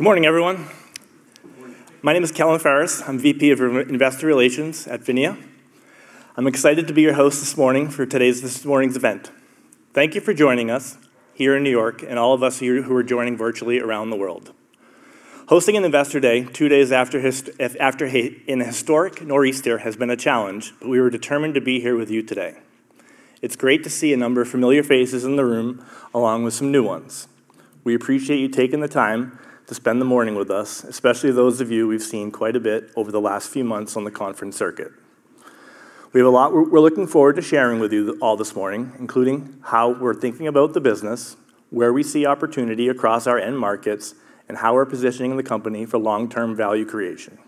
Good morning, everyone. Good morning. My name is Kellen Ferris. I'm VP of Investor Relations at PHINIA. I'm excited to be your host this morning for this morning's event. Thank you for joining us here in New York and all of us here who are joining virtually around the world. Hosting an Investor Day, two days after an historic nor'easter has been a challenge, but we were determined to be here with you today. It's great to see a number of familiar faces in the room, along with some new ones. We appreciate you taking the time to spend the morning with us, especially those of you we've seen quite a bit over the last few months on the conference circuit. We have a lot we're looking forward to sharing with you all this morning, including how we're thinking about the business, where we see opportunity across our end markets, and how we're positioning the company for long-term value creation.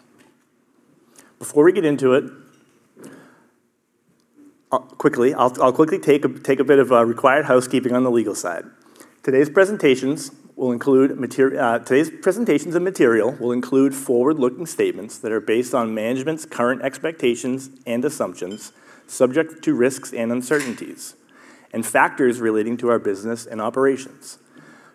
Before we get into it, quickly, I'll quickly take a bit of required housekeeping on the legal side. Today's presentations and material will include forward-looking statements that are based on management's current expectations and assumptions, subject to risks and uncertainties, and factors relating to our business and operations.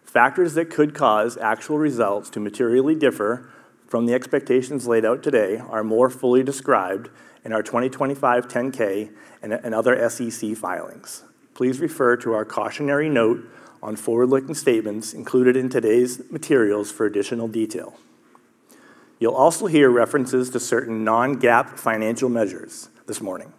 Factors that could cause actual results to materially differ from the expectations laid out today are more fully described in our 2025 10-K and other SEC filings. Please refer to our cautionary note on forward-looking statements included in today's materials for additional detail. You'll also hear references to certain non-GAAP financial measures this morning.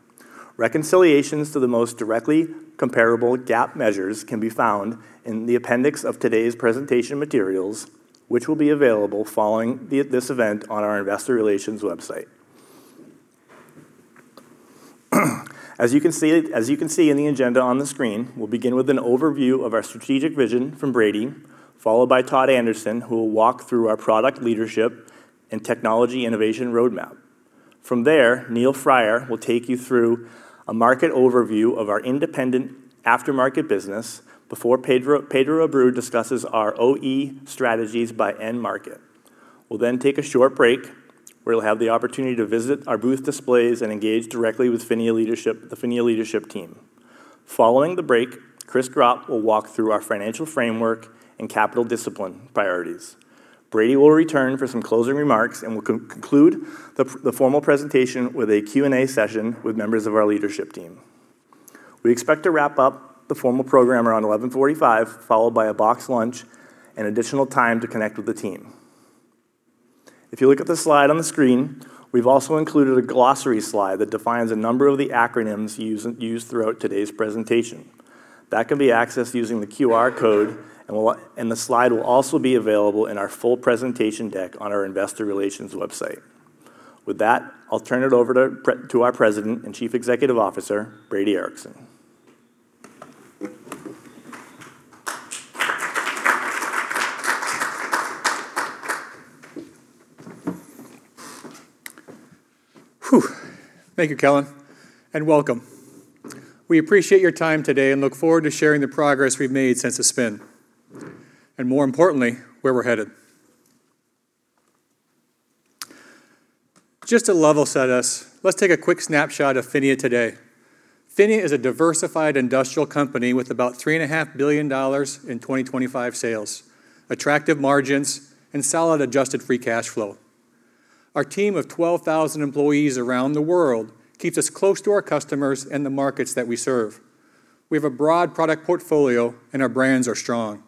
Reconciliations to the most directly comparable GAAP measures can be found in the appendix of today's presentation materials, which will be available following this event on our investor relations website. You can see in the agenda on the screen, we'll begin with an overview of our strategic vision from Brady, followed by Todd Anderson, who will walk through our product leadership and technology innovation roadmap. From there, Neil Fryer will take you through a market overview of our independent aftermarket business before Pedro Abreu discusses our OE strategies by end market. We'll take a short break, where you'll have the opportunity to visit our booth displays and engage directly with PHINIA leadership, the PHINIA leadership team. Following the break, Chris Gropp will walk through our financial framework and capital discipline priorities. Brady will return for some closing remarks and will conclude the formal presentation with a Q&A session with members of our leadership team. We expect to wrap up the formal program around 11:45 A.M., followed by a boxed lunch and additional time to connect with the team. If you look at the slide on the screen, we've also included a glossary slide that defines a number of the acronyms used throughout today's presentation. That can be accessed using the QR code, and the slide will also be available in our full presentation deck on our investor relations website. With that, I'll turn it over to our President and Chief Executive Officer, Brady Ericson. Whew! Thank you, Kellen. Welcome. We appreciate your time today and look forward to sharing the progress we've made since the spin, more importantly, where we're headed. Just to level set us, let's take a quick snapshot of PHINIA today. PHINIA is a diversified industrial company with about $3.5 billion in 2025 sales, attractive margins, and solid adjusted free cash flow. Our team of 12,000 employees around the world keeps us close to our customers and the markets that we serve. We have a broad product portfolio. Our brands are strong,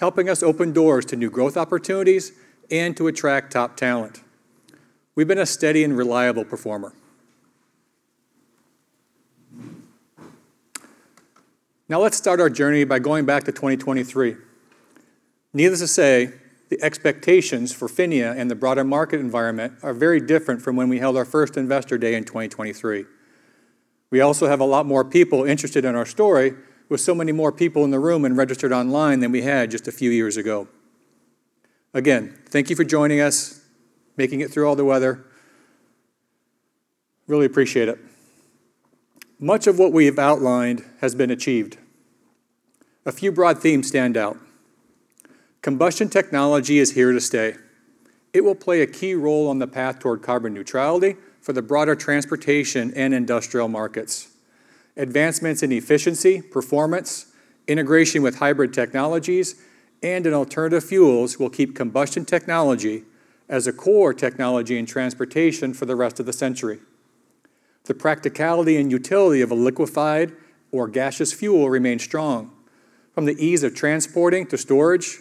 helping us open doors to new growth opportunities and to attract top talent. We've been a steady and reliable performer. Let's start our journey by going back to 2023. Needless to say, the expectations for PHINIA and the broader market environment are very different from when we held our first Investor Day in 2023. We also have a lot more people interested in our story, with so many more people in the room and registered online than we had just a few years ago. Again, thank you for joining us, making it through all the weather. Really appreciate it. Much of what we have outlined has been achieved. A few broad themes stand out. Combustion technology is here to stay. It will play a key role on the path toward carbon neutrality for the broader transportation and industrial markets. Advancements in efficiency, performance, integration with hybrid technologies, and in alternative fuels will keep combustion technology as a core technology in transportation for the rest of the century. The practicality and utility of a liquefied or gaseous fuel remain strong, from the ease of transporting to storage,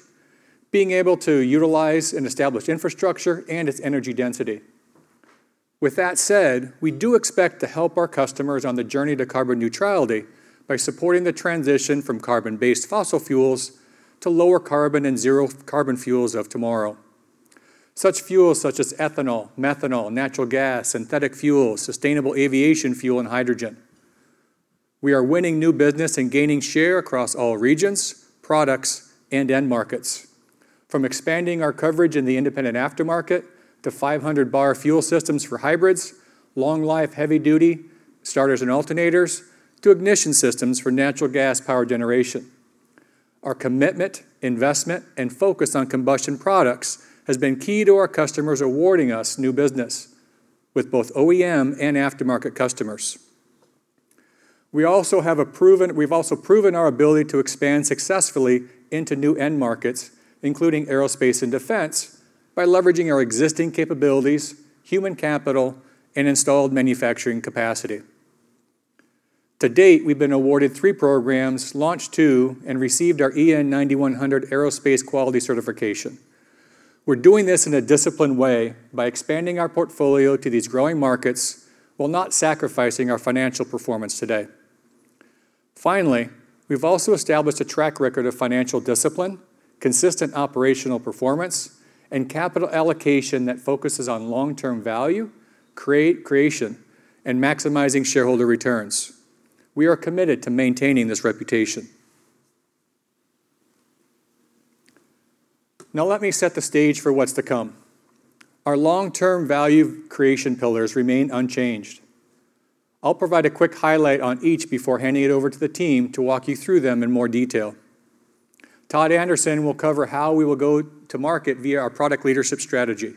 being able to utilize an established infrastructure and its energy density. We do expect to help our customers on the journey to carbon neutrality by supporting the transition from carbon-based fossil fuels to lower carbon and zero carbon fuels of tomorrow. Such fuels such as ethanol, methanol, natural gas, synthetic fuels, sustainable aviation fuel, and hydrogen. We are winning new business and gaining share across all regions, products, and end markets. From expanding our coverage in the independent aftermarket to 500 bar fuel systems for hybrids, long-life, heavy-duty starters and alternators, to ignition systems for natural gas power generation. Our commitment, investment, and focus on combustion products has been key to our customers awarding us new business with both OEM and aftermarket customers. We've also proven our ability to expand successfully into new end markets, including aerospace and defense, by leveraging our existing capabilities, human capital, and installed manufacturing capacity. To date, we've been awarded three programs, launched two, and received our EN 9100 Aerospace Quality Certification. We're doing this in a disciplined way by expanding our portfolio to these growing markets while not sacrificing our financial performance today. We've also established a track record of financial discipline, consistent operational performance, and capital allocation that focuses on long-term value, creation, and maximizing shareholder returns. We are committed to maintaining this reputation. Let me set the stage for what's to come. Our long-term value creation pillars remain unchanged. I'll provide a quick highlight on each before handing it over to the team to walk you through them in more detail. Todd Anderson will cover how we will go to market via our product leadership strategy,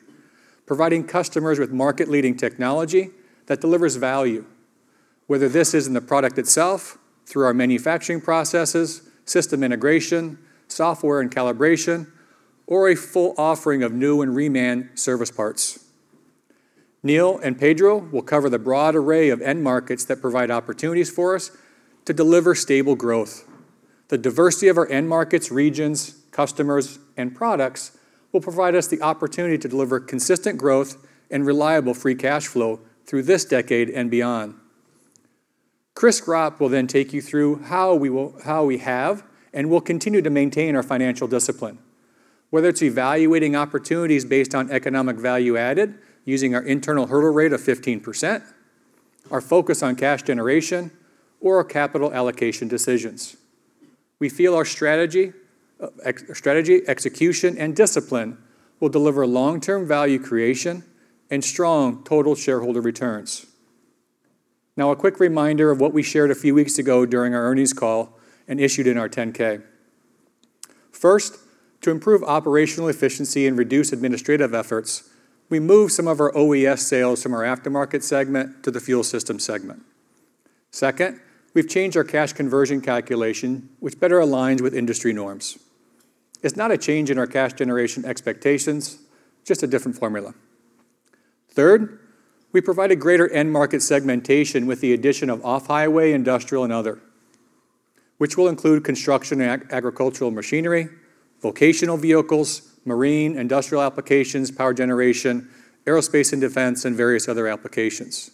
providing customers with market-leading technology that delivers value, whether this is in the product itself, through our manufacturing processes, system integration, software and calibration, or a full offering of new and reman service parts. Neil and Pedro will cover the broad array of end markets that provide opportunities for us to deliver stable growth. The diversity of our end markets, regions, customers, and products will provide us the opportunity to deliver consistent growth and reliable free cash flow through this decade and beyond. Chris Gropp take you through how we have and will continue to maintain our financial discipline, whether it's evaluating opportunities based on economic value added, using our internal hurdle rate of 15%, our focus on cash generation, or our capital allocation decisions. We feel our strategy, execution, and discipline will deliver long-term value creation and strong total shareholder returns. A quick reminder of what we shared a few weeks ago during our earnings call and issued in our 10-K. First, to improve operational efficiency and reduce administrative efforts, we moved some of our OES sales from our aftermarket segment to the fuel system segment. Second, we've changed our cash conversion calculation, which better aligns with industry norms. It's not a change in our cash generation expectations, just a different formula. Third, we provided greater end-market segmentation with the addition of off-highway, industrial, and other, which will include construction and agricultural machinery, vocational vehicles, marine, industrial applications, power generation, aerospace and defense, and various other applications.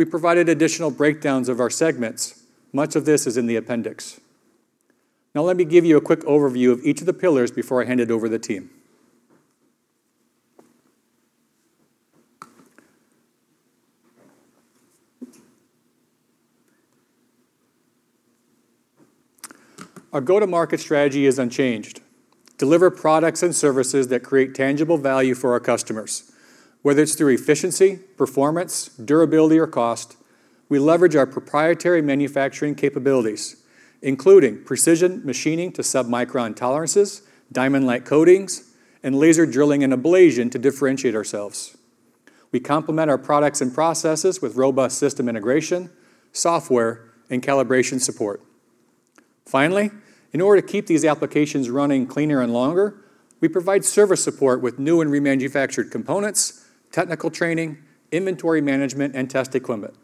We provided additional breakdowns of our segments. Much of this is in the appendix. Let me give you a quick overview of each of the pillars before I hand it over to the team. Our go-to-market strategy is unchanged: deliver products and services that create tangible value for our customers, whether it's through efficiency, performance, durability, or cost. We leverage our proprietary manufacturing capabilities, including precision machining to submicron tolerances, diamond-like coatings, and laser drilling and ablation to differentiate ourselves. We complement our products and processes with robust system integration, software, and calibration support. Finally, in order to keep these applications running cleaner and longer, we provide service support with new and remanufactured components, technical training, inventory management, and test equipment.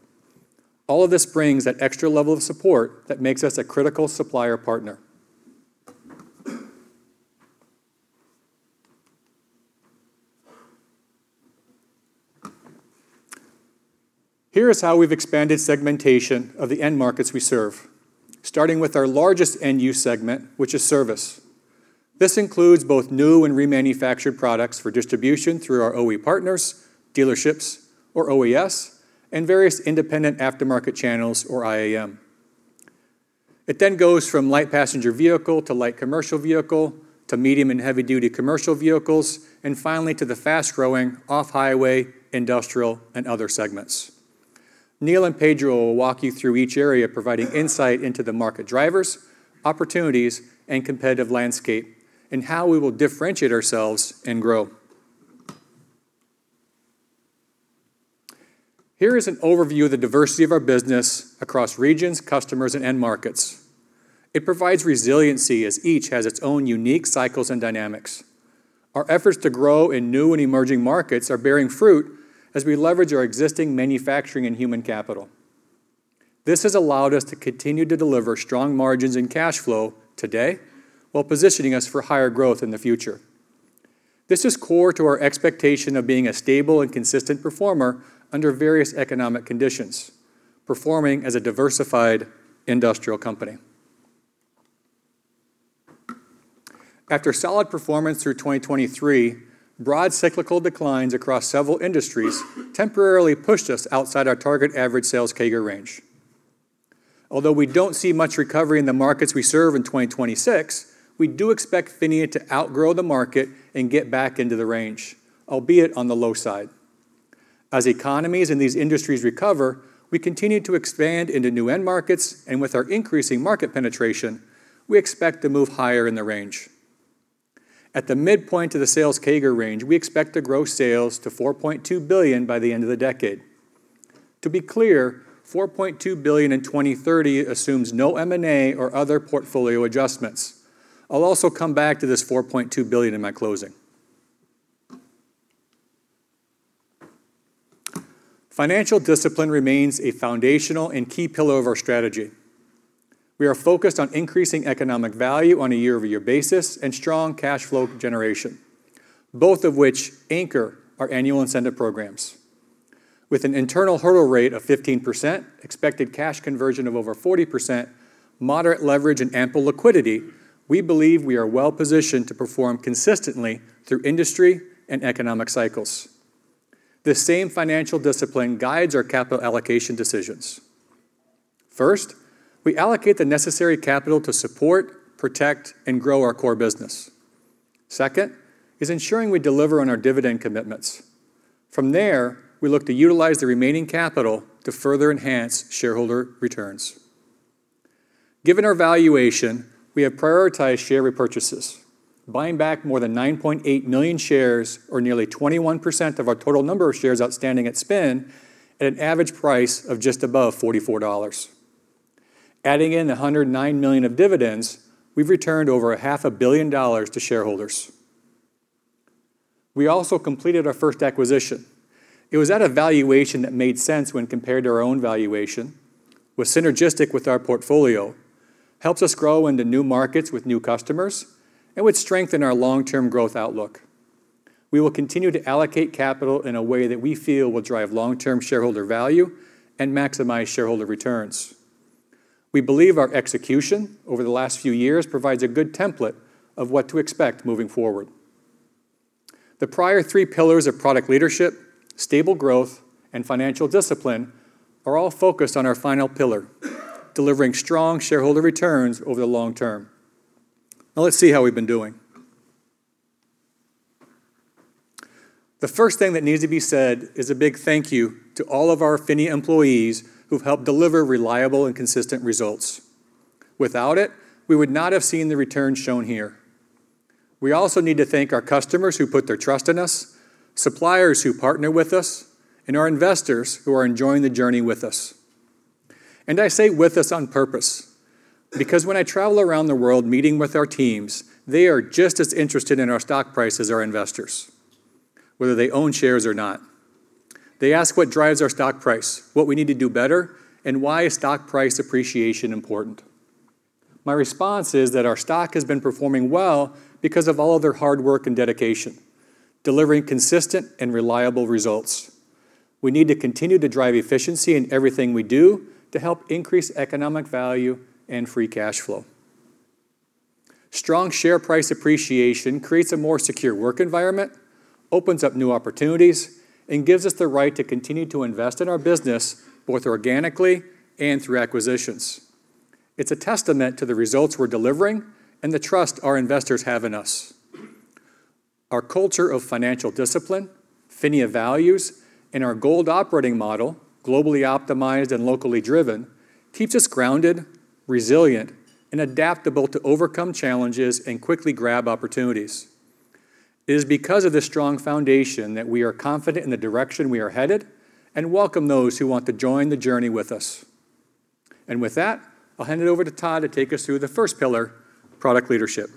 All of this brings that extra level of support that makes us a critical supplier partner. Here is how we've expanded segmentation of the end markets we serve, starting with our largest end-use segment, which is service. This includes both new and remanufactured products for distribution through our OE partners, dealerships or OES, and various independent aftermarket channels or IAM. It then goes from light passenger vehicle to light commercial vehicle, to medium and heavy-duty commercial vehicles, and finally to the fast-growing off-highway, industrial, and other segments. Neil and Pedro will walk you through each area, providing insight into the market drivers, opportunities, and competitive landscape and how we will differentiate ourselves and grow. Here is an overview of the diversity of our business across regions, customers, and end markets. It provides resiliency as each has its own unique cycles and dynamics. Our efforts to grow in new and emerging markets are bearing fruit as we leverage our existing manufacturing and human capital. This has allowed us to continue to deliver strong margins and cash flow today, while positioning us for higher growth in the future. This is core to our expectation of being a stable and consistent performer under various economic conditions, performing as a diversified industrial company. After solid performance through 2023, broad cyclical declines across several industries temporarily pushed us outside our target average sales CAGR range. Although we don't see much recovery in the markets we serve in 2026, we do expect PHINIA to outgrow the market and get back into the range, albeit on the low side. As economies in these industries recover, we continue to expand into new end markets, and with our increasing market penetration, we expect to move higher in the range. At the midpoint of the sales CAGR range, we expect to grow sales to $4.2 billion by the end of the decade. To be clear, $4.2 billion in 2030 assumes no M&A or other portfolio adjustments. I'll also come back to this $4.2 billion in my closing. Financial discipline remains a foundational and key pillar of our strategy. We are focused on increasing economic value on a year-over-year basis and strong cash flow generation, both of which anchor our annual incentive programs. With an internal hurdle rate of 15%, expected cash conversion of over 40%, moderate leverage, and ample liquidity, we believe we are well-positioned to perform consistently through industry and economic cycles. This same financial discipline guides our capital allocation decisions. First, we allocate the necessary capital to support, protect, and grow our core business. Second, is ensuring we deliver on our dividend commitments. From there, we look to utilize the remaining capital to further enhance shareholder returns. Given our valuation, we have prioritized share repurchases, buying back more than 9.8 million shares, or nearly 21% of our total number of shares outstanding at spin, at an average price of just above $44. Adding in the $109 million of dividends, we've returned over a half a billion dollars to shareholders. We also completed our first acquisition. It was at a valuation that made sense when compared to our own valuation, was synergistic with our portfolio, helps us grow into new markets with new customers, and would strengthen our long-term growth outlook. We will continue to allocate capital in a way that we feel will drive long-term shareholder value and maximize shareholder returns. We believe our execution over the last few years provides a good template of what to expect moving forward. The prior three pillars of product leadership, stable growth, and financial discipline are all focused on our final pillar: delivering strong shareholder returns over the long term. Now, let's see how we've been doing. The first thing that needs to be said is a big thank you to all of our PHINIA employees who've helped deliver reliable and consistent results. Without it, we would not have seen the returns shown here. We also need to thank our customers who put their trust in us, suppliers who partner with us, and our investors who are enjoying the journey with us. I say with us on purpose, because when I travel around the world meeting with our teams, they are just as interested in our stock price as our investors, whether they own shares or not. They ask what drives our stock price, what we need to do better, and why is stock price appreciation important. My response is that our stock has been performing well because of all of their hard work and dedication, delivering consistent and reliable results. We need to continue to drive efficiency in everything we do to help increase economic value and free cash flow. Strong share price appreciation creates a more secure work environment, opens up new opportunities, and gives us the right to continue to invest in our business, both organically and through acquisitions. It's a testament to the results we're delivering and the trust our investors have in us. Our culture of financial discipline, PHINIA values, and our GOLD operating model, globally optimized and locally driven, keeps us grounded, resilient, and adaptable to overcome challenges and quickly grab opportunities. It is because of this strong foundation that we are confident in the direction we are headed and welcome those who want to join the journey with us. With that, I'll hand it over to Todd to take us through the first pillar, product leadership.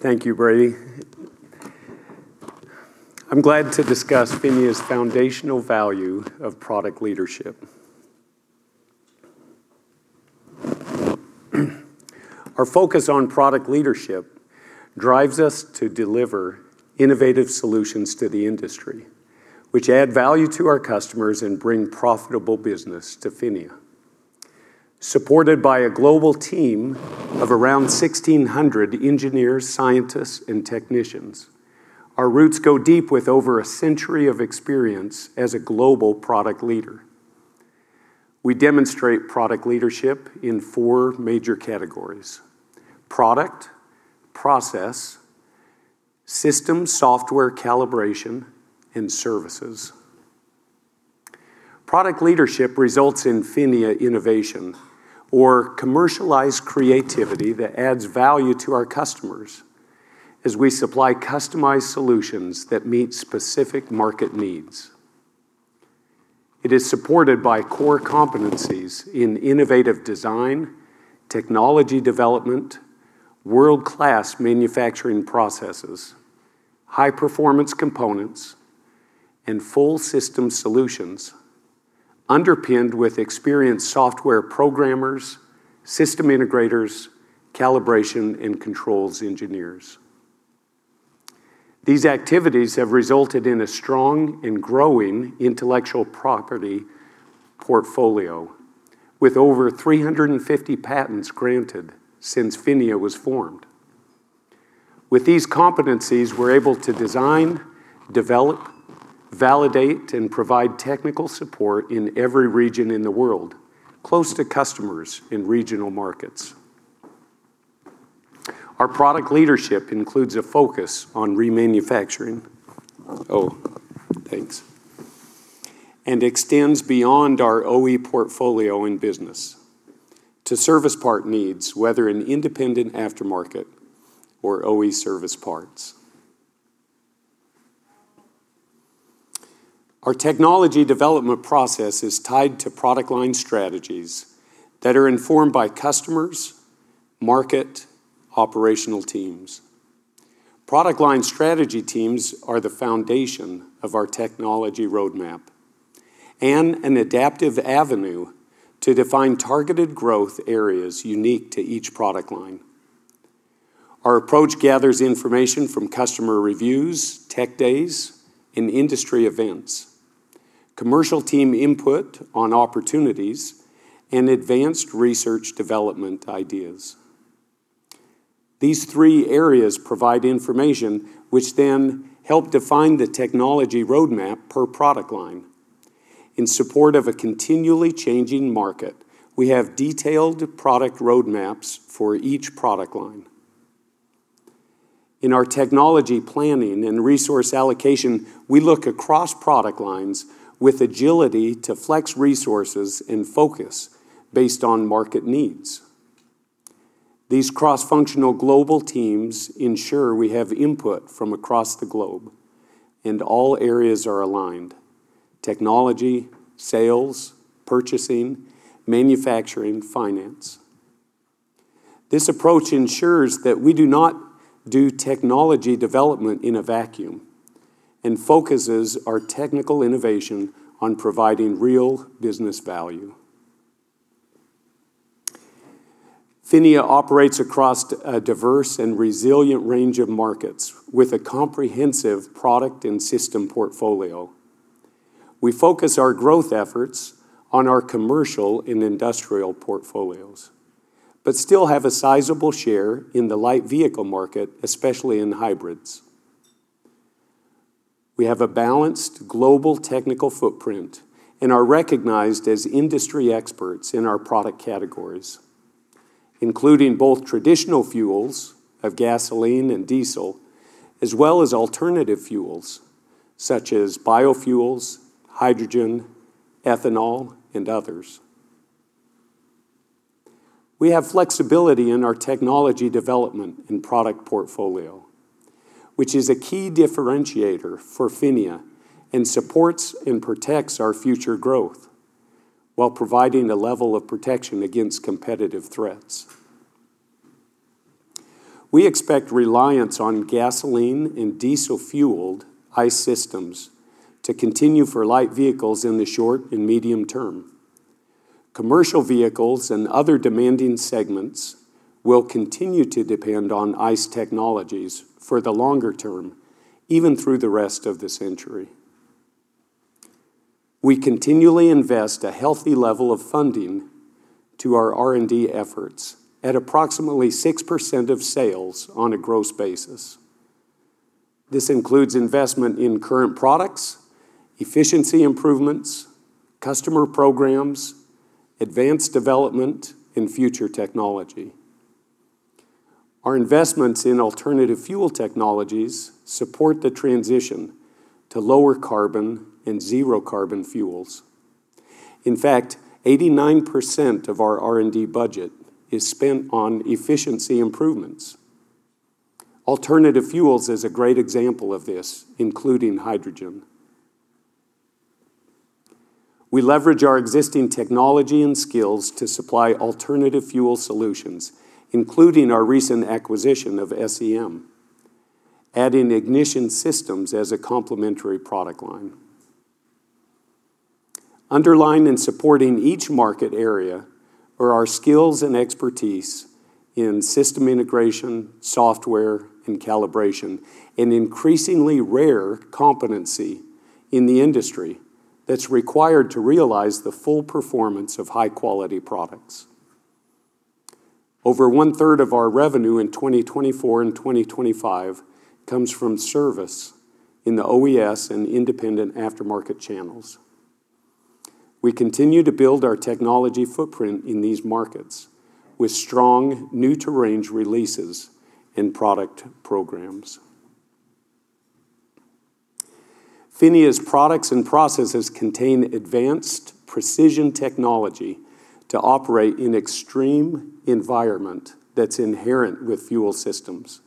Thank you, Brady. I'm glad to discuss PHINIA's foundational value of product leadership. Our focus on product leadership drives us to deliver innovative solutions to the industry, which add value to our customers and bring profitable business to PHINIA. Supported by a global team of around 1,600 engineers, scientists, and technicians, our roots go deep with over a century of experience as a global product leader. We demonstrate product leadership in four major categories: product, process, system software calibration, and services. Product leadership results in PHINIA innovation or commercialized creativity that adds value to our customers as we supply customized solutions that meet specific market needs. It is supported by core competencies in innovative design, technology development, world-class manufacturing processes, high-performance components, and full system solutions, underpinned with experienced software programmers, system integrators, calibration, and controls engineers. These activities have resulted in a strong and growing intellectual property portfolio, with over 350 patents granted since PHINIA was formed. With these competencies, we're able to design, develop, validate, and provide technical support in every region in the world, close to customers in regional markets. Oh, thanks. Extends beyond our OE portfolio and business to service part needs, whether in independent aftermarket or OE service parts. Our technology development process is tied to product line strategies that are informed by customers, market, operational teams. Product line strategy teams are the foundation of our technology roadmap and an adaptive avenue to define targeted growth areas unique to each product line. Our approach gathers information from customer reviews, tech days, and industry events, commercial team input on opportunities, and advanced research development ideas. These 3 areas provide information which help define the technology roadmap per product line. In support of a continually changing market, we have detailed product roadmaps for each product line. In our technology planning and resource allocation, we look across product lines with agility to flex resources and focus based on market needs. These cross-functional global teams ensure we have input from across the globe, all areas are aligned: technology, sales, purchasing, manufacturing, finance. This approach ensures that we do not do technology development in a vacuum and focuses our technical innovation on providing real business value. PHINIA operates across a diverse and resilient range of markets with a comprehensive product and system portfolio. We focus our growth efforts on our commercial and industrial portfolios, still have a sizable share in the light vehicle market, especially in hybrids. We have a balanced global technical footprint and are recognized as industry experts in our product categories, including both traditional fuels of gasoline and diesel, as well as alternative fuels such as biofuels, hydrogen, ethanol, and others. We have flexibility in our technology development and product portfolio, which is a key differentiator for PHINIA and supports and protects our future growth while providing a level of protection against competitive threats. We expect reliance on gasoline and diesel-fueled ICE systems to continue for light vehicles in the short and medium term. Commercial vehicles and other demanding segments will continue to depend on ICE technologies for the longer term, even through the rest of the century. We continually invest a healthy level of funding to our R&D efforts at approximately 6% of sales on a gross basis. This includes investment in current products, efficiency improvements, customer programs, advanced development, and future technology. Our investments in alternative fuel technologies support the transition to lower carbon and zero-carbon fuels. In fact, 89% of our R&D budget is spent on efficiency improvements. Alternative fuels is a great example of this, including hydrogen. We leverage our existing technology and skills to supply alternative fuel solutions, including our recent acquisition of SEM, adding ignition systems as a complementary product line. In supporting each market area are our skills and expertise in system integration, software, and calibration, an increasingly rare competency in the industry that's required to realize the full performance of high-quality products. Over 1/3 of our revenue in 2024 and 2025 comes from service in the OES and independent aftermarket channels. We continue to build our technology footprint in these markets with strong new-to-range releases and product programs. PHINIA's products and processes contain advanced precision technology to operate in extreme environment that's inherent with fuel systems.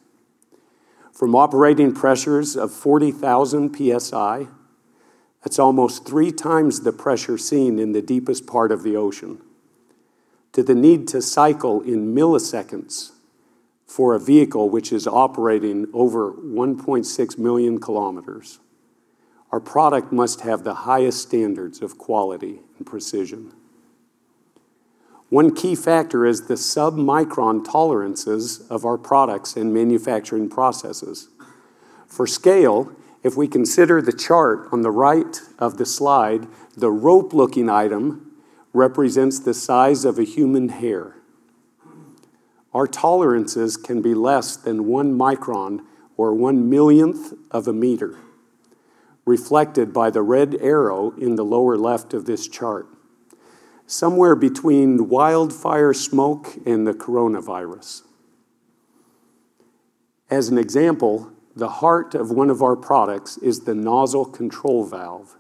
From operating pressures of 40,000 PSI, that's almost 3x the pressure seen in the deepest part of the ocean, to the need to cycle in milliseconds for a vehicle which is operating over 1.6 million km, our product must have the highest standards of quality and precision. One key factor is the submicron tolerances of our products and manufacturing processes. For scale, if we consider the chart on the right of the slide, the rope-looking item represents the size of a human hair. Our tolerances can be less than 1 micron or 1 millionth of a meter, reflected by the red arrow in the lower left of this chart. somewhere between wildfire smoke and the coronavirus. As an example, the heart of one of our products is the nozzle control valve.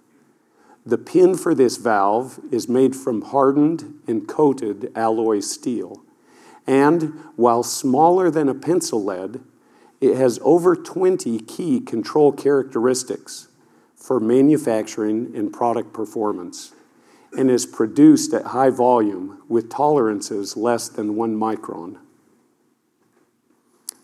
The pin for this valve is made from hardened and coated alloy steel, and while smaller than a pencil lead, it has over 20 key control characteristics for manufacturing and product performance, and is produced at high volume with tolerances less than 1 micron.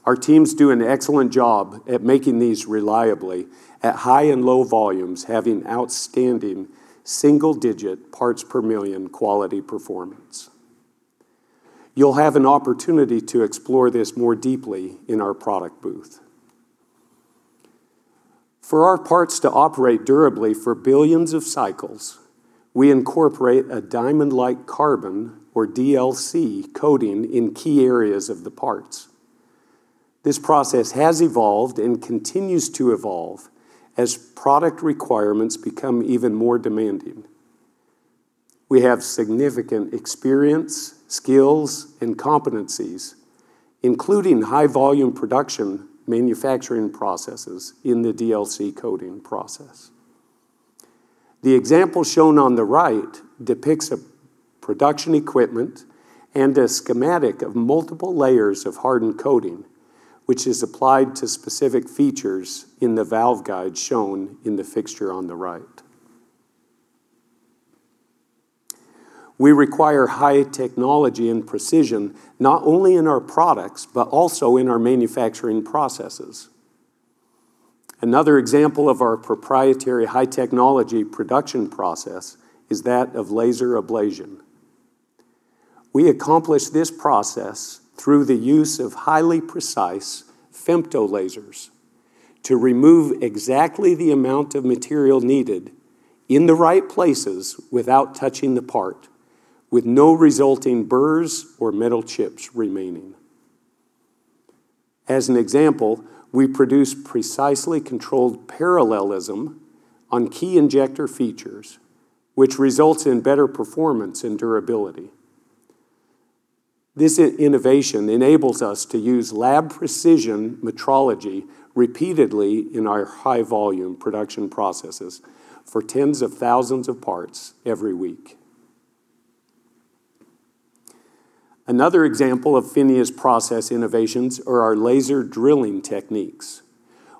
Our teams do an excellent job at making these reliably at high and low volumes, having outstanding single-digit parts per million quality performance. You'll have an opportunity to explore this more deeply in our product booth. For our parts to operate durably for billions of cycles, we incorporate a diamond-like carbon, or DLC, coating in key areas of the parts. This process has evolved and continues to evolve as product requirements become even more demanding. We have significant experience, skills, and competencies, including high-volume production manufacturing processes in the DLC coating process. The example shown on the right depicts a production equipment and a schematic of multiple layers of hardened coating, which is applied to specific features in the valve guide shown in the fixture on the right. We require high technology and precision, not only in our products, but also in our manufacturing processes. Another example of our proprietary high-technology production process is that of laser ablation. We accomplish this process through the use of highly precise femtolasers to remove exactly the amount of material needed in the right places without touching the part, with no resulting burrs or metal chips remaining. As an example, we produce precisely controlled parallelism on key injector features, which results in better performance and durability. This innovation enables us to use lab precision metrology repeatedly in our high-volume production processes for tens of thousands of parts every week. Another example of PHINIA's process innovations are our laser drilling techniques,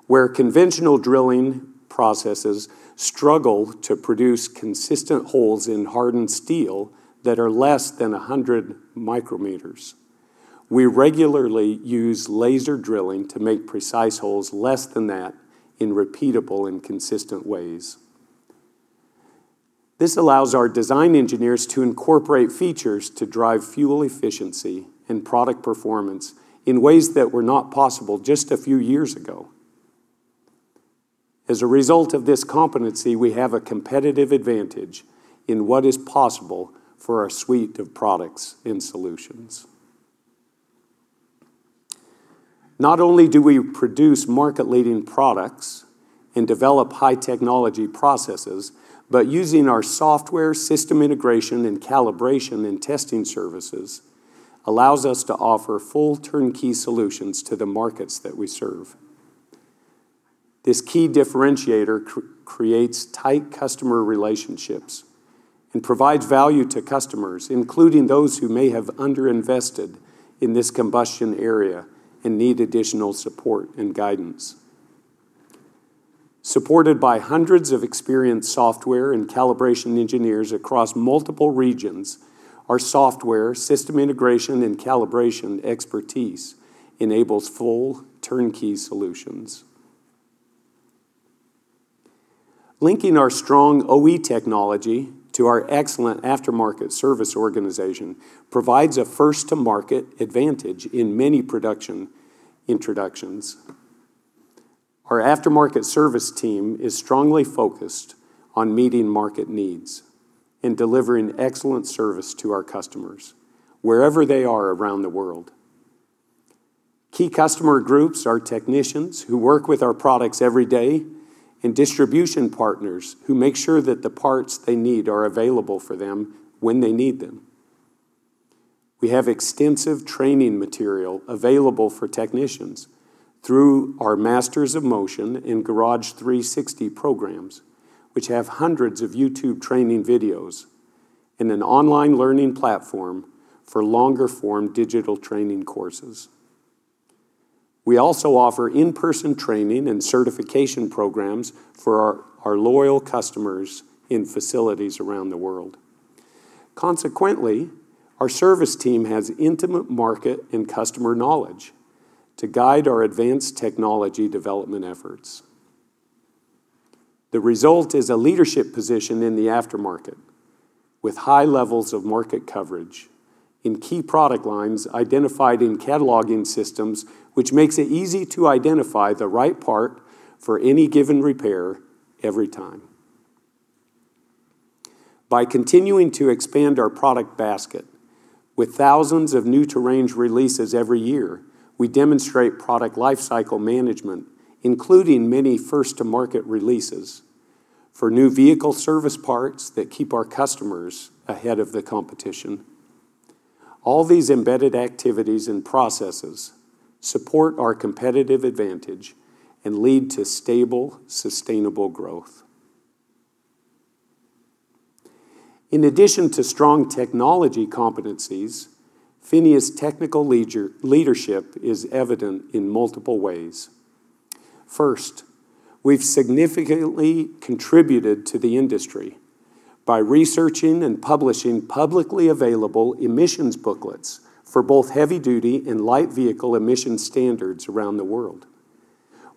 where conventional drilling processes struggle to produce consistent holes in hardened steel that are less than 100 micrometers. We regularly use laser drilling to make precise holes less than that in repeatable and consistent ways. This allows our design engineers to incorporate features to drive fuel efficiency and product performance in ways that were not possible just a few years ago. As a result of this competency, we have a competitive advantage in what is possible for our suite of products and solutions. Not only do we produce market-leading products and develop high-technology processes, but using our software, system integration, and calibration and testing services allows us to offer full turnkey solutions to the markets that we serve. This key differentiator creates tight customer relationships and provides value to customers, including those who may have underinvested in this combustion area and need additional support and guidance. Supported by hundreds of experienced software and calibration engineers across multiple regions, our software, system integration, and calibration expertise enables full turnkey solutions. Linking our strong OE technology to our excellent aftermarket service organization provides a first-to-market advantage in many production introductions. Our aftermarket service team is strongly focused on meeting market needs and delivering excellent service to our customers wherever they are around the world. Key customer groups are technicians who work with our products every day, and distribution partners who make sure that the parts they need are available for them when they need them. We have extensive training material available for technicians through our Masters of Motion and Garage 360 programs, which have hundreds of YouTube training videos and an online learning platform for longer-form digital training courses. We also offer in-person training and certification programs for our loyal customers in facilities around the world. Consequently, our service team has intimate market and customer knowledge to guide our advanced technology development efforts. The result is a leadership position in the aftermarket, with high levels of market coverage in key product lines identified in cataloging systems, which makes it easy to identify the right part for any given repair every time. With thousands of new to range releases every year, we demonstrate product lifecycle management, including many first-to-market releases for new vehicle service parts that keep our customers ahead of the competition. All these embedded activities and processes support our competitive advantage and lead to stable, sustainable growth. In addition to strong technology competencies, PHINIA's technical leadership is evident in multiple ways. First, we've significantly contributed to the industry by researching and publishing publicly available emissions booklets for both heavy-duty and light vehicle emission standards around the world.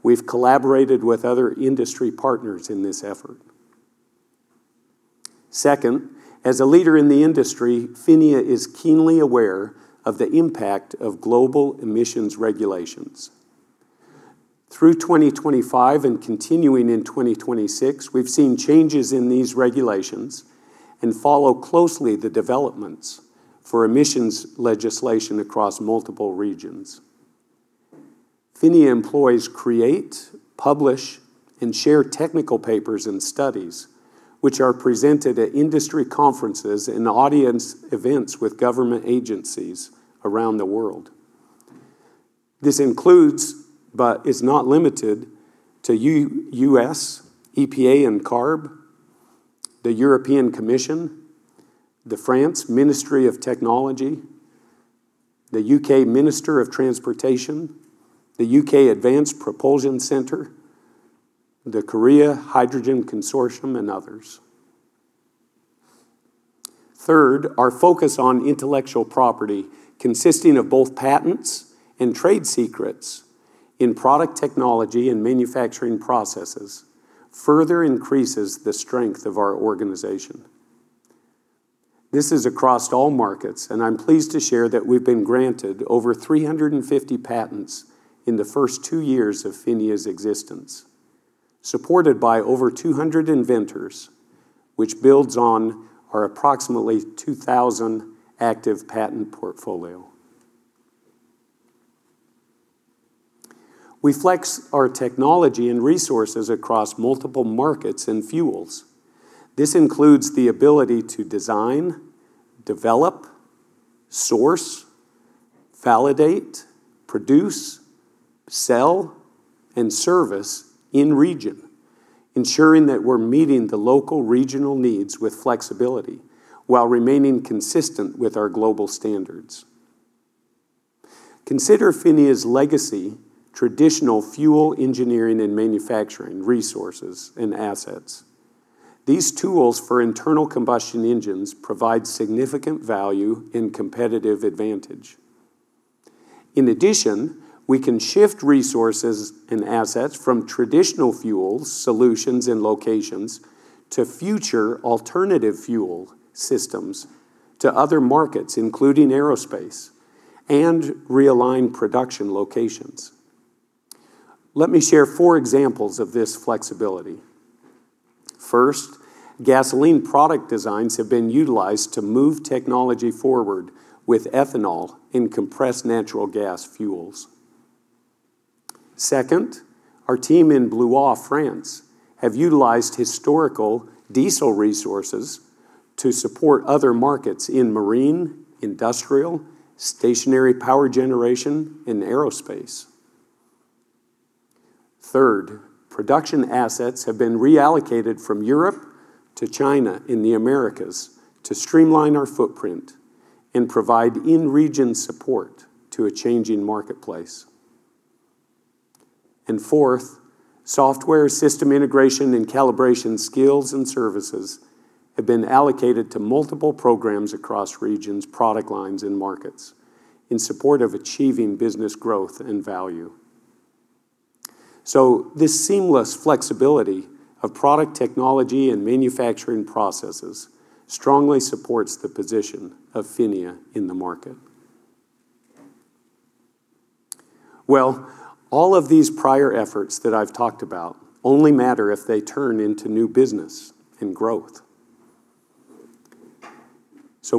We've collaborated with other industry partners in this effort. Second, as a leader in the industry, PHINIA is keenly aware of the impact of global emissions regulations. Through 2025 and continuing in 2026, we've seen changes in these regulations and follow closely the developments for emissions legislation across multiple regions. PHINIA employees create, publish, and share technical papers and studies, which are presented at industry conferences and audience events with government agencies around the world. This includes, but is not limited to U.S., EPA, and CARB, the European Commission, the France Ministry of Technology, the UK Minister of Transportation, the UK Advanced Propulsion Centre, the Korea Hydrogen Consortium, and others. Third, our focus on intellectual property, consisting of both patents and trade secrets in product technology and manufacturing processes, further increases the strength of our organization. This is across all markets, and I'm pleased to share that we've been granted over 350 patents in the first two years of PHINIA's existence, supported by over 200 inventors, which builds on our approximately 2,000 active patent portfolio. We flex our technology and resources across multiple markets and fuels. This includes the ability to design, develop, source, validate, produce, sell, and service in region, ensuring that we're meeting the local regional needs with flexibility while remaining consistent with our global standards. Consider PHINIA's legacy, traditional fuel engineering and manufacturing resources and assets. These tools for internal combustion engines provide significant value and competitive advantage. In addition, we can shift resources and assets from traditional fuels, solutions, and locations to future alternative fuel systems to other markets, including aerospace, and realign production locations. Let me share four examples of this flexibility. First, gasoline product designs have been utilized to move technology forward with ethanol in compressed natural gas fuels. Second, our team in Blois, France, have utilized historical diesel resources to support other markets in marine, industrial, stationary power generation, and aerospace. Third, production assets have been reallocated from Europe to China and the Americas to streamline our footprint and provide in-region support to a changing marketplace. Fourth, software system integration and calibration skills and services have been allocated to multiple programs across regions, product lines, and markets in support of achieving business growth and value. This seamless flexibility of product technology and manufacturing processes strongly supports the position of PHINIA in the market. Well, all of these prior efforts that I've talked about only matter if they turn into new business and growth.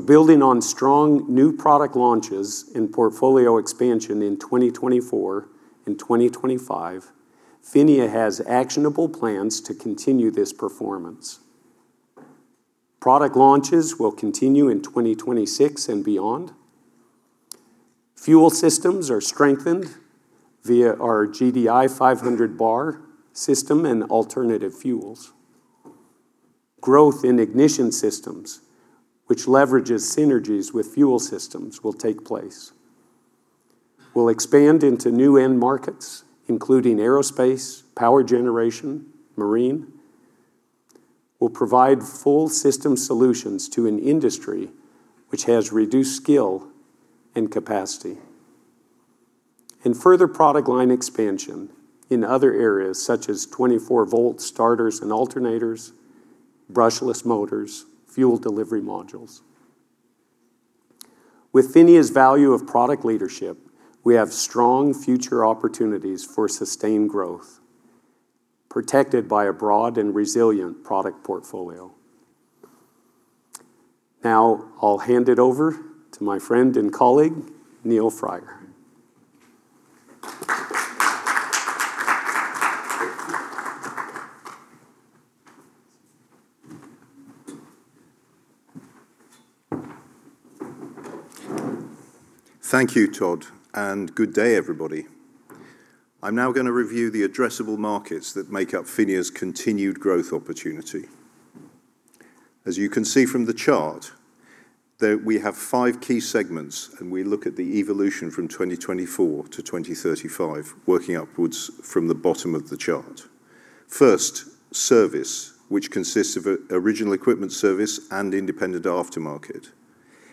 Building on strong new product launches and portfolio expansion in 2024 and 2025, PHINIA has actionable plans to continue this performance. Product launches will continue in 2026 and beyond. Fuel systems are strengthened via our GDI 500 bar system and alternative fuels. Growth in ignition systems, which leverages synergies with fuel systems, will take place. We'll expand into new end markets, including aerospace, power generation, marine. We'll provide full system solutions to an industry which has reduced skill and capacity. Further product line expansion in other areas such as 24 volt starters and alternators, brushless motors, fuel delivery modules. With PHINIA's value of product leadership, we have strong future opportunities for sustained growth, protected by a broad and resilient product portfolio. I'll hand it over to my friend and colleague, Neil Fryer. Thank you, Todd, and good day, everybody. I'm now gonna review the addressable markets that make up PHINIA's continued growth opportunity. As you can see from the chart, we have five key segments, and we look at the evolution from 2024 to 2035, working upwards from the bottom of the chart. First, service, which consists of original equipment service and independent aftermarket.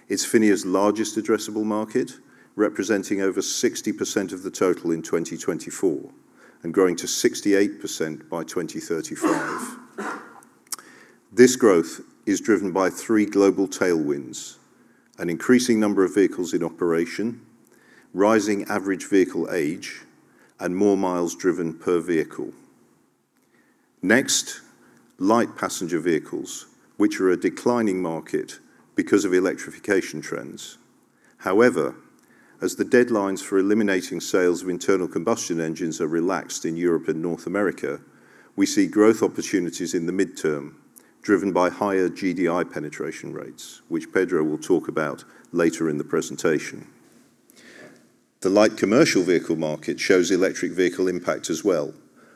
It's PHINIA's largest addressable market, representing over 60% of the total in 2024 and growing to 68% by 2035. This growth is driven by three global tailwinds: an increasing number of vehicles in operation, rising average vehicle age, and more miles driven per vehicle. Next, light passenger vehicles, which are a declining market because of electrification trends. As the deadlines for eliminating sales of internal combustion engines are relaxed in Europe and North America, we see growth opportunities in the midterm, driven by higher GDI penetration rates, which Pedro will talk about later in the presentation. The light commercial vehicle market shows electric vehicle impact as well,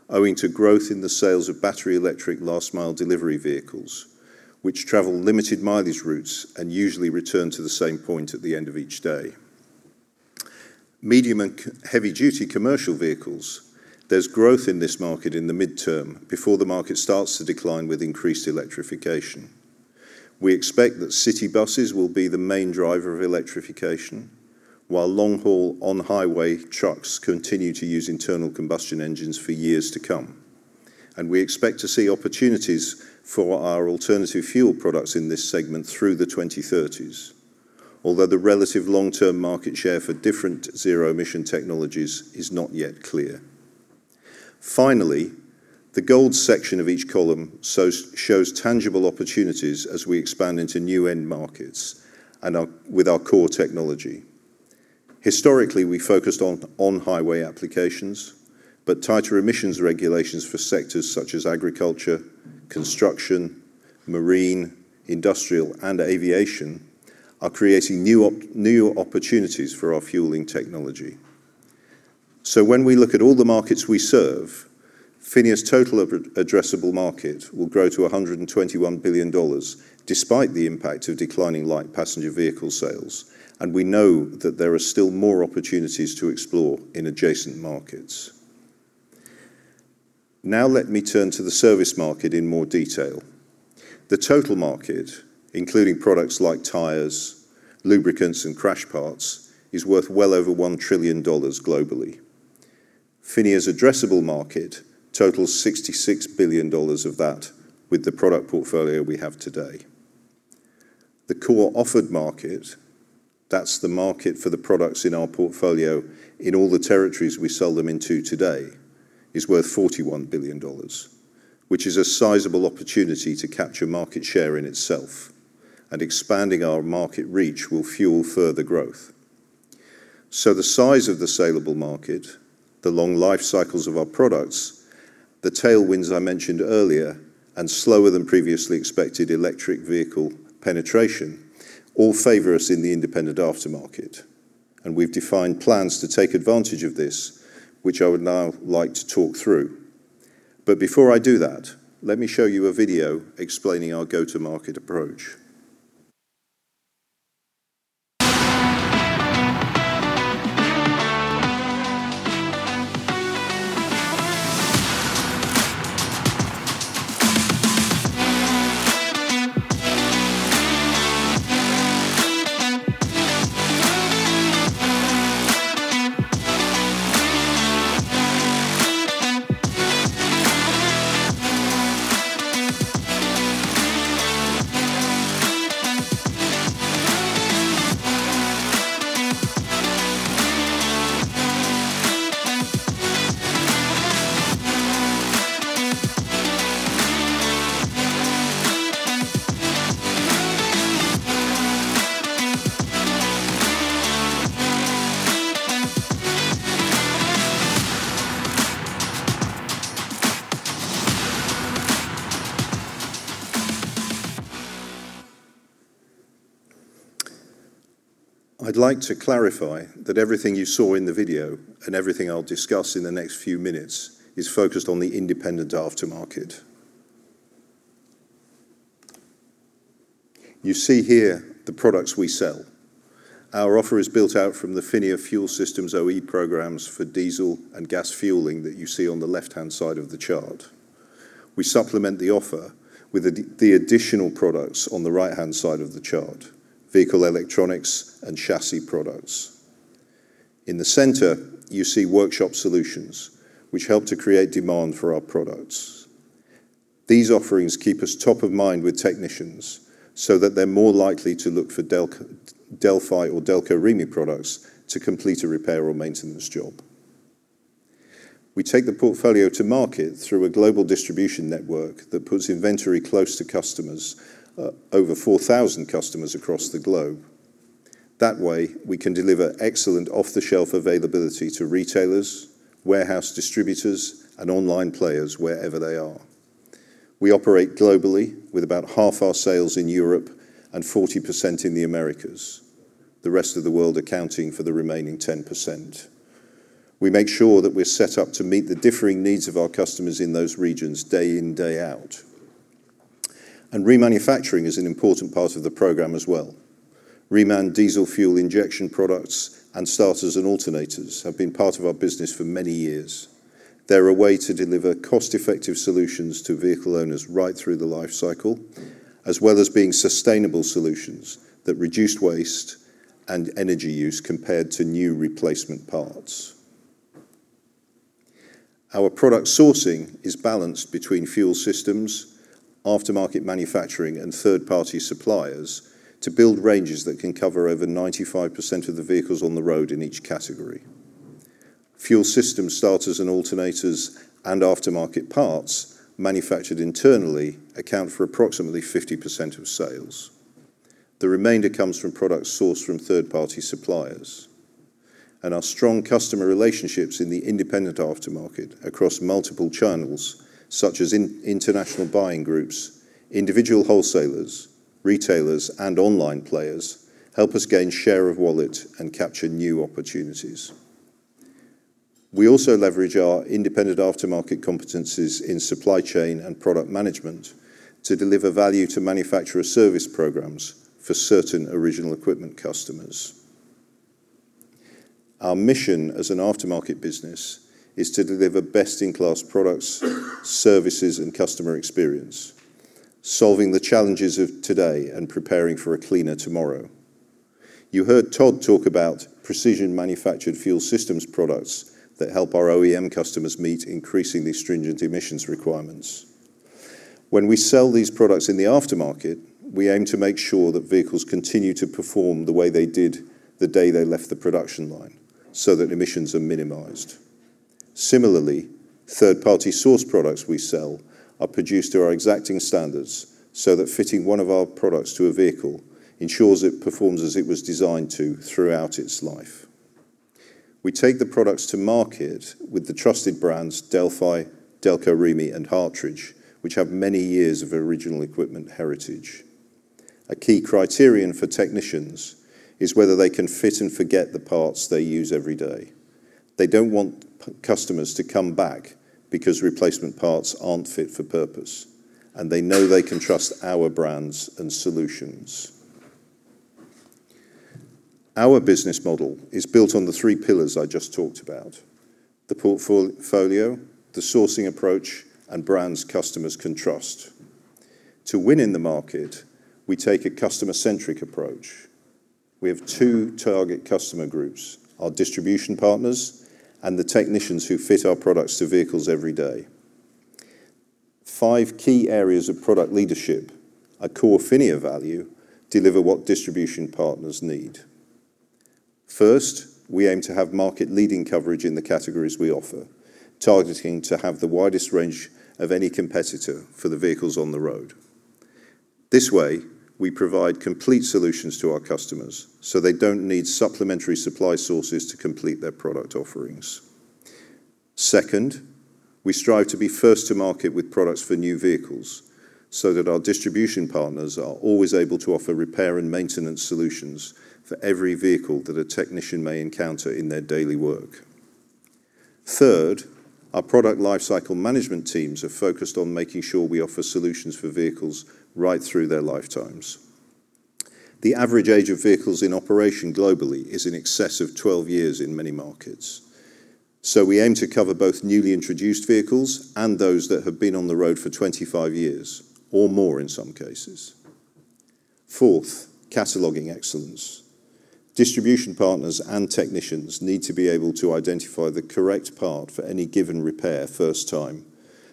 owing to growth in the sales of battery electric last-mile delivery vehicles, which travel limited mileage routes and usually return to the same point at the end of each day. Medium and heavy-duty commercial vehicles. There's growth in this market in the midterm before the market starts to decline with increased electrification. We expect that city buses will be the main driver of electrification, while long-haul, on-highway trucks continue to use internal combustion engines for years to come. We expect to see opportunities for our alternative fuel products in this segment through the 2030s, although the relative long-term market share for different zero-emission technologies is not yet clear. Finally, the GOLD section of each column shows tangible opportunities as we expand into new end markets with our core technology. Historically, we focused on on-highway applications. Tighter emissions regulations for sectors such as agriculture, construction, marine, industrial, and aviation are creating new opportunities for our fueling technology. When we look at all the markets we serve, PHINIA's total addressable market will grow to $121 billion, despite the impact of declining light passenger vehicle sales, and we know that there are still more opportunities to explore in adjacent markets. Now, let me turn to the service market in more detail. The total market, including products like tires, lubricants, and crash parts, is worth well over $1 trillion globally. PHINIA's addressable market totals $66 billion of that with the product portfolio we have today. The core offered market, that's the market for the products in our portfolio in all the territories we sell them into today, is worth $41 billion, which is a sizable opportunity to capture market share in itself, and expanding our market reach will fuel further growth. The size of the saleable market, the long life cycles of our products, the tailwinds I mentioned earlier, and slower than previously expected electric vehicle penetration all favor us in the independent aftermarket, and we've defined plans to take advantage of this, which I would now like to talk through. Before I do that, let me show you a video explaining our go-to-market approach. I'd like to clarify that everything you saw in the video and everything I'll discuss in the next few minutes is focused on the independent aftermarket. You see here the products we sell. Our offer is built out from the PHINIA Fuel Systems OE programs for diesel and gas fueling that you see on the left-hand side of the chart. We supplement the offer with the additional products on the right-hand side of the chart: vehicle electronics and chassis products. In the center, you see workshop solutions, which help to create demand for our products. These offerings keep us top of mind with technicians, so that they're more likely to look for Delco, Delphi or Delco Remy products to complete a repair or maintenance job. We take the portfolio to market through a global distribution network that puts inventory close to customers, over 4,000 customers across the globe. That way, we can deliver excellent off-the-shelf availability to retailers, warehouse distributors, and online players wherever they are. We operate globally, with about half our sales in Europe and 40% in the Americas, the rest of the world accounting for the remaining 10%. We make sure that we're set up to meet the differing needs of our customers in those regions, day in, day out. Remanufacturing is an important part of the program as well. Reman diesel fuel injection products and starters and alternators have been part of our business for many years. They're a way to deliver cost-effective solutions to vehicle owners right through the life cycle, as well as being sustainable solutions that reduce waste and energy use compared to new replacement parts. Our product sourcing is balanced between fuel systems, aftermarket manufacturing, and third-party suppliers to build ranges that can cover over 95% of the vehicles on the road in each category. Fuel system starters and alternators and aftermarket parts manufactured internally account for approximately 50% of sales. The remainder comes from products sourced from third-party suppliers. Our strong customer relationships in the independent aftermarket across multiple channels, such as international buying groups, individual wholesalers, retailers, and online players, help us gain share of wallet and capture new opportunities. We also leverage our independent aftermarket competencies in supply chain and product management to deliver value to manufacturer service programs for certain original equipment customers. Our mission as an aftermarket business is to deliver best-in-class products, services, and customer experience, solving the challenges of today and preparing for a cleaner tomorrow. You heard Todd talk about precision manufactured fuel systems products that help our OEM customers meet increasingly stringent emissions requirements. When we sell these products in the aftermarket, we aim to make sure that vehicles continue to perform the way they did the day they left the production line, so that emissions are minimized. Similarly, third-party source products we sell are produced to our exacting standards, so that fitting one of our products to a vehicle ensures it performs as it was designed to throughout its life. We take the products to market with the trusted brands, Delphi, Delco Remy, and Hartridge, which have many years of original equipment heritage. A key criterion for technicians is whether they can fit and forget the parts they use every day. They don't want customers to come back because replacement parts aren't fit for purpose, and they know they can trust our brands and solutions. Our business model is built on the 3 pillars I just talked about: the portfolio, the sourcing approach, and brands customers can trust. To win in the market, we take a customer-centric approach. We have 2 target customer groups, our distribution partners and the technicians who fit our products to vehicles every day. 5 key areas of product leadership, a core PHINIA value, deliver what distribution partners need. First, we aim to have market-leading coverage in the categories we offer, targeting to have the widest range of any competitor for the vehicles on the road. This way, we provide complete solutions to our customers, so they don't need supplementary supply sources to complete their product offerings. Second, we strive to be first to market with products for new vehicles, so that our distribution partners are always able to offer repair and maintenance solutions for every vehicle that a technician may encounter in their daily work. Third, our product lifecycle management teams are focused on making sure we offer solutions for vehicles right through their lifetimes. The average age of vehicles in operation globally is in excess of 12 years in many markets, so we aim to cover both newly introduced vehicles and those that have been on the road for 25 years or more, in some cases. Fourth, cataloging excellence. Distribution partners and technicians need to be able to identify the correct part for any given repair first time,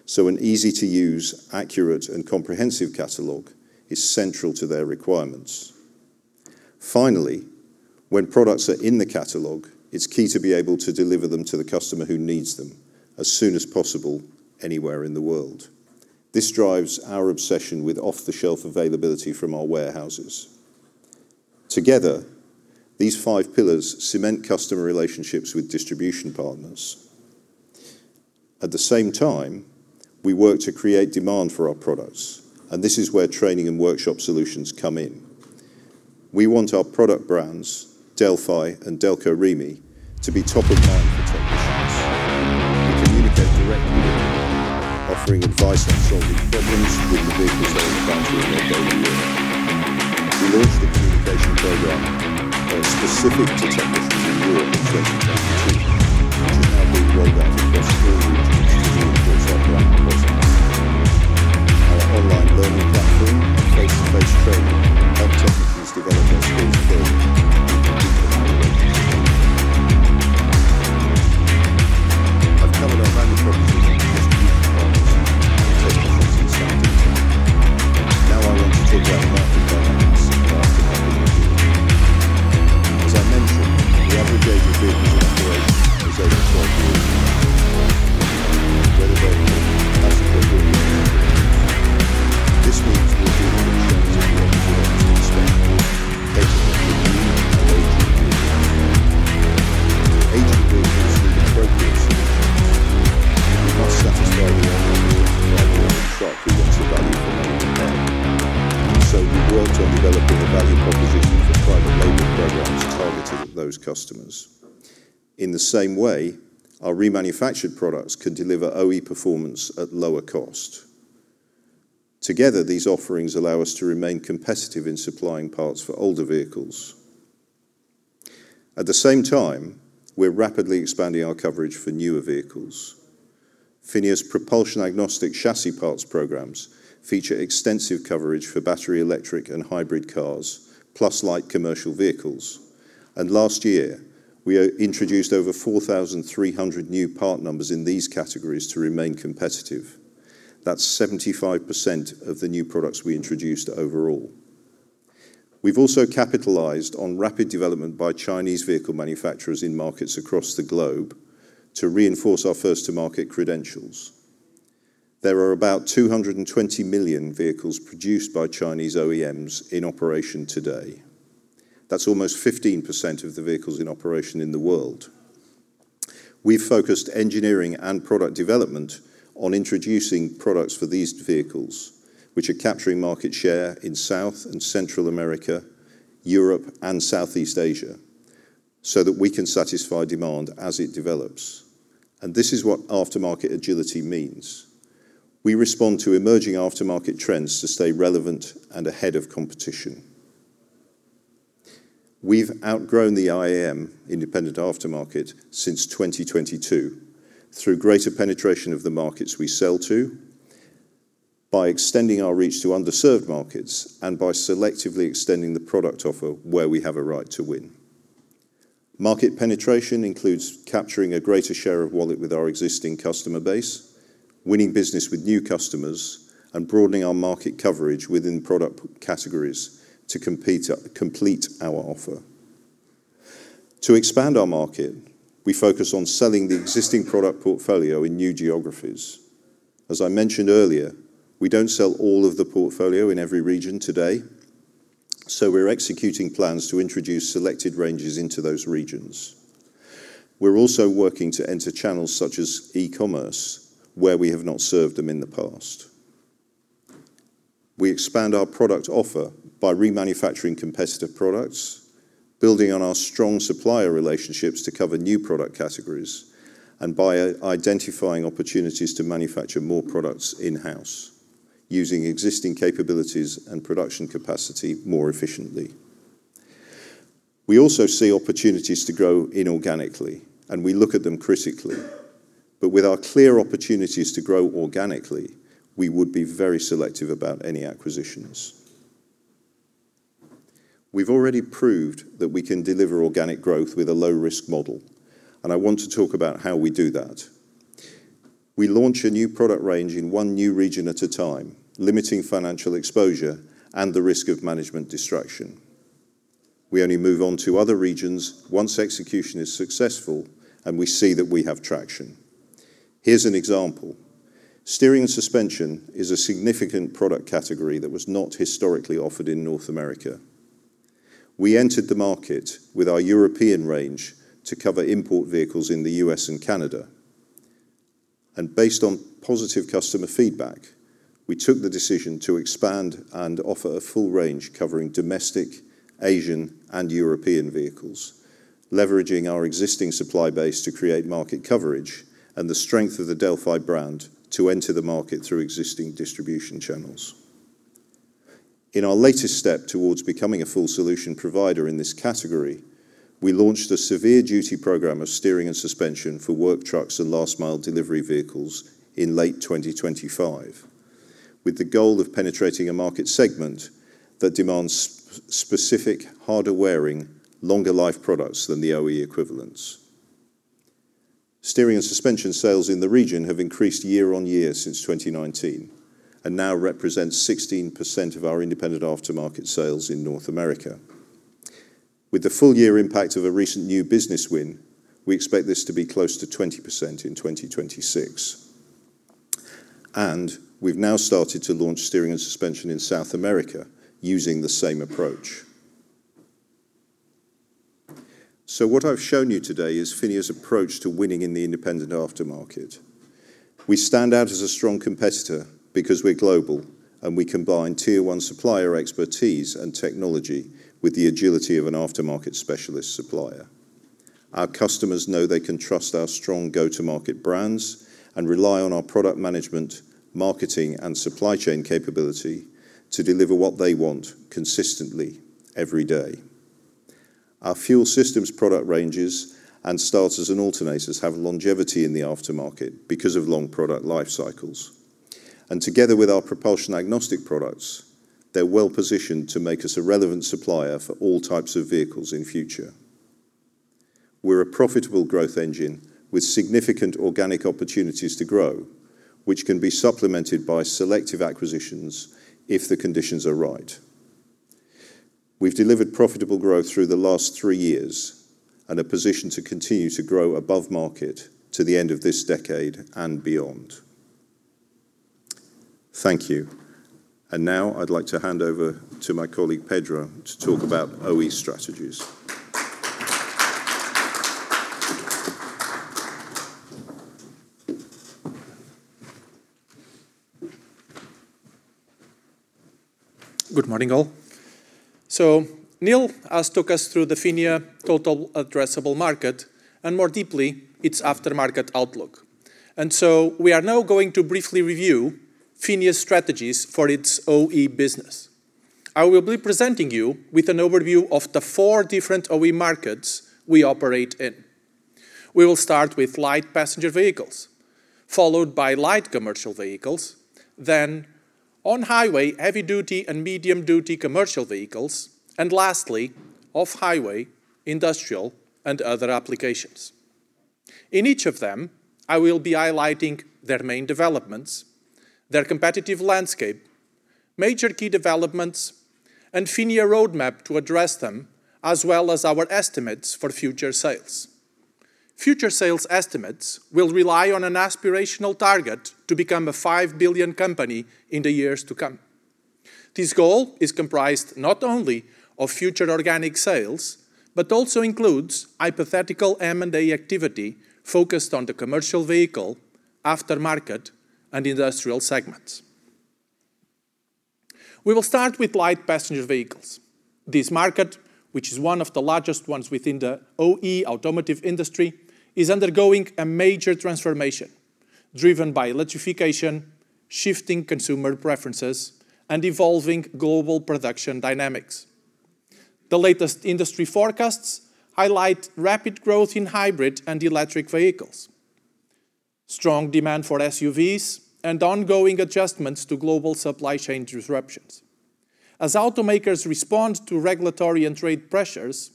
so an easy-to-use, accurate, and comprehensive catalog is central to their requirements. Finally, when products are in the catalog, it's key to be able to deliver them to the customer who needs them as soon as possible, anywhere in the world. This drives our obsession with off-the-shelf availability from our warehouses. Together, these five pillars cement customer relationships with distribution partners. At the same time, we work to create demand for our products, and this is where training and workshop solutions come in. We want our product brands, Delphi and Delco Remy, to be top of mind for technicians. We communicate directly with them, offering advice on solving problems with the vehicles they encounter in their daily work. We launched a communication program specific to technicians in Europe in 2022, which is now being rolled out across all regions where we operate around the world. I've covered our value propositions and customer performance, both of which are sounding well. I want to talk about the markets and aftermarket agility. As I mentioned, the average age of vehicles in operation is over 12 years. Where available, that's what they're doing. This means we're dealing with trends in what we expect customers to need and how they treat them. Age of vehicles in the progress must satisfy the original equipment manufacturer who wants a value for money repair. We've worked on developing a value proposition for private label programs targeted at those customers. In the same way, our remanufactured products can deliver OE performance at lower cost. Together, these offerings allow us to remain competitive in supplying parts for older vehicles. At the same time, we're rapidly expanding our coverage for newer vehicles. PHINIA's propulsion-agnostic chassis parts programs feature extensive coverage for battery, electric, and hybrid cars, plus light commercial vehicles. Last year, we introduced over 4,300 new part numbers in these categories to remain competitive. That's 75% of the new products we introduced overall. We've also capitalized on rapid development by Chinese vehicle manufacturers in markets across the globe to reinforce our first-to-market credentials. There are about 220 million vehicles produced by Chinese OEMs in operation today. That's almost 15% of the vehicles in operation in the world. We've focused engineering and product development on introducing products for these vehicles, which are capturing market share in South and Central America, Europe, and Southeast Asia, that we can satisfy demand as it develops. This is what aftermarket agility means. We respond to emerging aftermarket trends to stay relevant and ahead of competition. We've outgrown the IAM, independent aftermarket, since 2022, through greater penetration of the markets we sell to, by extending our reach to underserved markets, and by selectively extending the product offer where we have a right to win. Market penetration includes capturing a greater share of wallet with our existing customer base, winning business with new customers, and broadening our market coverage within product categories to complete our offer. To expand our market, we focus on selling the existing product portfolio in new geographies. As I mentioned earlier, we don't sell all of the portfolio in every region today, so we're executing plans to introduce selected ranges into those regions. We're also working to enter channels such as e-commerce, where we have not served them in the past. We expand our product offer by remanufacturing competitive products, building on our strong supplier relationships to cover new product categories, and by identifying opportunities to manufacture more products in-house, using existing capabilities and production capacity more efficiently. We also see opportunities to grow inorganically. We look at them critically. With our clear opportunities to grow organically, we would be very selective about any acquisitions. We've already proved that we can deliver organic growth with a low-risk model, and I want to talk about how we do that. We launch a new product range in one new region at a time, limiting financial exposure and the risk of management distraction. We only move on to other regions once execution is successful and we see that we have traction. Here's an example. Steering and suspension is a significant product category that was not historically offered in North America. We entered the market with our European range to cover import vehicles in the US and Canada. Based on positive customer feedback, we took the decision to expand and offer a full range covering domestic, Asian, and European vehicles, leveraging our existing supply base to create market coverage and the strength of the Delphi brand to enter the market through existing distribution channels. In our latest step towards becoming a full solution provider in this category, we launched a severe duty program of steering and suspension for work trucks and last mile delivery vehicles in late 2025, with the goal of penetrating a market segment that demands specific, harder-wearing, longer-life products than the OE equivalents. Steering and suspension sales in the region have increased year-over-year since 2019, and now represents 16% of our independent aftermarket sales in North America. With the full year impact of a recent new business win, we expect this to be close to 20% in 2026. We've now started to launch steering and suspension in South America using the same approach. What I've shown you today is PHINIA's approach to winning in the independent aftermarket. We stand out as a strong competitor because we're global, and we combine Tier One supplier expertise and technology with the agility of an aftermarket specialist supplier. Our customers know they can trust our strong go-to-market brands and rely on our product management, marketing, and supply chain capability to deliver what they want consistently every day. Our fuel systems product ranges and starters and alternators have longevity in the aftermarket because of long product life cycles. Together with our propulsion-agnostic products, they're well-positioned to make us a relevant supplier for all types of vehicles in future. We're a profitable growth engine with significant organic opportunities to grow, which can be supplemented by selective acquisitions if the conditions are right. We've delivered profitable growth through the last three years, and are positioned to continue to grow above market to the end of this decade and beyond. Thank you. Now I'd like to hand over to my colleague, Pedro, to talk about OE strategies. Good morning, all. Neil has took us through the PHINIA total addressable market, and more deeply, its aftermarket outlook. We are now going to briefly review PHINIA's strategies for its OE business. I will be presenting you with an overview of the 4 different OE markets we operate in. We will start with light passenger vehicles, followed by light commercial vehicles, then on-highway, heavy-duty, and medium-duty commercial vehicles, and lastly, off-highway, industrial, and other applications. In each of them, I will be highlighting their main developments, their competitive landscape, major key developments, and PHINIA roadmap to address them, as well as our estimates for future sales. Future sales estimates will rely on an aspirational target to become a $5 billion company in the years to come. This goal is comprised not only of future organic sales, but also includes hypothetical M&A activity focused on the commercial vehicle, aftermarket, and industrial segments. We will start with light passenger vehicles. This market, which is one of the largest ones within the OE automotive industry, is undergoing a major transformation, driven by electrification, shifting consumer preferences, and evolving global production dynamics. The latest industry forecasts highlight rapid growth in hybrid and electric vehicles, strong demand for SUVs, and ongoing adjustments to global supply chain disruptions. As automakers respond to regulatory and trade pressures,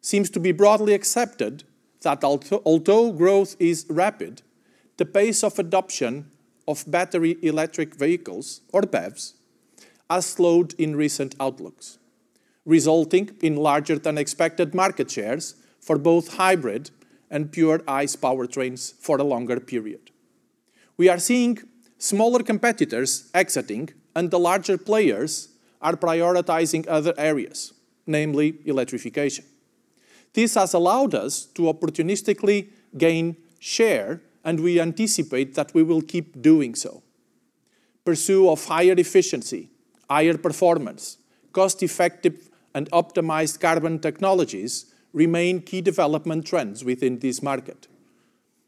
seems to be broadly accepted that although growth is rapid, the pace of adoption of battery electric vehicles, or BEVs, has slowed in recent outlooks, resulting in larger-than-expected market shares for both hybrid and pure ICE powertrains for a longer period. We are seeing smaller competitors exiting, and the larger players are prioritizing other areas, namely electrification. This has allowed us to opportunistically gain share, and we anticipate that we will keep doing so. Pursue of higher efficiency, higher performance, cost-effective, and optimized carbon technologies remain key development trends within this market.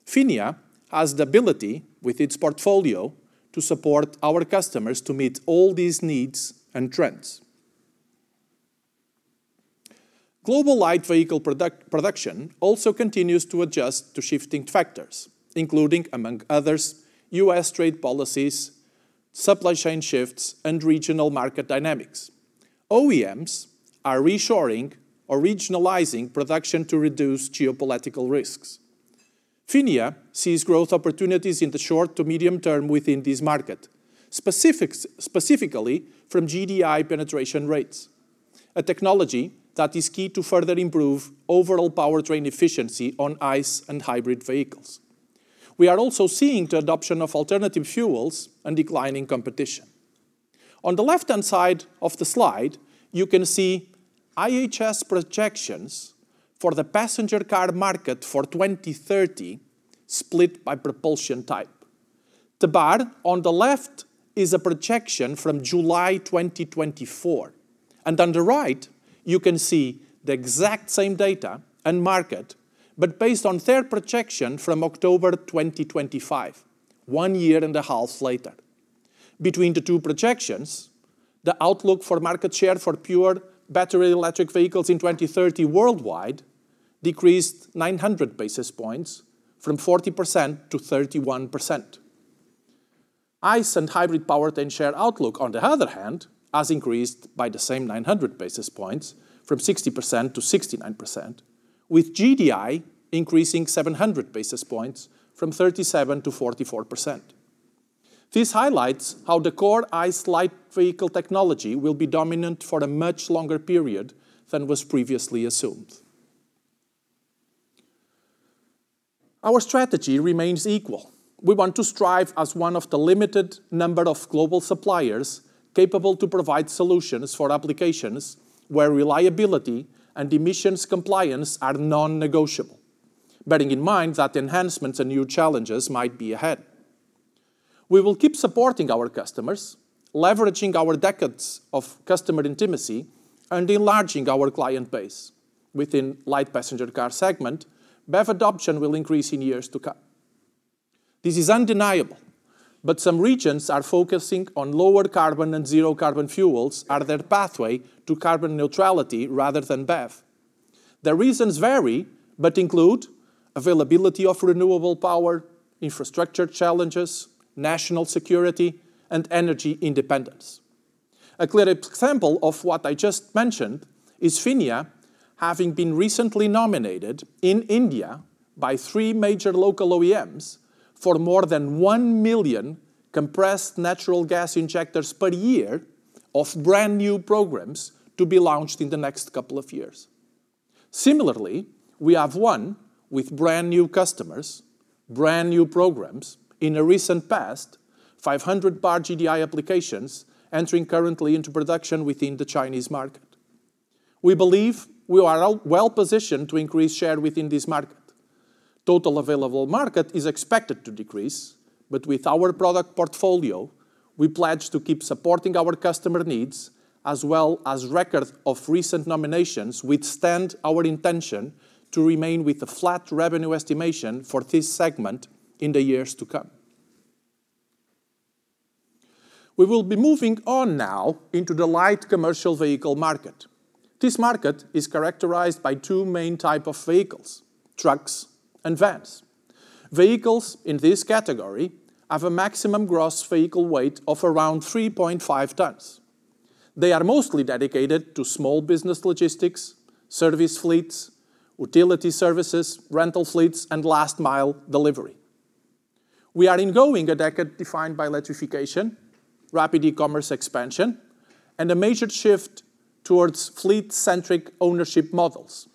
PHINIA has the ability, with its portfolio, to support our customers to meet all these needs and trends. Global light vehicle production also continues to adjust to shifting factors, including, among others, U.S. trade policies, supply chain shifts, and regional market dynamics. OEMs are reshoring or regionalizing production to reduce geopolitical risks. PHINIA sees growth opportunities in the short to medium term within this market, specifically from GDI penetration rates, a technology that is key to further improve overall powertrain efficiency on ICE and hybrid vehicles. We are also seeing the adoption of alternative fuels and declining competition. On the left-hand side of the slide, you can see IHS projections for the passenger car market for 2030, split by propulsion type. The bar on the left is a projection from July 2024, and on the right, you can see the exact same data and market, but based on their projection from October 2025, one year and a half later. Between the two projections, the outlook for market share for pure battery electric vehicles in 2030 worldwide decreased 900 basis points from 40% to 31%. ICE and hybrid powertrain share outlook, on the other hand, has increased by the same 900 basis points from 60% to 69%, with GDI increasing 700 basis points from 37% to 44%. This highlights how the core ICE light vehicle technology will be dominant for a much longer period than was previously assumed. Our strategy remains equal. We want to strive as one of the limited number of global suppliers capable to provide solutions for applications where reliability and emissions compliance are non-negotiable, bearing in mind that enhancements and new challenges might be ahead. We will keep supporting our customers, leveraging our decades of customer intimacy, and enlarging our client base. Within light passenger car segment, BEV adoption will increase in years to come. This is undeniable. Some regions are focusing on lower carbon and zero-carbon fuels are their pathway to carbon neutrality rather than BEV. The reasons vary. Include availability of renewable power, infrastructure challenges, national security, and energy independence. A clear example of what I just mentioned is PHINIA having been recently nominated in India by three major local OEMs for more than 1 million compressed natural gas injectors per year of brand-new programs to be launched in the next couple of years. Similarly, we have won with brand-new customers, brand-new programs in the recent past, 500 bar GDI applications entering currently into production within the Chinese market. We believe we are well-positioned to increase share within this market. Total Available Market is expected to decrease, with our product portfolio, we pledge to keep supporting our customer needs as well as record of recent nominations withstand our intention to remain with a flat revenue estimation for this segment in the years to come. We will be moving on now into the light commercial vehicle market. This market is characterized by two main type of vehicles: trucks and vans. Vehicles in this category have a maximum gross vehicle weight of around 3.5 tons. They are mostly dedicated to small business logistics, service fleets, utility services, rental fleets, and last-mile delivery. We are going a decade defined by electrification, rapid e-commerce expansion, and a major shift towards fleet-centric ownership models.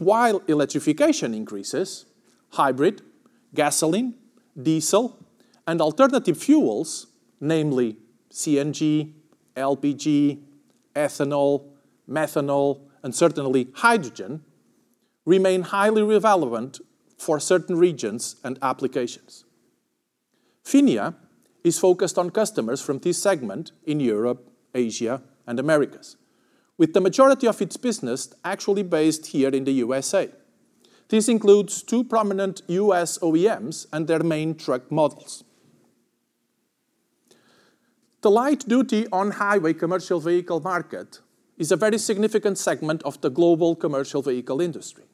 While electrification increases, hybrid, gasoline, diesel, and alternative fuels, namely CNG, LPG, ethanol, methanol, and certainly hydrogen, remain highly relevant for certain regions and applications. PHINIA is focused on customers from this segment in Europe, Asia, and Americas, with the majority of its business actually based here in the USA. This includes two prominent US OEMs and their main truck models. The light-duty on-highway commercial vehicle market is a very significant segment of the global commercial vehicle industry.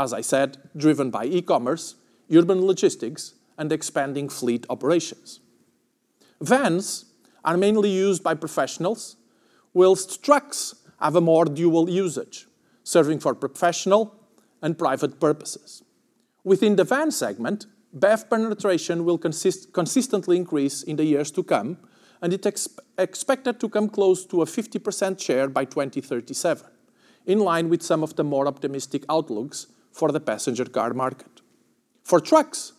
As I said, driven by e-commerce, urban logistics, and expanding fleet operations. Vans are mainly used by professionals, whilst trucks have a more dual usage, serving for professional and private purposes. Within the van segment, BEV penetration will consistently increase in the years to come, and it expected to come close to a 50% share by 2037, in line with some of the more optimistic outlooks for the passenger car market. For trucks,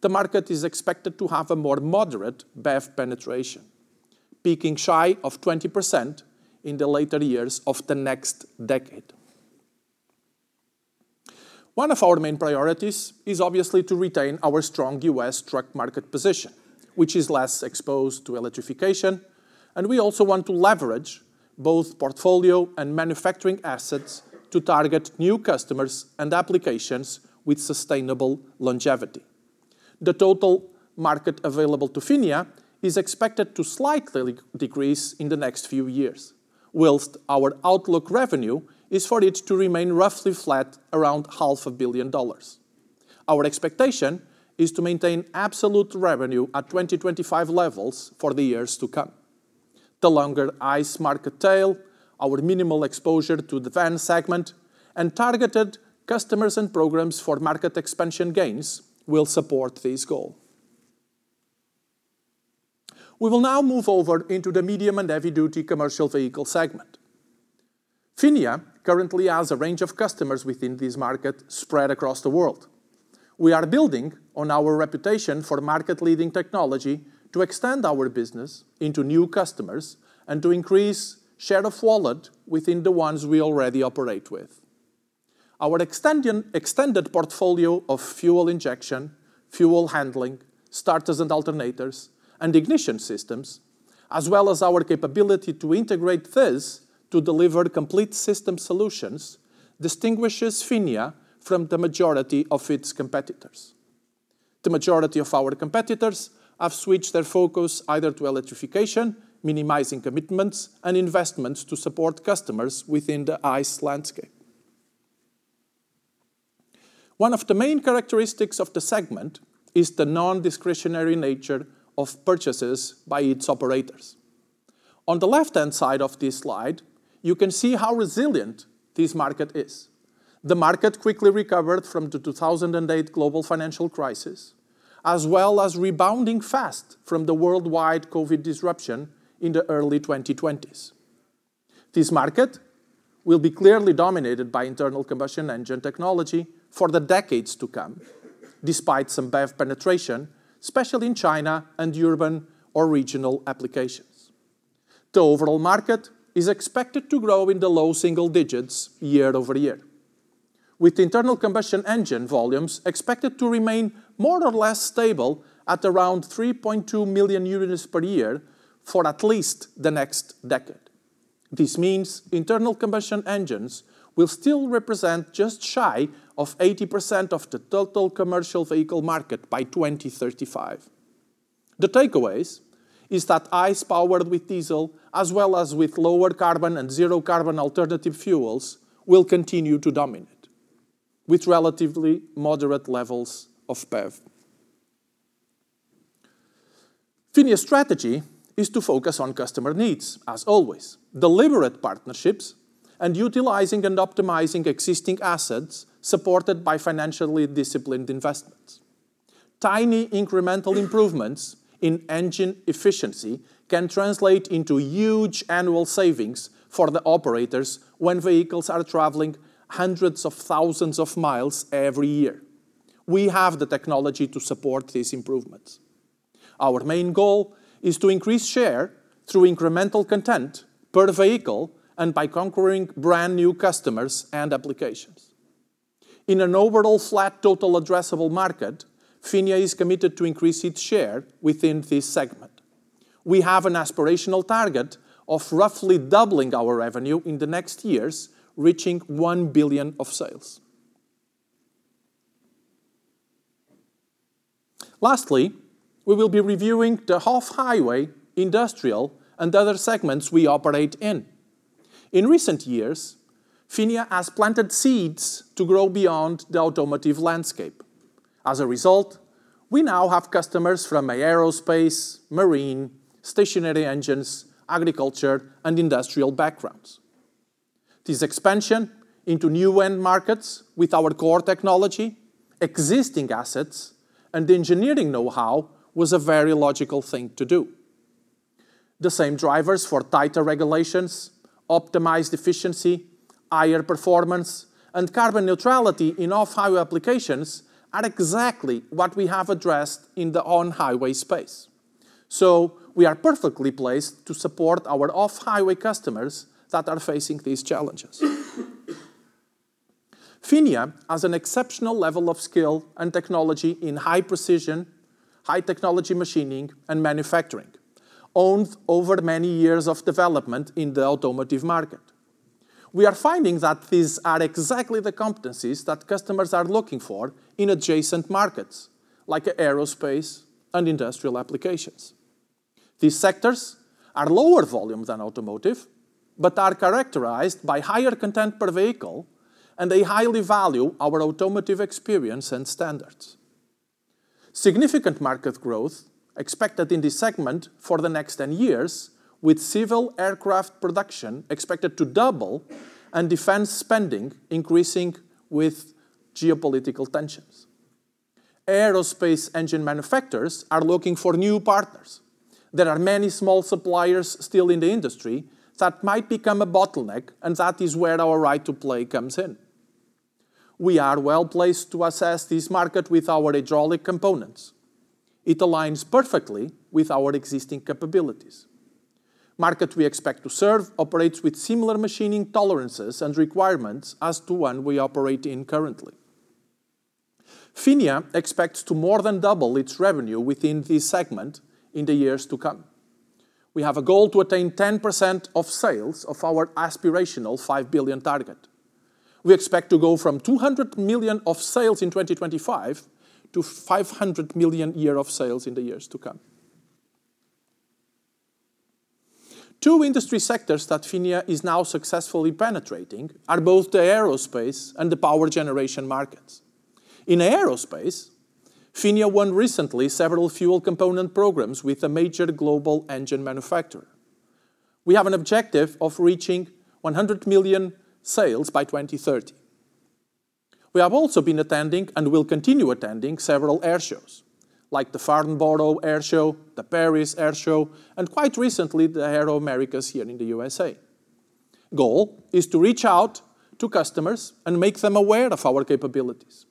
the market is expected to have a more moderate BEV penetration, peaking shy of 20% in the later years of the next decade. One of our main priorities is obviously to retain our strong U.S. truck market position, which is less exposed to electrification, and we also want to leverage both portfolio and manufacturing assets to target new customers and applications with sustainable longevity. The total market available to PHINIA is expected to slightly decrease in the next few years, whilst our outlook revenue is for it to remain roughly flat, around half a billion dollars. Our expectation is to maintain absolute revenue at 2025 levels for the years to come. The longer ICE market tail, our minimal exposure to the van segment, and targeted customers and programs for market expansion gains will support this goal. We will now move over into the medium and heavy-duty commercial vehicle segment. PHINIA currently has a range of customers within this market spread across the world. We are building on our reputation for market-leading technology to extend our business into new customers and to increase share of wallet within the ones we already operate with. Our extended portfolio of fuel injection, fuel handling, starters and alternators, and ignition systems, as well as our capability to integrate this to deliver complete system solutions, distinguishes PHINIA from the majority of its competitors. The majority of our competitors have switched their focus either to electrification, minimizing commitments, and investments to support customers within the ICE landscape. One of the main characteristics of the segment is the non-discretionary nature of purchases by its operators. On the left-hand side of this slide, you can see how resilient this market is. The market quickly recovered from the 2008 global financial crisis, as well as rebounding fast from the worldwide COVID disruption in the early 2020s. This market will be clearly dominated by internal combustion engine technology for the decades to come, despite some BEV penetration, especially in China and urban or regional applications. The overall market is expected to grow in the low single digits year-over-year, with internal combustion engine volumes expected to remain more or less stable at around 3.2 million units per year for at least the next decade. This means internal combustion engines will still represent just shy of 80% of the total commercial vehicle market by 2035. The takeaways is that ICE powered with diesel, as well as with lower carbon and zero carbon alternative fuels, will continue to dominate, with relatively moderate levels of PEV. PHINIA's strategy is to focus on customer needs, as always, deliberate partnerships, and utilizing and optimizing existing assets supported by financially disciplined investments. Tiny incremental improvements in engine efficiency can translate into huge annual savings for the operators when vehicles are traveling hundreds of thousands of miles every year. We have the technology to support these improvements. Our main goal is to increase share through incremental content per vehicle and by conquering brand-new customers and applications. In an overall flat total addressable market, PHINIA is committed to increase its share within this segment. We have an aspirational target of roughly doubling our revenue in the next years, reaching $1 billion of sales. Lastly, we will be reviewing the off-highway, industrial, and other segments we operate in. In recent years, PHINIA has planted seeds to grow beyond the automotive landscape. As a result, we now have customers from aerospace, marine, stationary engines, agriculture, and industrial backgrounds. This expansion into new end markets with our core technology, existing assets, and engineering know-how was a very logical thing to do. The same drivers for tighter regulations, optimized efficiency, higher performance, and carbon neutrality in off-highway applications are exactly what we have addressed in the on-highway space. We are perfectly placed to support our off-highway customers that are facing these challenges. PHINIA has an exceptional level of skill and technology in high precision, high-technology machining, and manufacturing, owned over many years of development in the automotive market. We are finding that these are exactly the competencies that customers are looking for in adjacent markets, like aerospace and industrial applications. These sectors are lower volume than automotive, but are characterized by higher content per vehicle, and they highly value our automotive experience and standards. Significant market growth expected in this segment for the next 10 years, with civil aircraft production expected to double and defense spending increasing with geopolitical tensions. Aerospace engine manufacturers are looking for new partners. There are many small suppliers still in the industry that might become a bottleneck, and that is where our right to play comes in. We are well-placed to assess this market with our hydraulic components. It aligns perfectly with our existing capabilities. Market we expect to serve operates with similar machining tolerances and requirements as to one we operate in currently. PHINIA expects to more than double its revenue within this segment in the years to come. We have a goal to attain 10% of sales of our aspirational $5 billion target. We expect to go from $200 million of sales in 2025 to $500 million year of sales in the years to come. Two industry sectors that PHINIA is now successfully penetrating are both the aerospace and the power generation markets. In aerospace, PHINIA won recently several fuel component programs with a major global engine manufacturer. We have an objective of reaching $100 million sales by 2030. We have also been attending, and will continue attending, several air shows, like the Farnborough Airshow, the Paris Air Show, and quite recently, the Aero Americas here in the U.S.A. Goal is to reach out to customers and make them aware of our capabilities.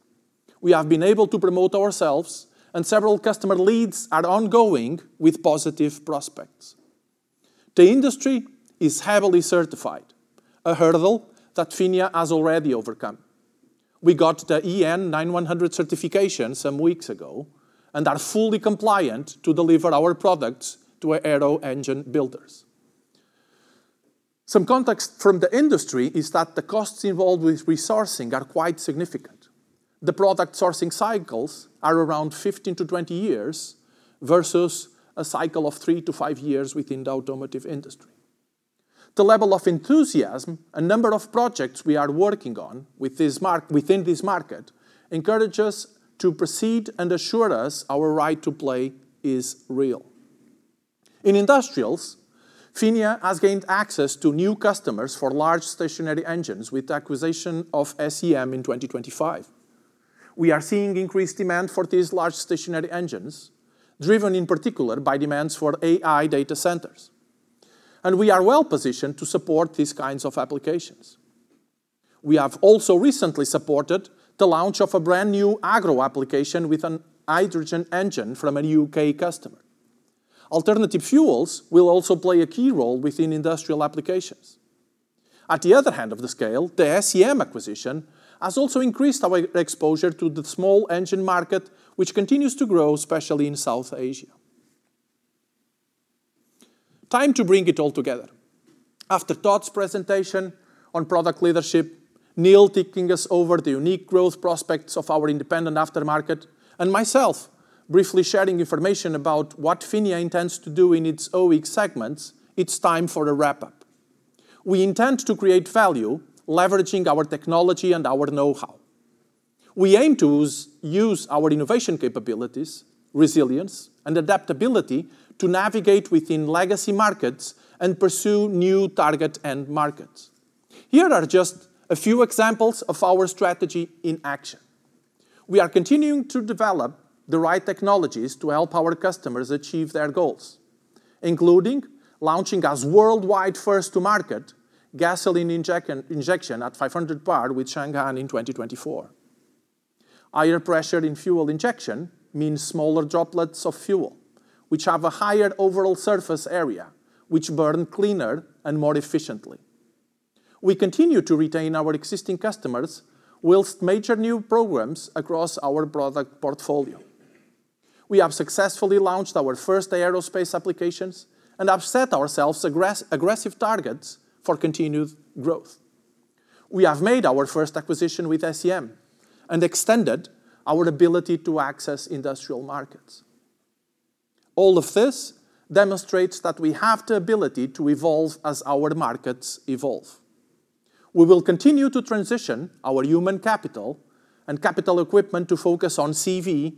We have been able to promote ourselves, and several customer leads are ongoing with positive prospects. The industry is heavily certified, a hurdle that PHINIA has already overcome. We got the EN 9100 certification some weeks ago and are fully compliant to deliver our products to aero engine builders. Some context from the industry is that the costs involved with resourcing are quite significant. The product sourcing cycles are around 15-20 years, versus a cycle of 3-5 years within the automotive industry. The level of enthusiasm and number of projects we are working on within this market, encourage us to proceed and assure us our right to play is real. In industrials, PHINIA has gained access to new customers for large stationary engines with the acquisition of SEM in 2025. We are seeing increased demand for these large stationary engines, driven in particular by demands for AI data centers, we are well-positioned to support these kinds of applications. We have also recently supported the launch of a brand-new agro application with an hydrogen engine from a UK customer. Alternative fuels will also play a key role within industrial applications. At the other hand of the scale, the SEM acquisition has also increased our exposure to the small engine market, which continues to grow, especially in South Asia. Time to bring it all together. After Todd's presentation on product leadership, Neil taking us over the unique growth prospects of our independent aftermarket, and myself briefly sharing information about what PHINIA intends to do in its OE segments, it's time for a wrap-up. We intend to create value, leveraging our technology and our know-how. We aim to use our innovation capabilities, resilience, and adaptability to navigate within legacy markets and pursue new target end markets. Here are just a few examples of our strategy in action. We are continuing to develop the right technologies to help our customers achieve their goals, including launching as worldwide first-to-market gasoline injection at 500 bar with Changan in 2024. Higher pressure in fuel injection means smaller droplets of fuel, which have a higher overall surface area, which burn cleaner and more efficiently. We continue to retain our existing customers with major new programs across our product portfolio. We have successfully launched our first aerospace applications and have set ourselves aggressive targets for continued growth. We have made our first acquisition with SEM and extended our ability to access industrial markets. All of this demonstrates that we have the ability to evolve as our markets evolve. We will continue to transition our human capital and capital equipment to focus on CV,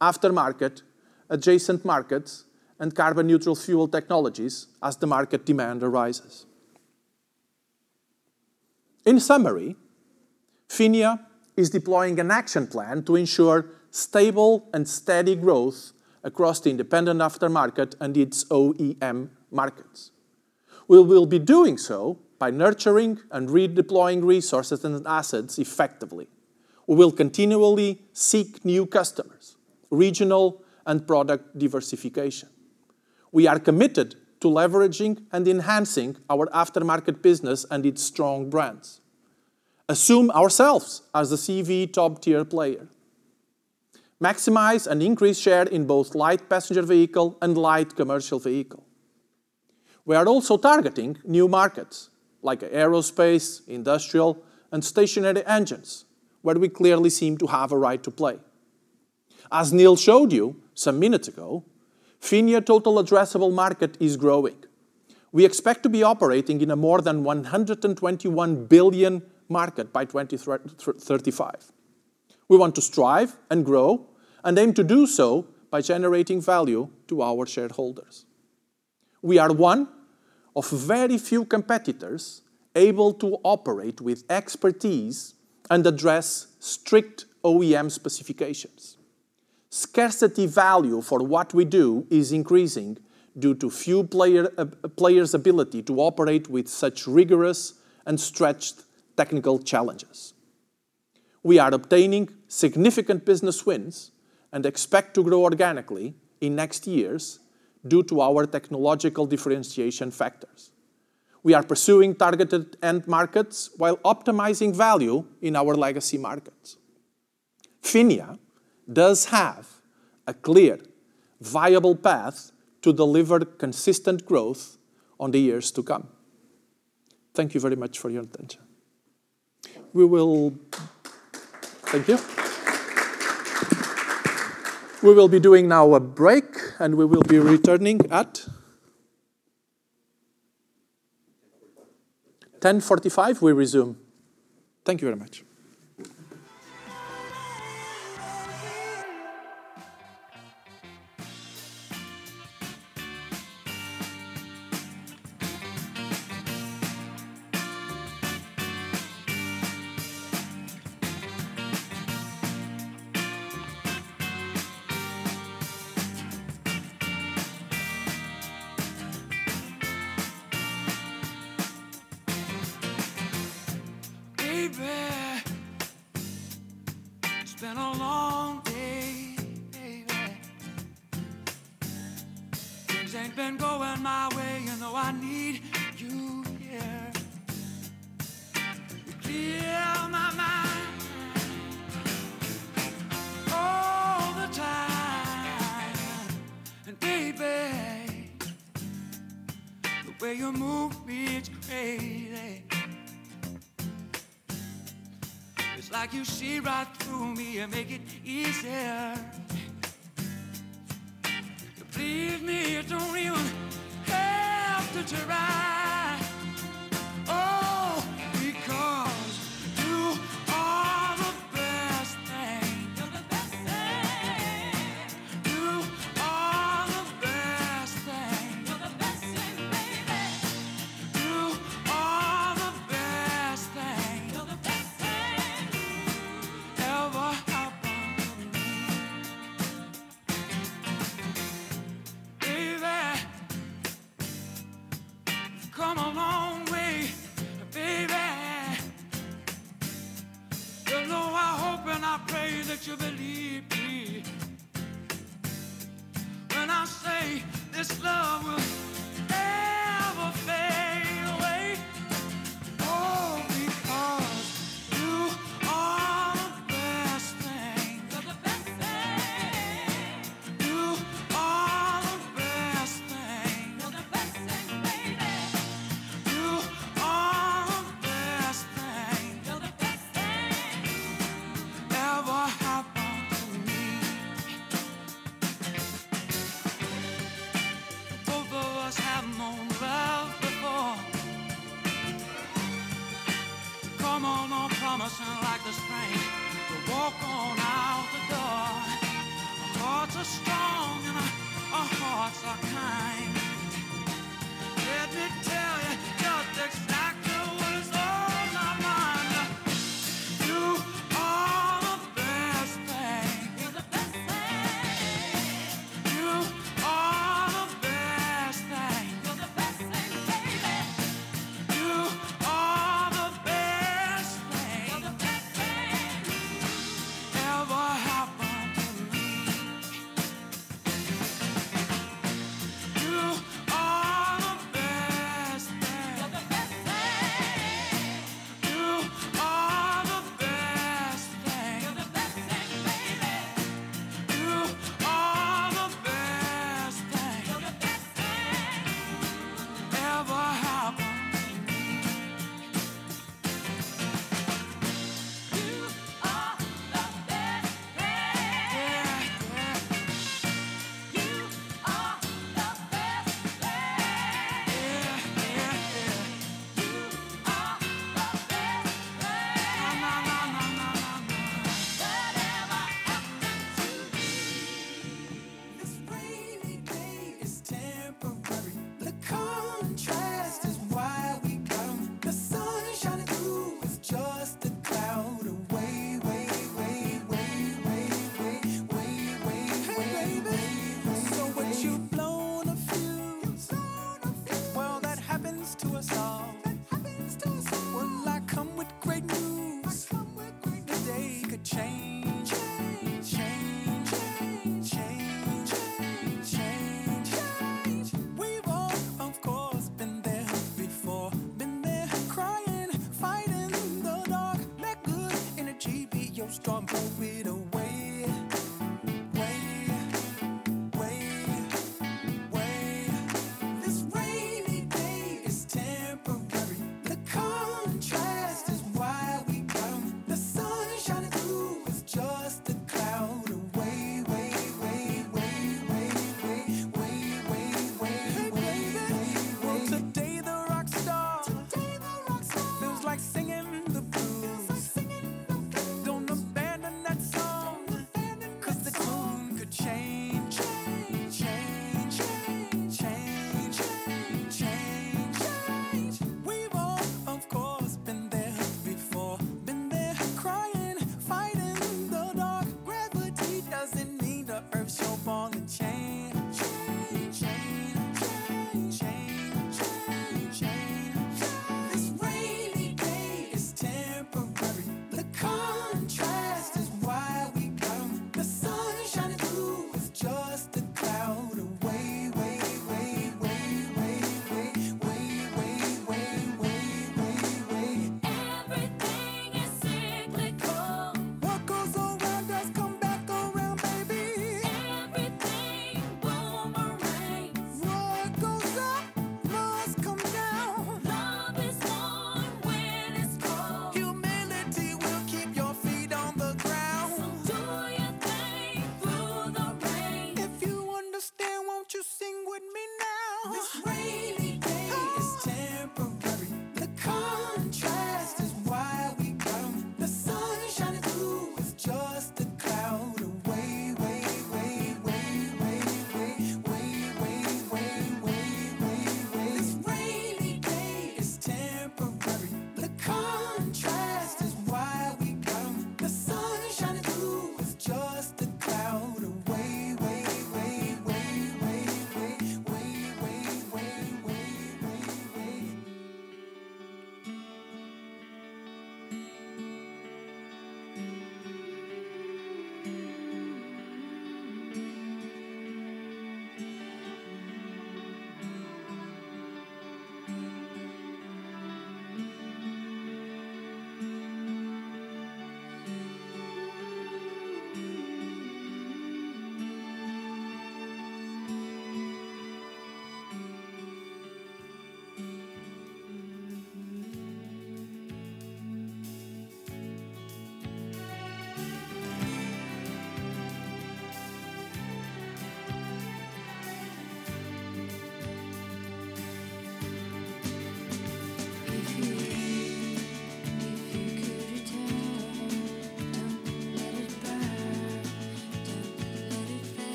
aftermarket, adjacent markets, and carbon-neutral fuel technologies as the market demand arises. In summary, PHINIA is deploying an action plan to ensure stable and steady growth across the independent aftermarket and its OEM markets. We will be doing so by nurturing and redeploying resources and assets effectively. We will continually seek new customers, regional and product diversification. We are committed to leveraging and enhancing our aftermarket business and its strong brands, assume ourselves as a CV top-tier player, maximize and increase share in both light passenger vehicle and light commercial vehicle. We are also targeting new markets like aerospace, industrial, and stationary engines, where we clearly seem to have a right to play. As Neil showed you some minutes ago, PHINIA total addressable market is growing. We expect to be operating in a more than $121 billion market by 2035. We want to strive and grow, and aim to do so by generating value to our shareholders. We are one of very few competitors able to operate with expertise and address strict OEM specifications. Scarcity value for what we do is increasing due to few players' ability to operate with such rigorous and stretched technical challenges. We are obtaining significant business wins and expect to grow organically in next years due to our technological differentiation factors. We are pursuing targeted end markets while optimizing value in our legacy markets. PHINIA does have a clear, viable path to deliver consistent growth on the years to come. Thank you very much for your attention. Thank you. We will be doing now a break, and we will be returning at? 10:45. 10:45, we resume. Thank you very much.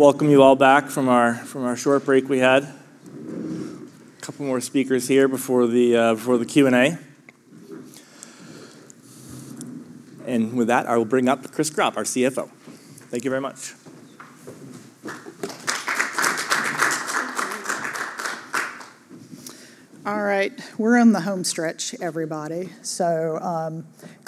Welcome you all back from our short break we had. Couple more speakers here before the Q&A. With that, I will bring up Chris Gropp, our CFO. Thank you very much. All right, we're in the home stretch, everybody.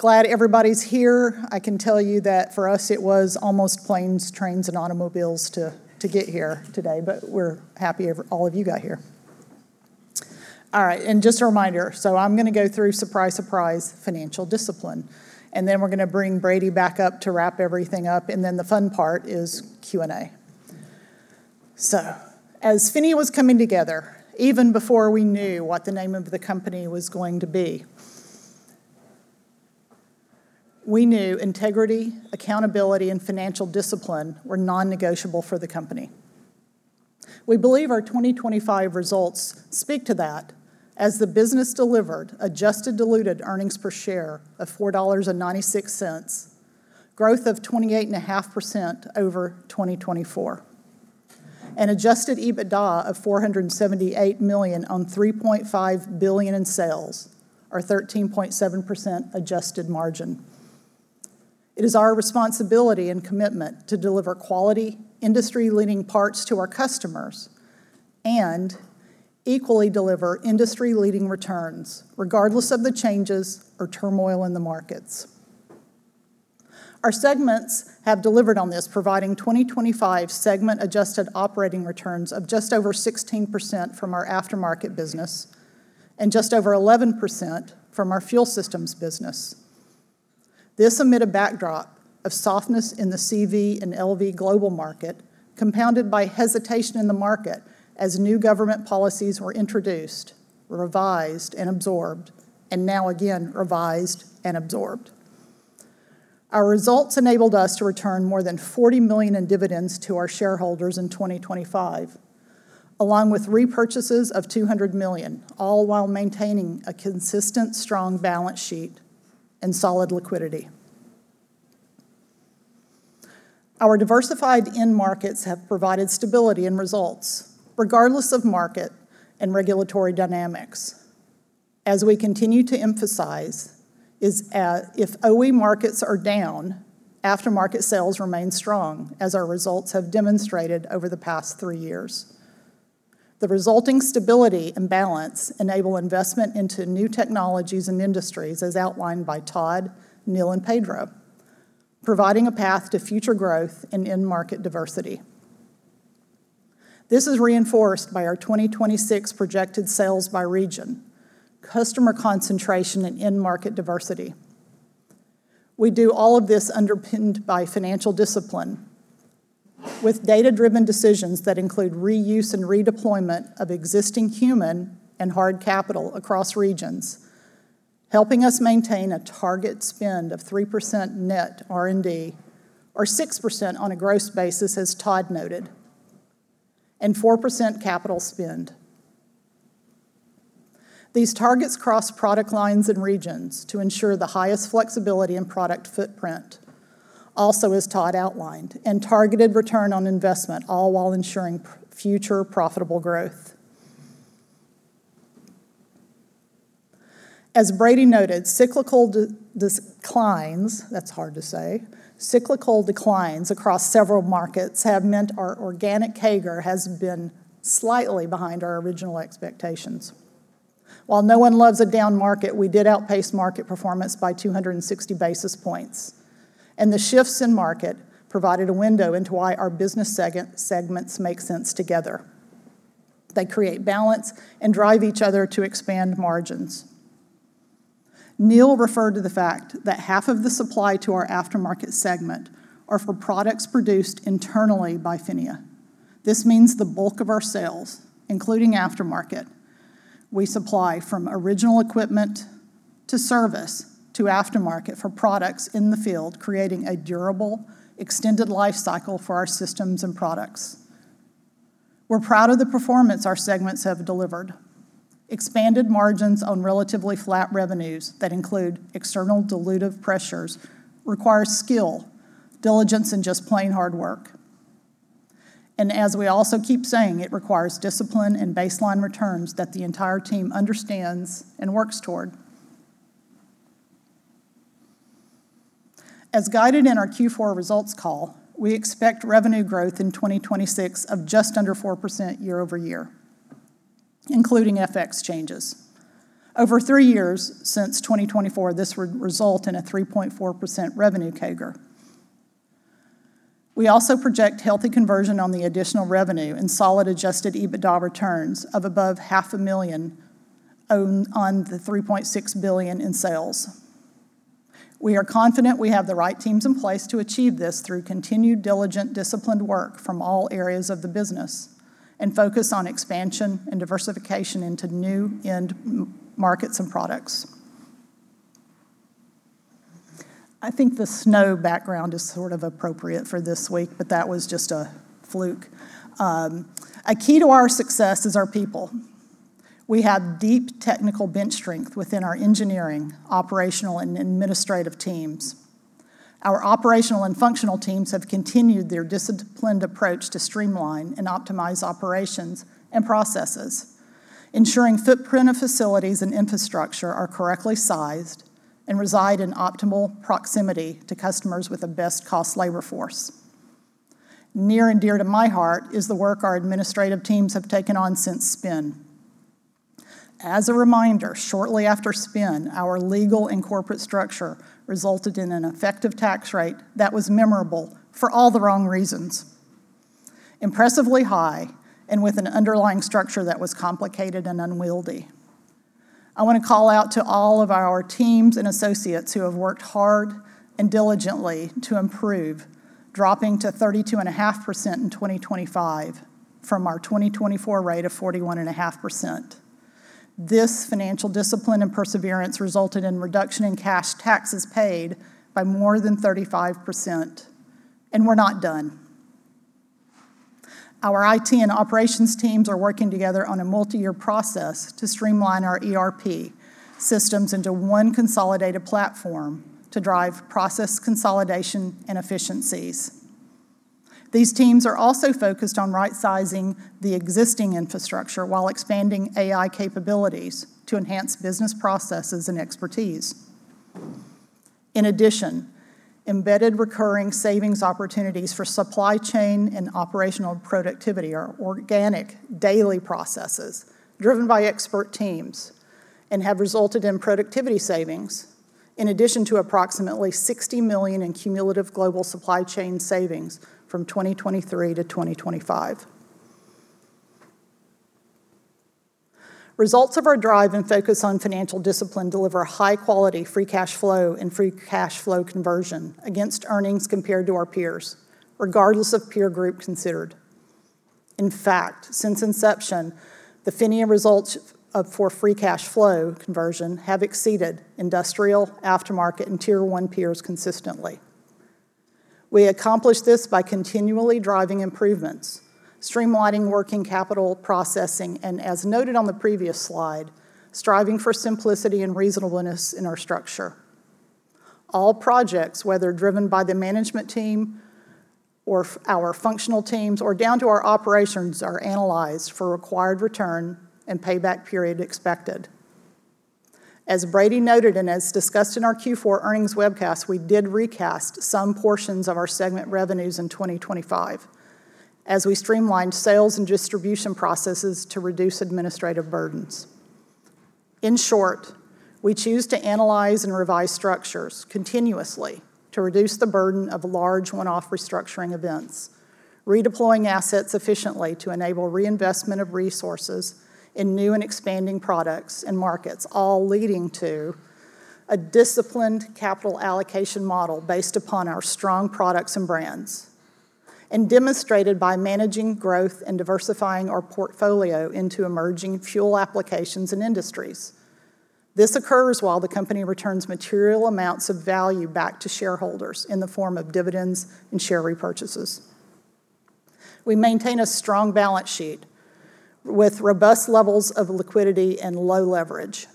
Glad everybody's here. I can tell you that for us, it was almost planes, trains, and automobiles to get here today, but we're happy all of you got here. All right, just a reminder, I'm gonna go through, surprise, financial discipline, then we're gonna bring Brady back up to wrap everything up, then the fun part is Q&A. As PHINIA was coming together, even before we knew what the name of the company was going to be, we knew integrity, accountability, and financial discipline were non-negotiable for the company. We believe our 2025 results speak to that, as the business delivered adjusted diluted earnings per share of $4.96, growth of 28.5% over 2024, and adjusted EBITDA of $478 million on $3.5 billion in sales, or 13.7% adjusted margin. It is our responsibility and commitment to deliver quality, industry-leading parts to our customers, and equally deliver industry-leading returns, regardless of the changes or turmoil in the markets. Our segments have delivered on this, providing 2025 segment-adjusted operating returns of just over 16% from our aftermarket business and just over 11% from our fuel systems business. This amid a backdrop of softness in the CV and LV global market, compounded by hesitation in the market as new government policies were introduced, revised, and absorbed, and now again revised and absorbed. Our results enabled us to return more than $40 million in dividends to our shareholders in 2025, along with repurchases of $200 million, all while maintaining a consistent, strong balance sheet and solid liquidity. Our diversified end markets have provided stability and results, regardless of market and regulatory dynamics. As we continue to emphasize, if OE markets are down, aftermarket sales remain strong, as our results have demonstrated over the past three years. The resulting stability and balance enable investment into new technologies and industries, as outlined by Todd, Neil, and Pedro, providing a path to future growth and end market diversity. This is reinforced by our 2026 projected sales by region, customer concentration, and end market diversity. We do all of this underpinned by financial discipline, with data-driven decisions that include reuse and redeployment of existing human and hard capital across regions, helping us maintain a target spend of 3% net R&D, or 6% on a gross basis, as Todd noted, and 4% capital spend. These targets cross product lines and regions to ensure the highest flexibility and product footprint, also as Todd outlined, and targeted return on investment, all while ensuring future profitable growth. As Brady noted, cyclical declines. That's hard to say. Cyclical declines across several markets have meant our organic CAGR has been slightly behind our original expectations. While no one loves a down market, we did outpace market performance by 260 basis points, and the shifts in market provided a window into why our business segments make sense together. They create balance and drive each other to expand margins. Neil referred to the fact that half of the supply to our aftermarket segment are for products produced internally by PHINIA. This means the bulk of our sales, including aftermarket, we supply from original equipment to service to aftermarket for products in the field, creating a durable, extended life cycle for our systems and products. We're proud of the performance our segments have delivered. Expanded margins on relatively flat revenues that include external dilutive pressures require skill, diligence, and just plain hard work. As we also keep saying, it requires discipline and baseline returns that the entire team understands and works toward. As guided in our Q4 results call, we expect revenue growth in 2026 of just under 4% year-over-year, including FX changes. Over three years, since 2024, this would result in a 3.4% revenue CAGR. We also project healthy conversion on the additional revenue and solid adjusted EBITDA returns of above half a million on the $3.6 billion in sales. We are confident we have the right teams in place to achieve this through continued diligent, disciplined work from all areas of the business, focus on expansion and diversification into new end markets and products. I think the snow background is sort of appropriate for this week, but that was just a fluke. A key to our success is our people. We have deep technical bench strength within our engineering, operational, and administrative teams. Our operational and functional teams have continued their disciplined approach to streamline and optimize operations and processes, ensuring footprint of facilities and infrastructure are correctly sized and reside in optimal proximity to customers with the best cost labor force. Near and dear to my heart is the work our administrative teams have taken on since spin. A reminder, shortly after spin, our legal and corporate structure resulted in an effective tax rate that was memorable for all the wrong reasons. Impressively high, with an underlying structure that was complicated and unwieldy. I wanna call out to all of our teams and associates who have worked hard and diligently to improve, dropping to 32.5% in 2025, from our 2024 rate of 41.5%. This financial discipline and perseverance resulted in reduction in cash taxes paid by more than 35%. We're not done. Our IT and operations teams are working together on a multi-year process to streamline our ERP systems into one consolidated platform to drive process consolidation and efficiencies. These teams are also focused on right-sizing the existing infrastructure while expanding AI capabilities to enhance business processes and expertise. Embedded recurring savings opportunities for supply chain and operational productivity are organic daily processes, driven by expert teams, and have resulted in productivity savings, in addition to approximately $60 million in cumulative global supply chain savings from 2023 to 2025. Results of our drive and focus on financial discipline deliver high quality free cash flow and free cash flow conversion against earnings compared to our peers, regardless of peer group considered. In fact, since inception, the PHINIA results for free cash flow conversion have exceeded industrial, aftermarket, and Tier One peers consistently. We accomplish this by continually driving improvements, streamlining working capital processing, and as noted on the previous slide, striving for simplicity and reasonableness in our structure. All projects, whether driven by the management team or our functional teams, or down to our operations, are analyzed for required return and payback period expected. As Brady noted, and as discussed in our Q4 earnings webcast, we did recast some portions of our segment revenues in 2025, as we streamlined sales and distribution processes to reduce administrative burdens. In short, we choose to analyze and revise structures continuously to reduce the burden of large one-off restructuring events, redeploying assets efficiently to enable reinvestment of resources in new and expanding products and markets, all leading to a disciplined capital allocation model based upon our strong products and brands, and demonstrated by managing growth and diversifying our portfolio into emerging fuel applications and industries. This occurs while the company returns material amounts of value back to shareholders in the form of dividends and share repurchases. We maintain a strong balance sheet, with robust levels of liquidity and low leverage,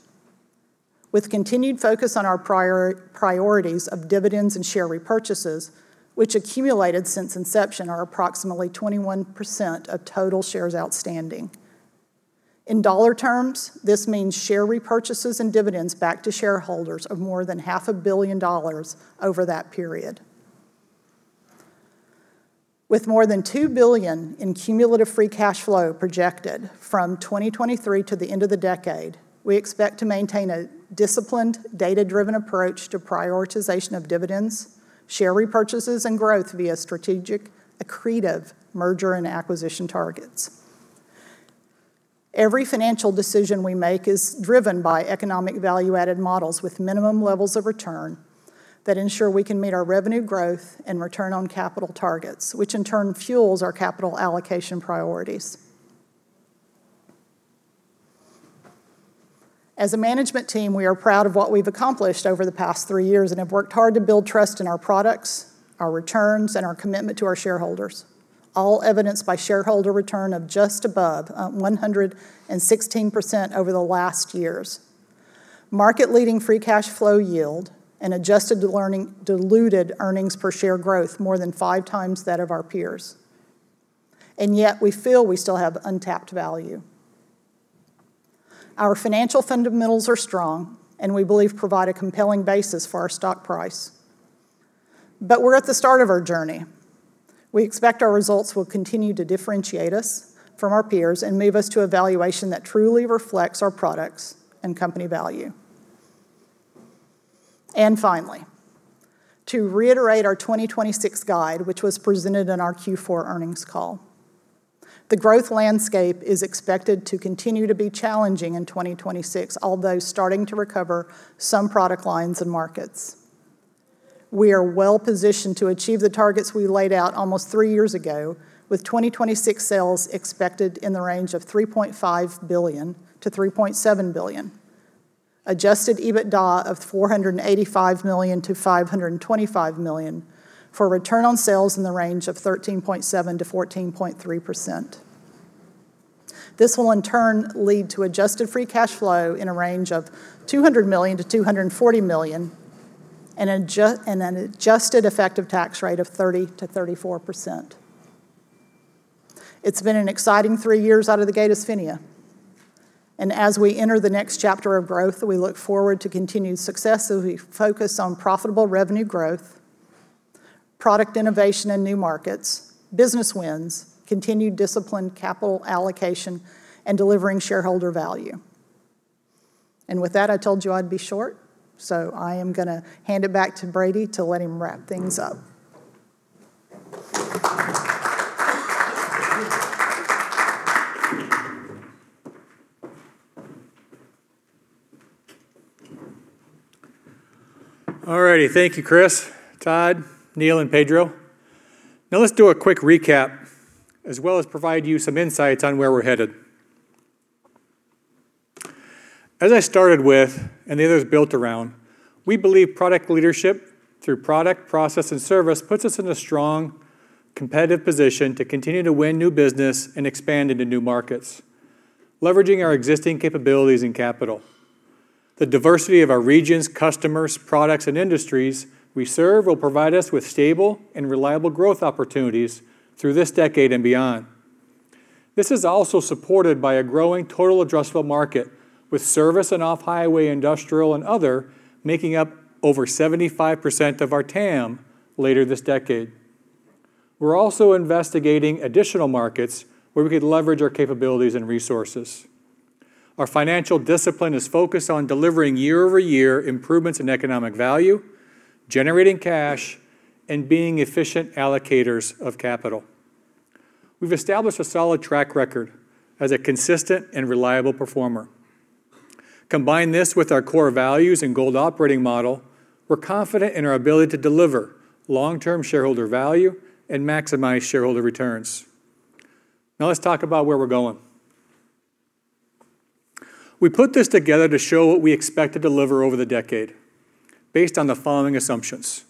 with continued focus on our priorities of dividends and share repurchases, which accumulated since inception, are approximately 21% of total shares outstanding. In dollar terms, this means share repurchases and dividends back to shareholders of more than half a billion dollars over that period. With more than $2 billion in cumulative free cash flow projected from 2023 to the end of the decade, we expect to maintain a disciplined, data-driven approach to prioritization of dividends, share repurchases, and growth via strategic, accretive merger and acquisition targets. Every financial decision we make is driven by economic value-added models with minimum levels of return, that ensure we can meet our revenue growth and return on capital targets, which in turn fuels our capital allocation priorities. As a management team, we are proud of what we've accomplished over the past three years, and have worked hard to build trust in our products, our returns, and our commitment to our shareholders, all evidenced by shareholder return of just above 116% over the last years. Market-leading free cash flow yield and adjusted to learning- diluted earnings per share growth more than 5x that of our peers, yet we feel we still have untapped value. Our financial fundamentals are strong, we believe provide a compelling basis for our stock price. We're at the start of our journey. We expect our results will continue to differentiate us from our peers and move us to a valuation that truly reflects our products and company value. Finally, to reiterate our 2026 guide, which was presented in our Q4 earnings call. The growth landscape is expected to continue to be challenging in 2026, although starting to recover some product lines and markets. We are well-positioned to achieve the targets we laid out almost three years ago, with 2026 sales expected in the range of $3.5 billion-$3.7 billion. Adjusted EBITDA of $485 million-$525 million, for a return on sales in the range of 13.7%-14.3%. This will in turn lead to adjusted free cash flow in a range of $200 million-$240 million, and an adjusted effective tax rate of 30%-34%. It's been an exciting three years out of the gate as PHINIA, as we enter the next chapter of growth, we look forward to continued success as we focus on profitable revenue growth, product innovation in new markets, business wins, continued disciplined capital allocation, and delivering shareholder value. With that, I told you I'd be short, I am gonna hand it back to Brady to let him wrap things up. All righty. Thank you, Chris, Todd, Neil, and Pedro. Let's do a quick recap, as well as provide you some insights on where we're headed. As I started with, the others built around, we believe product leadership through product, process, and service puts us in a strong, competitive position to continue to win new business and expand into new markets, leveraging our existing capabilities and capital. The diversity of our regions, customers, products, and industries we serve will provide us with stable and reliable growth opportunities through this decade and beyond. This is also supported by a growing total addressable market, with service and off-highway, industrial, and other making up over 75% of our TAM later this decade. We're also investigating additional markets where we could leverage our capabilities and resources. Our financial discipline is focused on delivering year-over-year improvements in economic value, generating cash, and being efficient allocators of capital. We've established a solid track record as a consistent and reliable performer. Combine this with our core values and GOLD operating model, we're confident in our ability to deliver long-term shareholder value and maximize shareholder returns. Let's talk about where we're going. We put this together to show what we expect to deliver over the decade based on the following assumptions: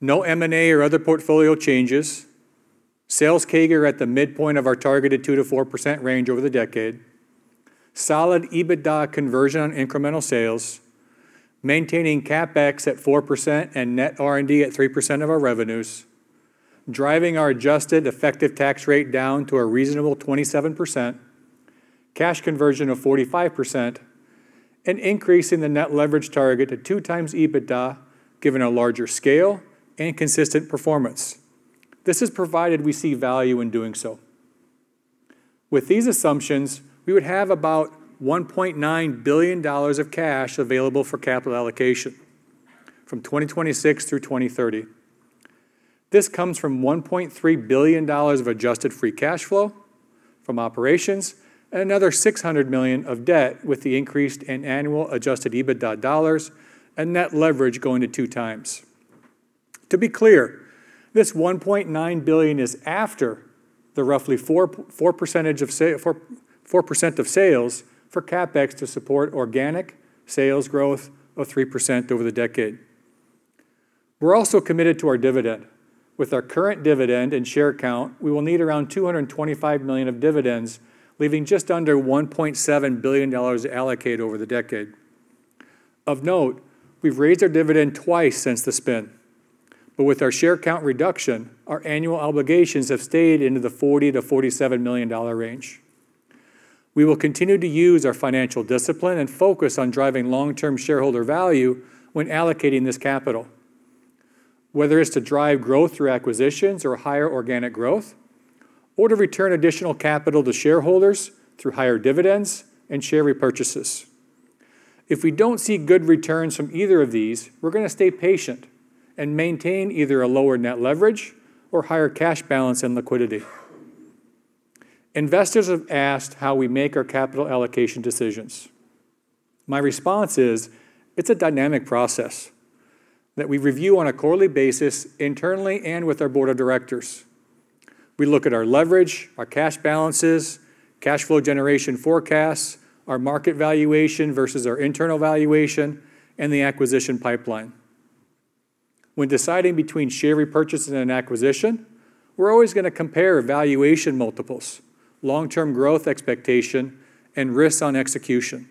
No M&A or other portfolio changes, sales CAGR at the midpoint of our targeted 2%-4% range over the decade, solid EBITDA conversion on incremental sales, maintaining CapEx at 4% and net R&D at 3% of our revenues, driving our adjusted effective tax rate down to a reasonable 27%, cash conversion of 45%, and increasing the net leverage target to 2x EBITDA, given our larger scale and consistent performance. This is provided we see value in doing so. With these assumptions, we would have about $1.9 billion of cash available for capital allocation from 2026 through 2030. This comes from $1.3 billion of adjusted free cash flow from operations and another $600 million of debt with the increase in annual adjusted EBITDA dollars and net leverage going to 2x. To be clear, this $1.9 billion is after the roughly 4% of sales for CapEx to support organic sales growth of 3% over the decade. We're also committed to our dividend. With our current dividend and share count, we will need around $225 million of dividends, leaving just under $1.7 billion to allocate over the decade. Of note, we've raised our dividend twice since the spin, but with our share count reduction, our annual obligations have stayed into the $40 million-$47 million range. We will continue to use our financial discipline and focus on driving long-term shareholder value when allocating this capital, whether it's to drive growth through acquisitions or higher organic growth, or to return additional capital to shareholders through higher dividends and share repurchases. If we don't see good returns from either of these, we're gonna stay patient and maintain either a lower net leverage or higher cash balance and liquidity. Investors have asked how we make our capital allocation decisions. My response is, it's a dynamic process that we review on a quarterly basis internally and with our board of directors. We look at our leverage, our cash balances, cash flow generation forecasts, our market valuation versus our internal valuation, and the acquisition pipeline. When deciding between share repurchases and acquisition, we're always gonna compare valuation multiples, long-term growth expectation, and risks on execution.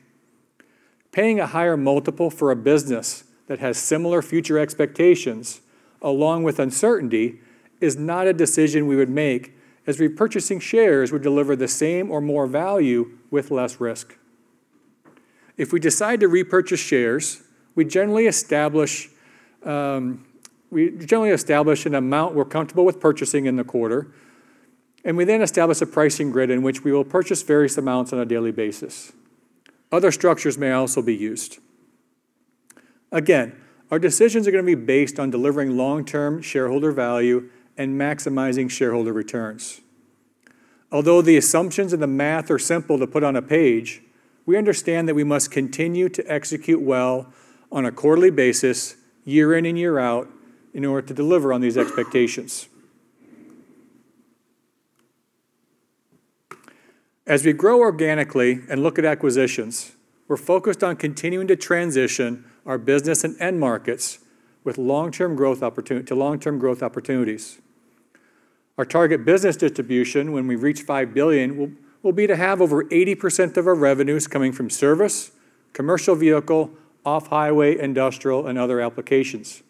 Paying a higher multiple for a business that has similar future expectations along with uncertainty is not a decision we would make, as repurchasing shares would deliver the same or more value with less risk. If we decide to repurchase shares, we generally establish an amount we're comfortable with purchasing in the quarter, and we then establish a pricing grid in which we will purchase various amounts on a daily basis. Other structures may also be used. Our decisions are gonna be based on delivering long-term shareholder value and maximizing shareholder returns. Although the assumptions and the math are simple to put on a page, we understand that we must continue to execute well on a quarterly basis, year in and year out, in order to deliver on these expectations. As we grow organically and look at acquisitions, we're focused on continuing to transition our business and end markets with long-term growth to long-term growth opportunities. Our target business distribution when we reach $5 billion will be to have over 80% of our revenues coming from service, commercial vehicle, off-highway, industrial, and other applications,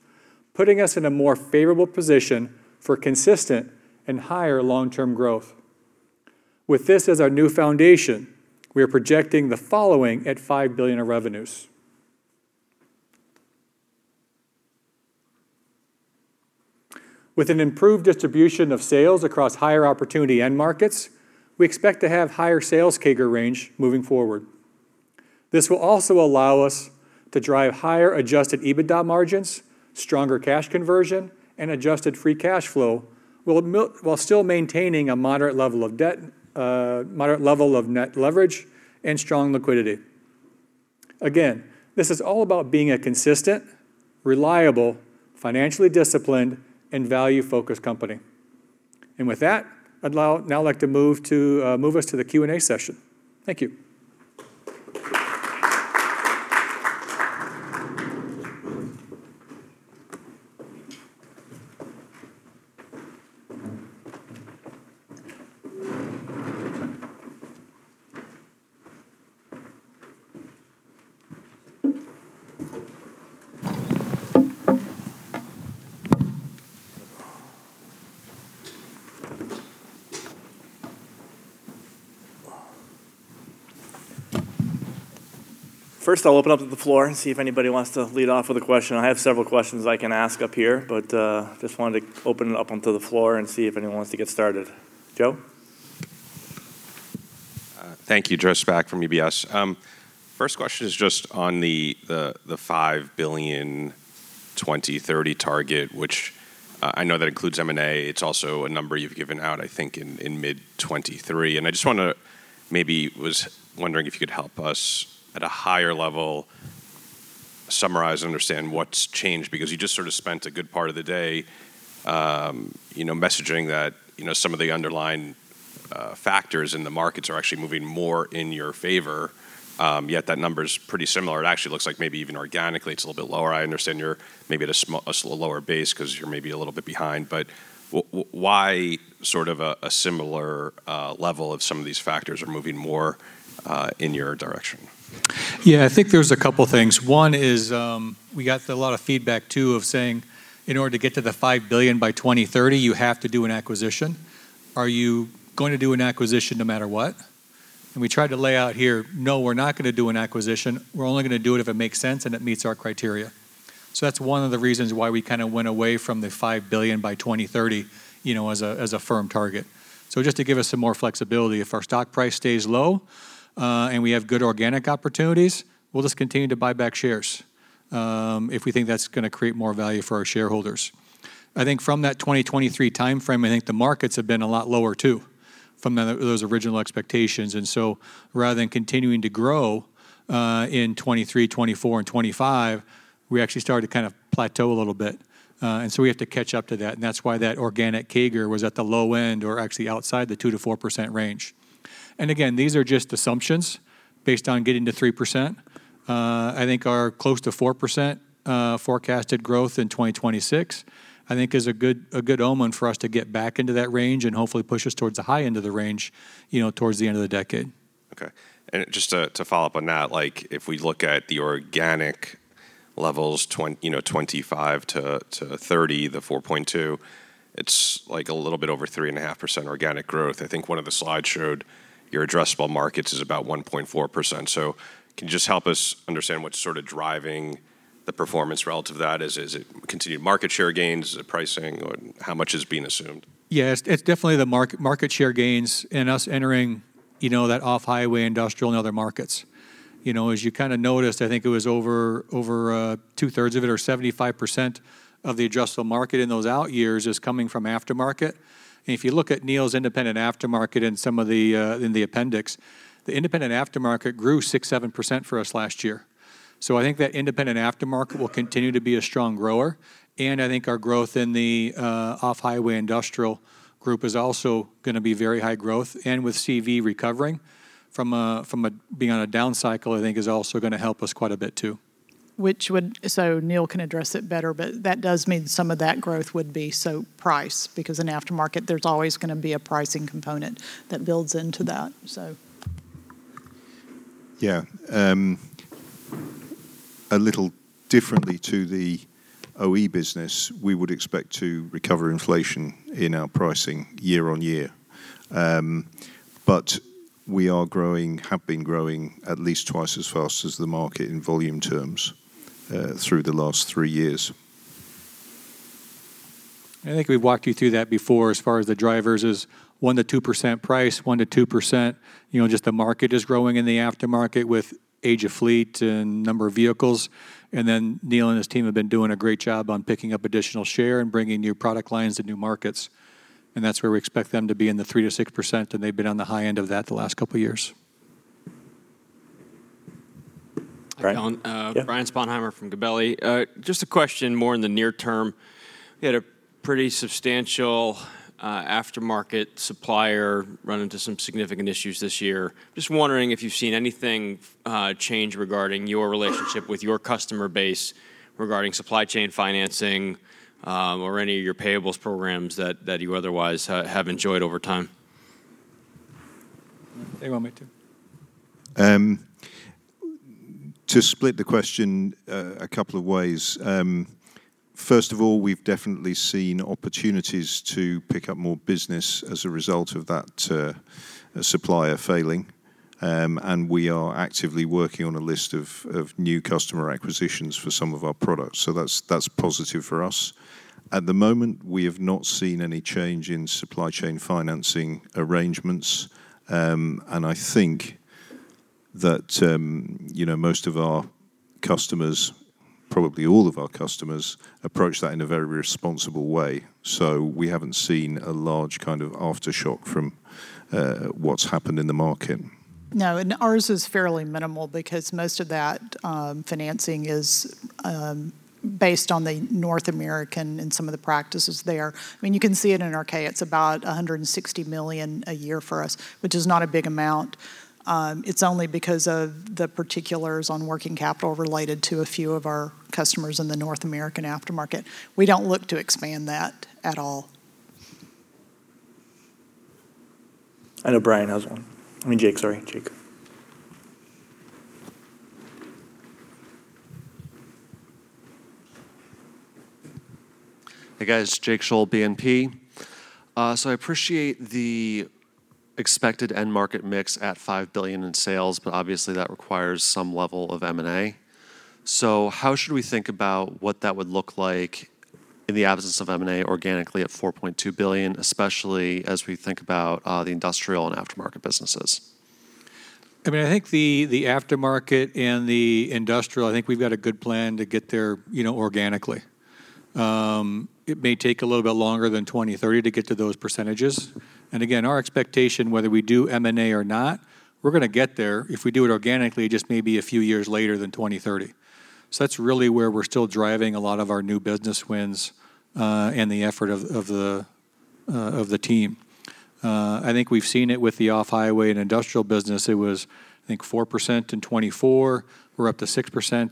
putting us in a more favorable position for consistent and higher long-term growth. With this as our new foundation, we are projecting the following at $5 billion of revenues. With an improved distribution of sales across higher opportunity end markets, we expect to have higher sales CAGR range moving forward. This will also allow us to drive higher adjusted EBITDA margins, stronger cash conversion, and adjusted free cash flow, while still maintaining a moderate level of debt, moderate level of net leverage and strong liquidity. Again, this is all about being a consistent, reliable, financially disciplined, and value-focused company. With that, I'd now like to move to move us to the Q&A session. Thank you. First, I'll open up to the floor and see if anybody wants to lead off with a question. I have several questions I can ask up here, just wanted to open it up onto the floor and see if anyone wants to get started. Joe? Thank you. Joseph Spak from UBS. First question is just on the $5 billion 2030 target, which I know that includes M&A. It's also a number you've given out, I think, in mid 2023. I was wondering if you could help us at a higher level, summarize and understand what's changed. You just sort of spent a good part of the day, you know, messaging that, you know, some of the underlying factors in the markets are actually moving more in your favor, yet that number is pretty similar. It actually looks like maybe even organically, it's a little bit lower. I understand you're maybe at a lower base 'cause you're maybe a little bit behind, but why sort of a similar level if some of these factors are moving more in your direction? Yeah, I think there's a couple things. One is, we got a lot of feedback, too, of saying, "In order to get to the $5 billion by 2030, you have to do an acquisition. Are you going to do an acquisition no matter what?" We tried to lay out here, no, we're not gonna do an acquisition. We're only gonna do it if it makes sense and it meets our criteria. That's one of the reasons why we kinda went away from the $5 billion by 2030, you know, as a, as a firm target. Just to give us some more flexibility, if our stock price stays low, and we have good organic opportunities, we'll just continue to buy back shares, if we think that's gonna create more value for our shareholders. I think from that 2023 timeframe, I think the markets have been a lot lower, too, from those original expectations. Rather than continuing to grow, in 2023, 2024, and 2025, we actually started to kind of plateau a little bit. We have to catch up to that, and that's why that organic CAGR was at the low end or actually outside the 2%-4% range. These are just assumptions based on getting to 3%. I think our close to 4%, forecasted growth in 2026, I think is a good, a good omen for us to get back into that range and hopefully push us towards the high end of the range, you know, towards the end of the decade. Okay. Just to follow up on that, like if we look at the organic levels, you know, 25-30, the 4.2, it's like a little bit over 3.5% organic growth. I think one of the slides showed your addressable markets is about 1.4%. Can you just help us understand what's sort of driving the performance relative to that? Is it continued market share gains? Is it pricing, or how much is being assumed? Yeah, it's definitely the market share gains and us entering, you know, that off-highway industrial and other markets. You know, as you kind of noticed, I think it was over 2/3 of it, or 75% of the addressable market in those out years, is coming from aftermarket. If you look at Neil's independent aftermarket in some of the in the appendix, the independent aftermarket grew 6%, 7% for us last year. I think that independent aftermarket will continue to be a strong grower, and I think our growth in the off-highway industrial group is also gonna be very high growth. With CV recovering from a being on a down cycle, I think is also gonna help us quite a bit too. Neil can address it better, but that does mean some of that growth would be so price, because in aftermarket, there's always gonna be a pricing component that builds into that, so. Yeah, a little differently to the OE business, we would expect to recover inflation in our pricing year-on-year. We are growing, have been growing at least twice as fast as the market in volume terms, through the last 3 years.... I think we've walked you through that before as far as the drivers is 1%-2% price, 1%-2%, you know, just the market is growing in the aftermarket with age of fleet and number of vehicles. Neil and his team have been doing a great job on picking up additional share and bringing new product lines to new markets, and that's where we expect them to be in the 3%-6%, and they've been on the high end of that the last couple of years. Right. Don. Yeah. Brian Sponheimer from Gabelli. Just a question more in the near term. We had a pretty substantial aftermarket supplier run into some significant issues this year. Just wondering if you've seen anything change regarding your relationship with your customer base regarding supply chain financing, or any of your payables programs that you otherwise have enjoyed over time? They want me to. To split the question a couple of ways. First of all, we've definitely seen opportunities to pick up more business as a result of that supplier failing. We are actively working on a list of new customer acquisitions for some of our products, so that's positive for us. At the moment, we have not seen any change in supply chain financing arrangements. I think that, you know, most of our customers, probably all of our customers, approach that in a very responsible way. We haven't seen a large kind of aftershock from what's happened in the market. No, ours is fairly minimal because most of that financing is based on the North American and some of the practices there. I mean, you can see it in RK, it's about $160 million a year for us, which is not a big amount. It's only because of the particulars on working capital related to a few of our customers in the North American aftermarket. We don't look to expand that at all. I know Brian has one. I mean, Jake, sorry. Jake. Hey, guys, Jake Scholl, BNP. I appreciate the expected end market mix at $5 billion in sales, but obviously, that requires some level of M&A. How should we think about what that would look like in the absence of M&A, organically at $4.2 billion, especially as we think about the industrial and aftermarket businesses? I mean, I think the Aftermarket and the Industrial, I think we've got a good plan to get there, you know, organically. It may take a little bit longer than 2030 to get to those percentages. Again, our expectation, whether we do M&A or not, we're gonna get there. If we do it organically, it just may be a few years later than 2030. That's really where we're still driving a lot of our new business wins, and the effort of the team. I think we've seen it with the off-highway and Industrial business. It was, I think, 4% in 2024. We're up to 6%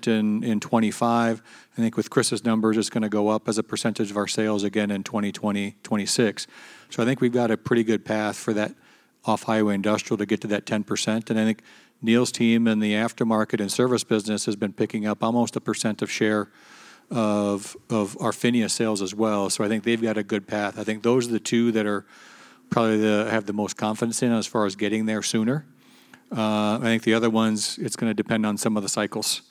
in 2025. I think with Chris's numbers, it's gonna go up as a percentage of our sales again in 2026. I think we've got a pretty good path for that off-highway industrial to get to that 10%. I think Neil's team in the aftermarket and service business has been picking up almost 1% of share of our PHINIA sales as well, so I think they've got a good path. I think those are the two that are probably the, have the most confidence in as far as getting there sooner. I think the other ones, it's gonna depend on some of the cycles.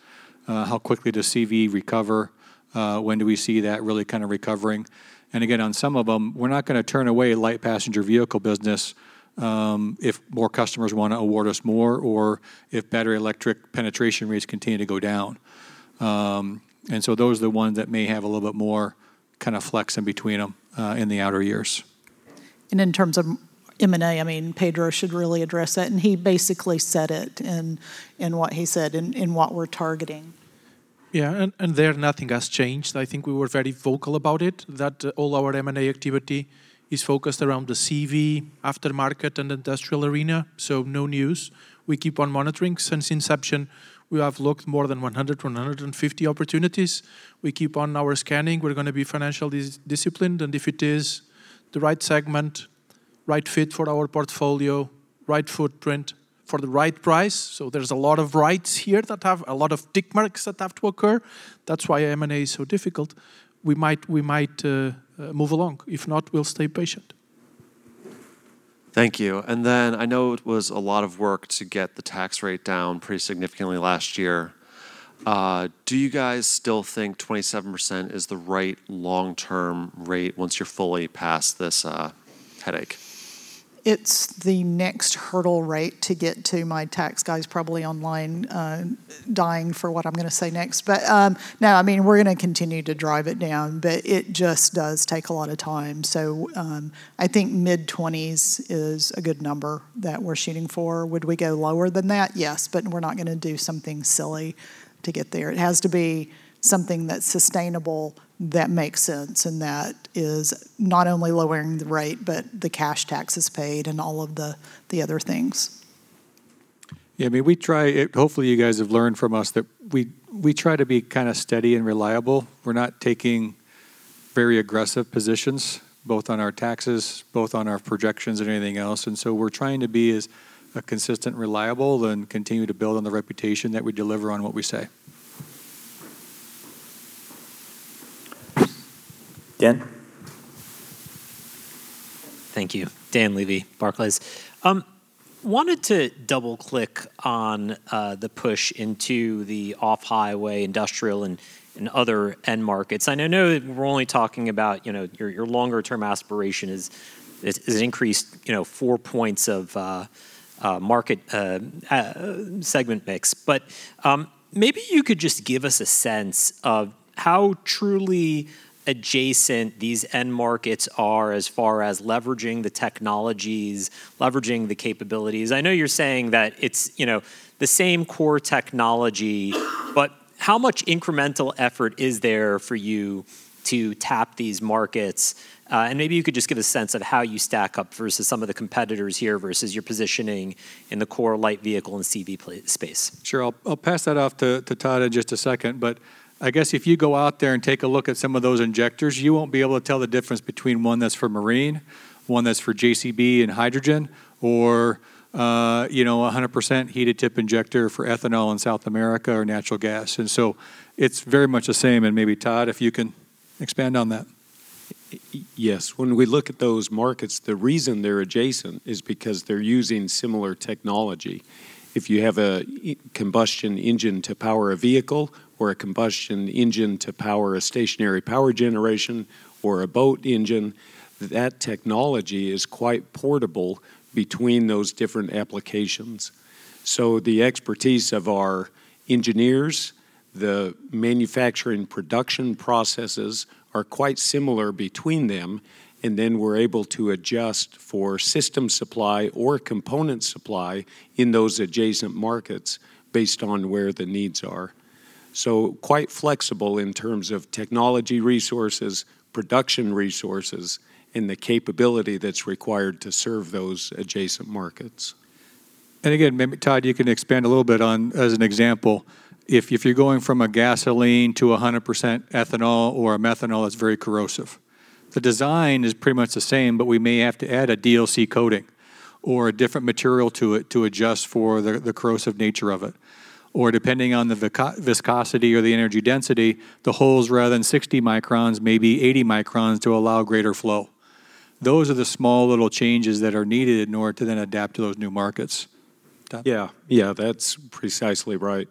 How quickly does CV recover? When do we see that really kind of recovering? Again, on some of them, we're not gonna turn away light passenger vehicle business, if more customers wanna award us more or if battery electric penetration rates continue to go down. Those are the ones that may have a little bit more kind of flex in between them, in the outer years. In terms of M&A, I mean, Pedro should really address that, and he basically said it in what he said in what we're targeting. Yeah, and there, nothing has changed. I think we were very vocal about it, that all our M&A activity is focused around the CV, aftermarket, and industrial arena. No news. We keep on monitoring. Since inception, we have looked more than 100 to 150 opportunities. We keep on our scanning. We're gonna be financially disciplined. If it is the right segment, right fit for our portfolio, right footprint for the right price, there's a lot of rights here that have a lot of tick marks that have to occur. That's why M&A is so difficult. We might move along. If not, we'll stay patient. Thank you. Then I know it was a lot of work to get the tax rate down pretty significantly last year. Do you guys still think 27% is the right long-term rate once you're fully past this headache? It's the next hurdle rate to get to. My tax guy is probably online, dying for what I'm gonna say next. No, I mean, we're gonna continue to drive it down, but it just does take a lot of time. I think mid-20s is a good number that we're shooting for. Would we go lower than that? Yes, we're not gonna do something silly to get there. It has to be something that's sustainable, that makes sense, and that is not only lowering the rate, but the cash taxes paid and all of the other things. I mean, hopefully, you guys have learned from us that we try to be kind of steady and reliable. We're not taking very aggressive positions, both on our taxes, both on our projections and anything else, we're trying to be as consistent and reliable and continue to build on the reputation that we deliver on what we say. Dan? Thank you. Dan Levy, Barclays. wanted to double-click on the push into the off-highway industrial and other end markets. I know that we're only talking about, you know, your longer-term aspiration is increased, you know, four points of market segment mix. Maybe you could just give us a sense of how truly adjacent these end markets are as far as leveraging the technologies, leveraging the capabilities. I know you're saying that it's, you know, the same core technology, but how much incremental effort is there for you to tap these markets? Maybe you could just give a sense of how you stack up versus some of the competitors here versus your positioning in the core light vehicle and CV space. Sure. I'll pass that off to Todd in just a second. I guess if you go out there and take a look at some of those injectors, you won't be able to tell the difference between one that's for marine, one that's for JCB and hydrogen, or, you know, a 100% heated tip injector for ethanol in South America or natural gas. It's very much the same, and maybe, Todd, if you can expand on that. Yes. When we look at those markets, the reason they're adjacent is because they're using similar technology. If you have a combustion engine to power a vehicle or a combustion engine to power a stationary power generation or a boat engine, that technology is quite portable between those different applications. The expertise of our engineers, the manufacturing production processes, are quite similar between them, and then we're able to adjust for system supply or component supply in those adjacent markets based on where the needs are. Quite flexible in terms of technology resources, production resources, and the capability that's required to serve those adjacent markets. Again, maybe, Todd, you can expand a little bit on, as an example, if you're going from a gasoline to 100% ethanol or a methanol, it's very corrosive. The design is pretty much the same, but we may have to add a DLC coating or a different material to it to adjust for the corrosive nature of it. Depending on the viscosity or the energy density, the holes, rather than 60 microns, may be 80 microns to allow greater flow. Those are the small little changes that are needed in order to then adapt to those new markets. Todd? Yeah. Yeah, that's precisely right.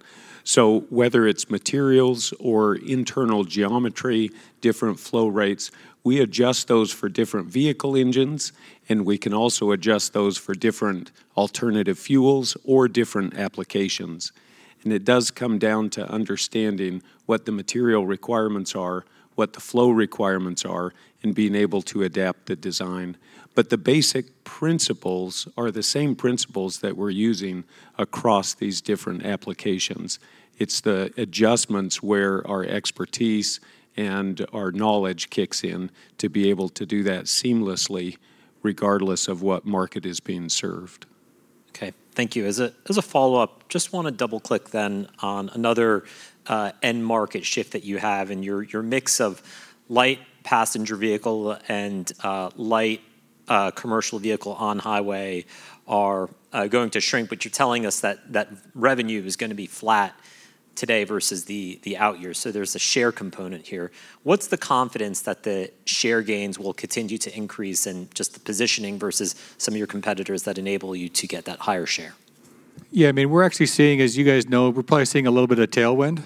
Whether it's materials or internal geometry, different flow rates, we adjust those for different vehicle engines, and we can also adjust those for different alternative fuels or different applications. It does come down to understanding what the material requirements are, what the flow requirements are, and being able to adapt the design. The basic principles are the same principles that we're using across these different applications. It's the adjustments where our expertise and our knowledge kicks in to be able to do that seamlessly, regardless of what market is being served. Okay. Thank you. As a follow-up, just want to double-click then on another end market shift that you have, and your mix of light passenger vehicle and light commercial vehicle on highway are going to shrink, but you're telling us that revenue is gonna be flat today versus the out years. There's a share component here. What's the confidence that the share gains will continue to increase, and just the positioning versus some of your competitors that enable you to get that higher share? Yeah, I mean, we're actually seeing, as you guys know, we're probably seeing a little bit of tailwind.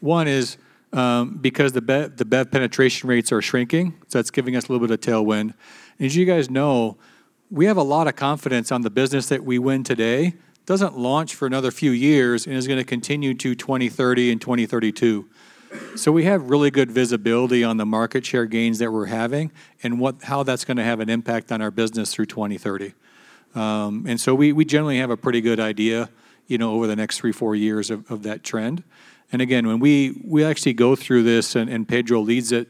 One is, because the BEV penetration rates are shrinking, so that's giving us a little bit of tailwind. As you guys know, we have a lot of confidence on the business that we win today. Doesn't launch for another few years and is gonna continue to 2030 and 2032. We have really good visibility on the market share gains that we're having and how that's gonna have an impact on our business through 2030. We generally have a pretty good idea, you know, over the next three, four years of that trend. Again, when we actually go through this, and Pedro leads it,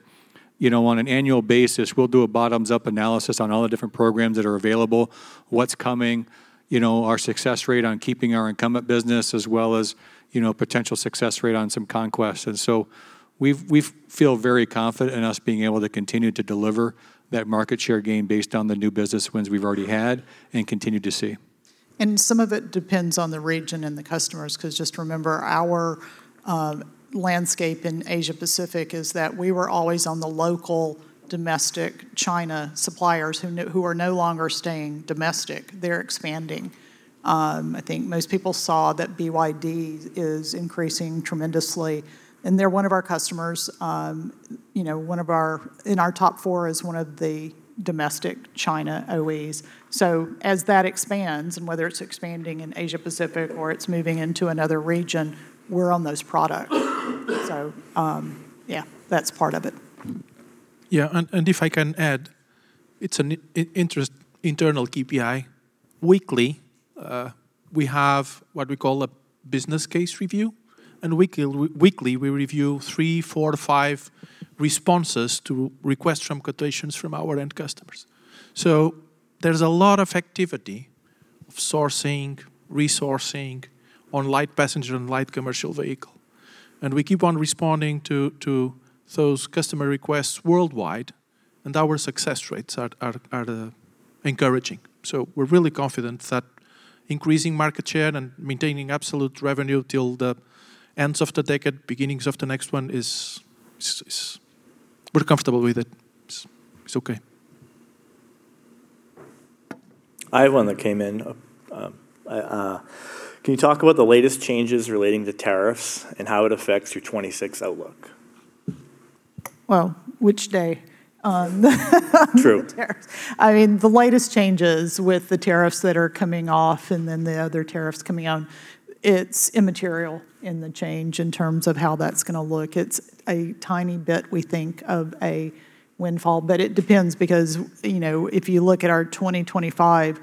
you know, on an annual basis, we'll do a bottoms-up analysis on all the different programs that are available, what's coming, you know, our success rate on keeping our incumbent business, as well as, you know, potential success rate on some conquests. We've, we feel very confident in us being able to continue to deliver that market share gain based on the new business wins we've already had and continue to see. Some of it depends on the region and the customers, 'cause just remember, our landscape in Asia Pacific is that we were always on the local, domestic China suppliers who are no longer staying domestic. They're expanding. I think most people saw that BYD is increasing tremendously, and they're one of our customers. You know, in our top four is one of the domestic China OEs. As that expands, and whether it's expanding in Asia Pacific or it's moving into another region, we're on those products. Yeah, that's part of it. Yeah, if I can add, it's an internal KPI. Weekly, we have what we call a business case review, and weekly, we review three, four, five responses to requests from quotations from our end customers. There's a lot of activity of sourcing, resourcing on light passenger and light commercial vehicle. We keep on responding to those customer requests worldwide, and our success rates are encouraging. We're really confident that increasing market share and maintaining absolute revenue till the ends of the decade, beginnings of the next one, is... It's, we're comfortable with it. It's okay. I have one that came in. Can you talk about the latest changes relating to tariffs and how it affects your 2026 outlook? Well, which day? True. Tariffs. I mean, the latest changes with the tariffs that are coming off, the other tariffs coming on, it's immaterial in the change in terms of how that's gonna look. It's a tiny bit, we think, of a windfall. It depends because, you know, if you look at our 2025,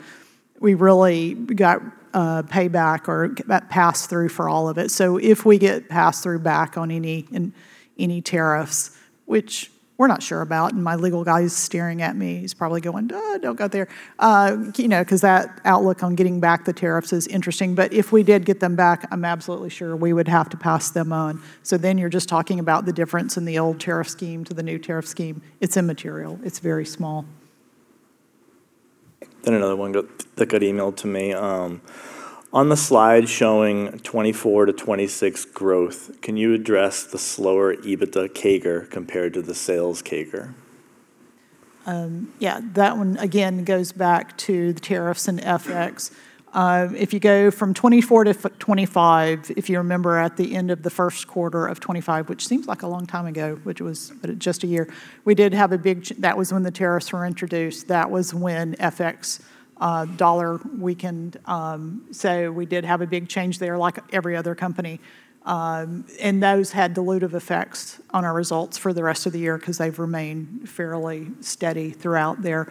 we really got payback or that pass-through for all of it. If we get pass-through back on any and any tariffs, which we're not sure about, and my legal guy is staring at me, he's probably going, "Don't go there." You know, 'cause that outlook on getting back the tariffs is interesting. If we did get them back, I'm absolutely sure we would have to pass them on. You're just talking about the difference in the old tariff scheme to the new tariff scheme. It's immaterial. It's very small. Another one got emailed to me. On the slide showing 2024 to 2026 growth, can you address the slower EBITDA CAGR compared to the sales CAGR? Yeah, that one again goes back to the tariffs and FX. If you go from 2024 to 2025, if you remember at the end of the first quarter of 2025, which seems like a long time ago, which was, but just a year, we did have a big change that was when the tariffs were introduced. That was when FX, dollar weakened. We did have a big change there, like every other company. Those had dilutive effects on our results for the rest of the year 'cause they've remained fairly steady throughout there.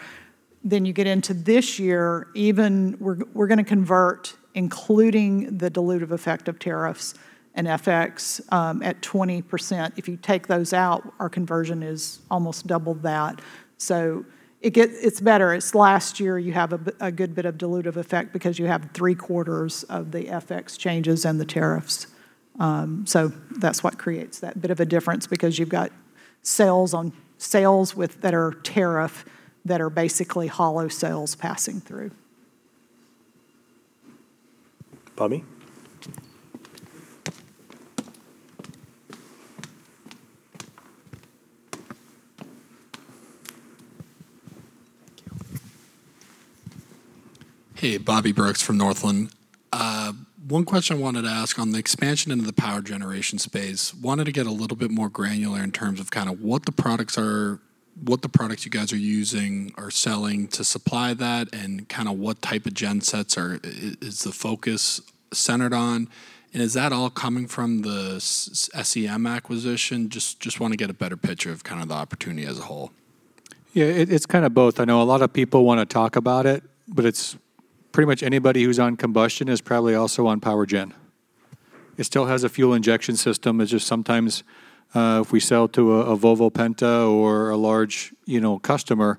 You get into this year, even we're gonna convert, including the dilutive effect of tariffs and FX, at 20%. If you take those out, our conversion is almost double that. It's better. It's last year, you have a good bit of dilutive effect because you have three quarters of the FX changes and the tariffs. That's what creates that bit of a difference, because you've got sales on sales with that are tariff, that are basically hollow sales passing through. Bobby? Thank you. Hey, Bobby Brooks from Northland. One question I wanted to ask on the expansion into the power generation space. Wanted to get a little bit more granular in terms of kinda what the products are, what the products you guys are using or selling to supply that, and kinda what type of gen sets is the focus centered on? Is that all coming from the SEM acquisition? Just wanna get a better picture of kind of the opportunity as a whole. Yeah, it's kind of both. I know a lot of people wanna talk about it, but it's pretty much anybody who's on combustion is probably also on power gen. It still has a fuel injection system. It's just sometimes, if we sell to a Volvo Penta or a large, you know, customer,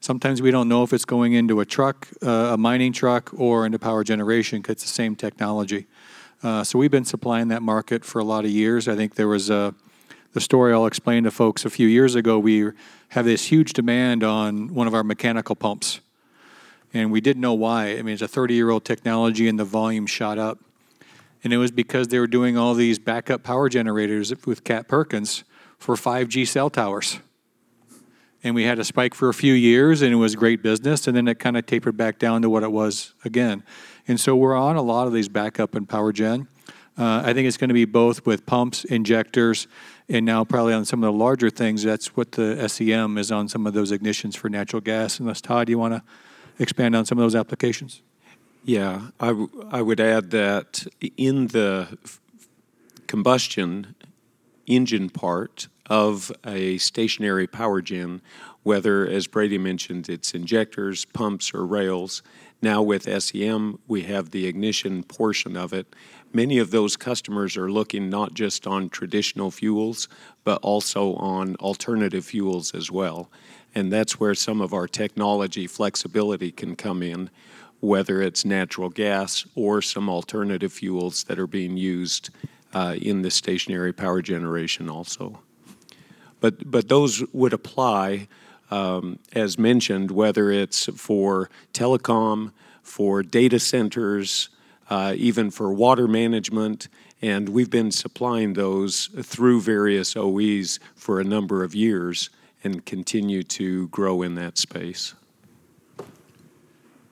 sometimes we don't know if it's going into a truck, a mining truck, or into power generation 'cause it's the same technology. We've been supplying that market for a lot of years. I think there was the story I'll explain to folks, a few years ago, we had this huge demand on one of our mechanical pumps, and we didn't know why. I mean, it's a 30-year-old technology. The volume shot up. It was because they were doing all these backup power generators with Cat Perkins for 5G cell towers. We had a spike for a few years. It was great business. Then it kind of tapered back down to what it was again. We're on a lot of these backup and power gen. I think it's gonna be both with pumps, injectors, and now probably on some of the larger things, that's what the SEM is on some of those ignitions for natural gas. Unless, Todd, you wanna expand on some of those applications? I would add that in the combustion engine part of a stationary power gen, whether, as Brady mentioned, it's injectors, pumps, or rails, now with SEM, we have the ignition portion of it. Many of those customers are looking not just on traditional fuels, but also on alternative fuels as well, and that's where some of our technology flexibility can come in, whether it's natural gas or some alternative fuels that are being used in the stationary power generation also. Those would apply, as mentioned, whether it's for telecom, for data centers, even for water management, and we've been supplying those through various OEs for a number of years and continue to grow in that space.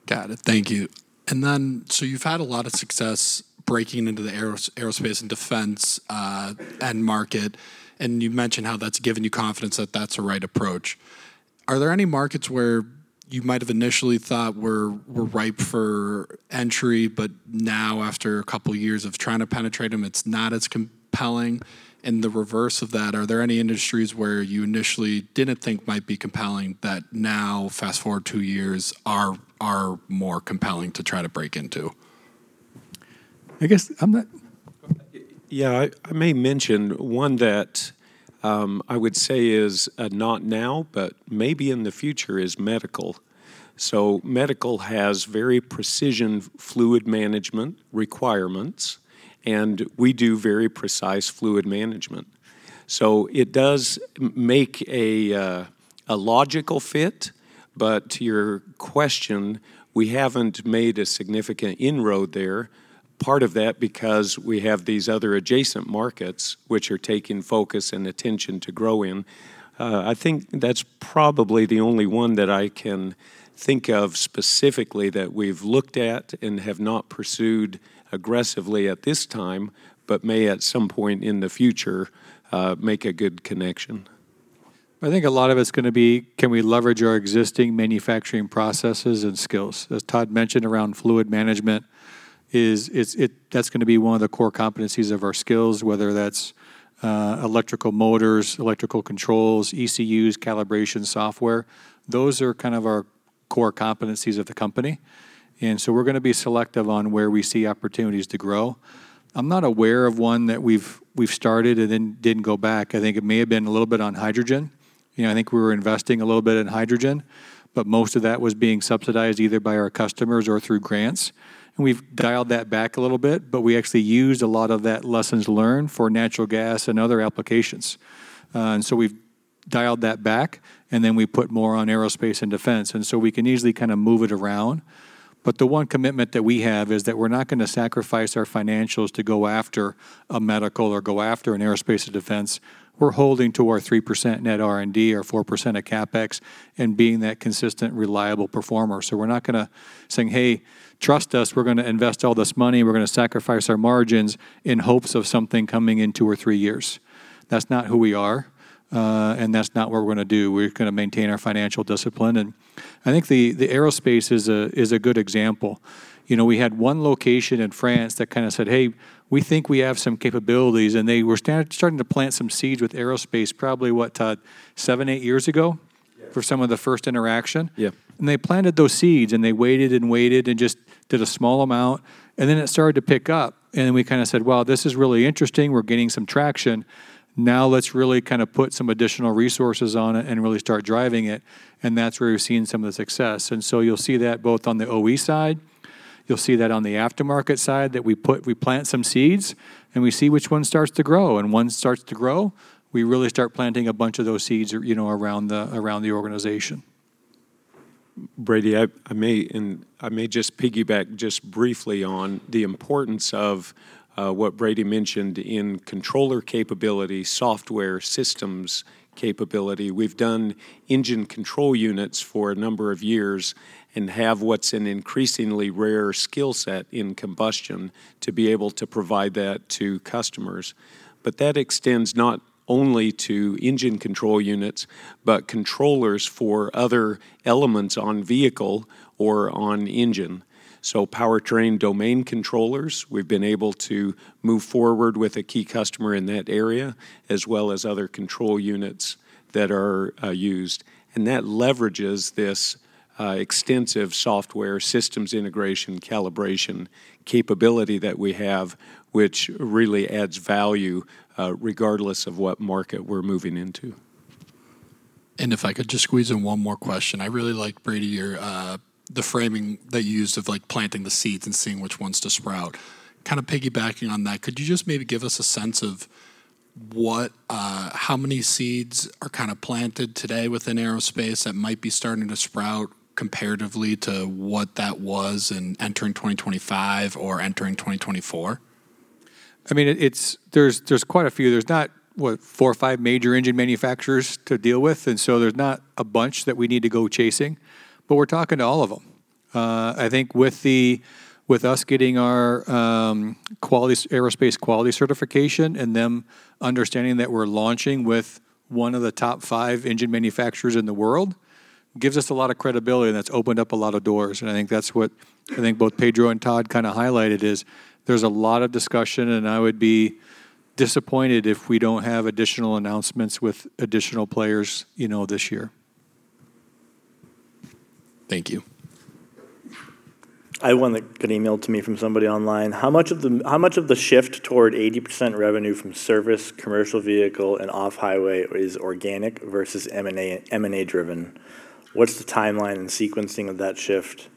Got it. Thank you. You've had a lot of success breaking into the aerospace and defense end market, and you've mentioned how that's given you confidence that that's the right approach. Are there any markets where you might have initially thought were ripe for entry, but now, after a couple of years of trying to penetrate them, it's not as compelling? The reverse of that, are there any industries where you initially didn't think might be compelling that now, fast-forward two years, are more compelling to try to break into? I guess I'm not. Yeah, I may mention one that I would say is not now, but maybe in the future, is medical. Medical has very precision fluid management requirements, and we do very precise fluid management. It does make a logical fit. To your question, we haven't made a significant inroad there. Part of that, because we have these other adjacent markets which are taking focus and attention to grow in. I think that's probably the only one that I can think of specifically that we've looked at and have not pursued aggressively at this time, but may, at some point in the future, make a good connection. I think a lot of it's gonna be: can we leverage our existing manufacturing processes and skills? As Todd mentioned around fluid management, that's gonna be one of the core competencies of our skills, whether that's electrical motors, electrical controls, ECUs, calibration software. Those are kind of our core competencies of the company, we're gonna be selective on where we see opportunities to grow. I'm not aware of one that we've started and then didn't go back. I think it may have been a little bit on hydrogen. You know, I think we were investing a little bit in hydrogen, but most of that was being subsidized either by our customers or through grants. We've dialed that back a little bit, but we actually used a lot of that lessons learned for natural gas and other applications. We've dialed that back, and then we put more on aerospace and defense, and so we can easily kinda move it around. The one commitment that we have is that we're not gonna sacrifice our financials to go after a medical or go after an aerospace and defense. We're holding to our 3% net R&D or 4% of CapEx and being that consistent, reliable performer. We're not gonna saying, "Hey, trust us, we're gonna invest all this money, and we're gonna sacrifice our margins in hopes of something coming in two or three years." That's not who we are, and that's not what we're gonna do. We're gonna maintain our financial discipline, and I think the aerospace is a good example. You know, we had one location in France that kinda said, "Hey, we think we have some capabilities," and they were starting to plant some seeds with aerospace, probably what, Todd, seven, eight years ago? Yeah. For some of the first interaction. Yeah. They planted those seeds, and they waited and waited and just did a small amount, then it started to pick up, we kinda said: Well, this is really interesting. We're gaining some traction. Now, let's really kinda put some additional resources on it and really start driving it. That's where we've seen some of the success. You'll see that both on the OE side, you'll see that on the aftermarket side, that we plant some seeds, and we see which one starts to grow. One starts to grow, we really start planting a bunch of those seeds you know, around the organization. Brady, I may just piggyback just briefly on the importance of what Brady mentioned in controller capability, software systems capability. We've done engine control units for a number of years and have what's an increasingly rare skill set in combustion to be able to provide that to customers. That extends not only to engine control units, but controllers for other elements on vehicle or on engine. Powertrain domain controllers, we've been able to move forward with a key customer in that area, as well as other control units that are used. That leverages this extensive software systems integration calibration capability that we have, which really adds value regardless of what market we're moving into. If I could just squeeze in one more question. I really like, Brady, your the framing that you used of, like, planting the seeds and seeing which ones to sprout. Kinda piggybacking on that, could you just maybe give us a sense of what, how many seeds are kinda planted today within aerospace that might be starting to sprout comparatively to what that was in entering 2025 or entering 2024? I mean, there's quite a few. There's not, what, four or five major engine manufacturers to deal with, so there's not a bunch that we need to go chasing. We're talking to all of them. I think with the, with us getting our quality, aerospace quality certification and them understanding that we're launching with one of the top five engine manufacturers in the world, gives us a lot of credibility, and that's opened up a lot of doors. I think that's what I think both Pedro and Todd kind of highlighted is there's a lot of discussion, and I would be disappointed if we don't have additional announcements with additional players, you know, this year. Thank you. I have one that got emailed to me from somebody online: How much of the shift toward 80% revenue from service, commercial vehicle, and off-highway is organic versus M&A, M&A-driven? What's the timeline and sequencing of that shift,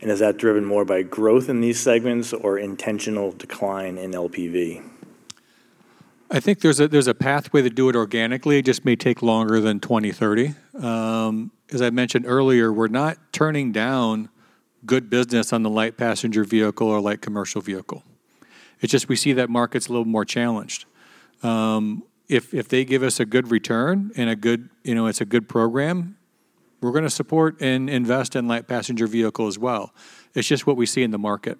and is that driven more by growth in these segments or intentional decline in LPV? I think there's a pathway to do it organically. It just may take longer than 2030. As I mentioned earlier, we're not turning down good business on the light passenger vehicle or light commercial vehicle. It's just we see that market's a little more challenged. If they give us a good return and a good, you know, it's a good program, we're gonna support and invest in light passenger vehicle as well. It's just what we see in the market,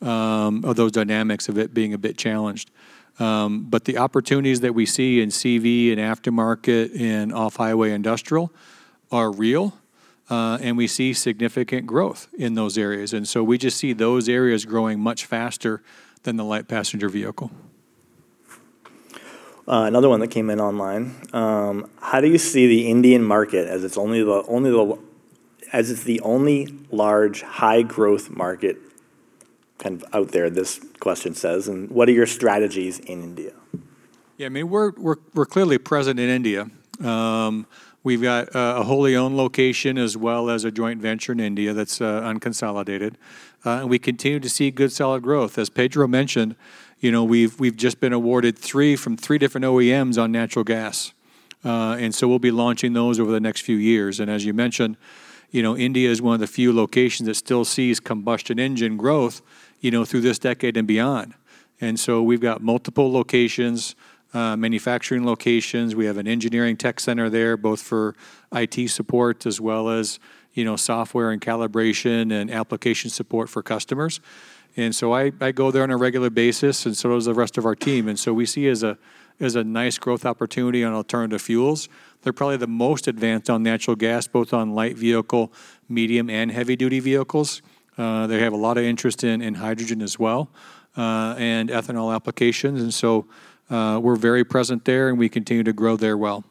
of those dynamics of it being a bit challenged. The opportunities that we see in CV and aftermarket and off-highway industrial are real, and we see significant growth in those areas, and so we just see those areas growing much faster than the light passenger vehicle. Another one that came in online: How do you see the Indian market as it's the only large, high-growth market kind of out there? This question says. What are your strategies in India? Yeah, I mean, we're clearly present in India. We've got a wholly owned location as well as a joint venture in India that's unconsolidated. We continue to see good, solid growth. As Pedro mentioned, you know, we've just been awarded three from three different OEMs on natural gas.... we'll be launching those over the next few years. As you mentioned, you know, India is one of the few locations that still sees combustion engine growth, you know, through this decade and beyond. We've got multiple locations, manufacturing locations. We have an engineering tech center there, both for IT support as well as, you know, software and calibration and application support for customers. I go there on a regular basis, and so does the rest of our team. We see as a, as a nice growth opportunity on alternative fuels. They're probably the most advanced on natural gas, both on light vehicle, medium, and heavy-duty vehicles. They have a lot of interest in hydrogen as well, and ethanol applications. We're very present there, and we continue to grow there well.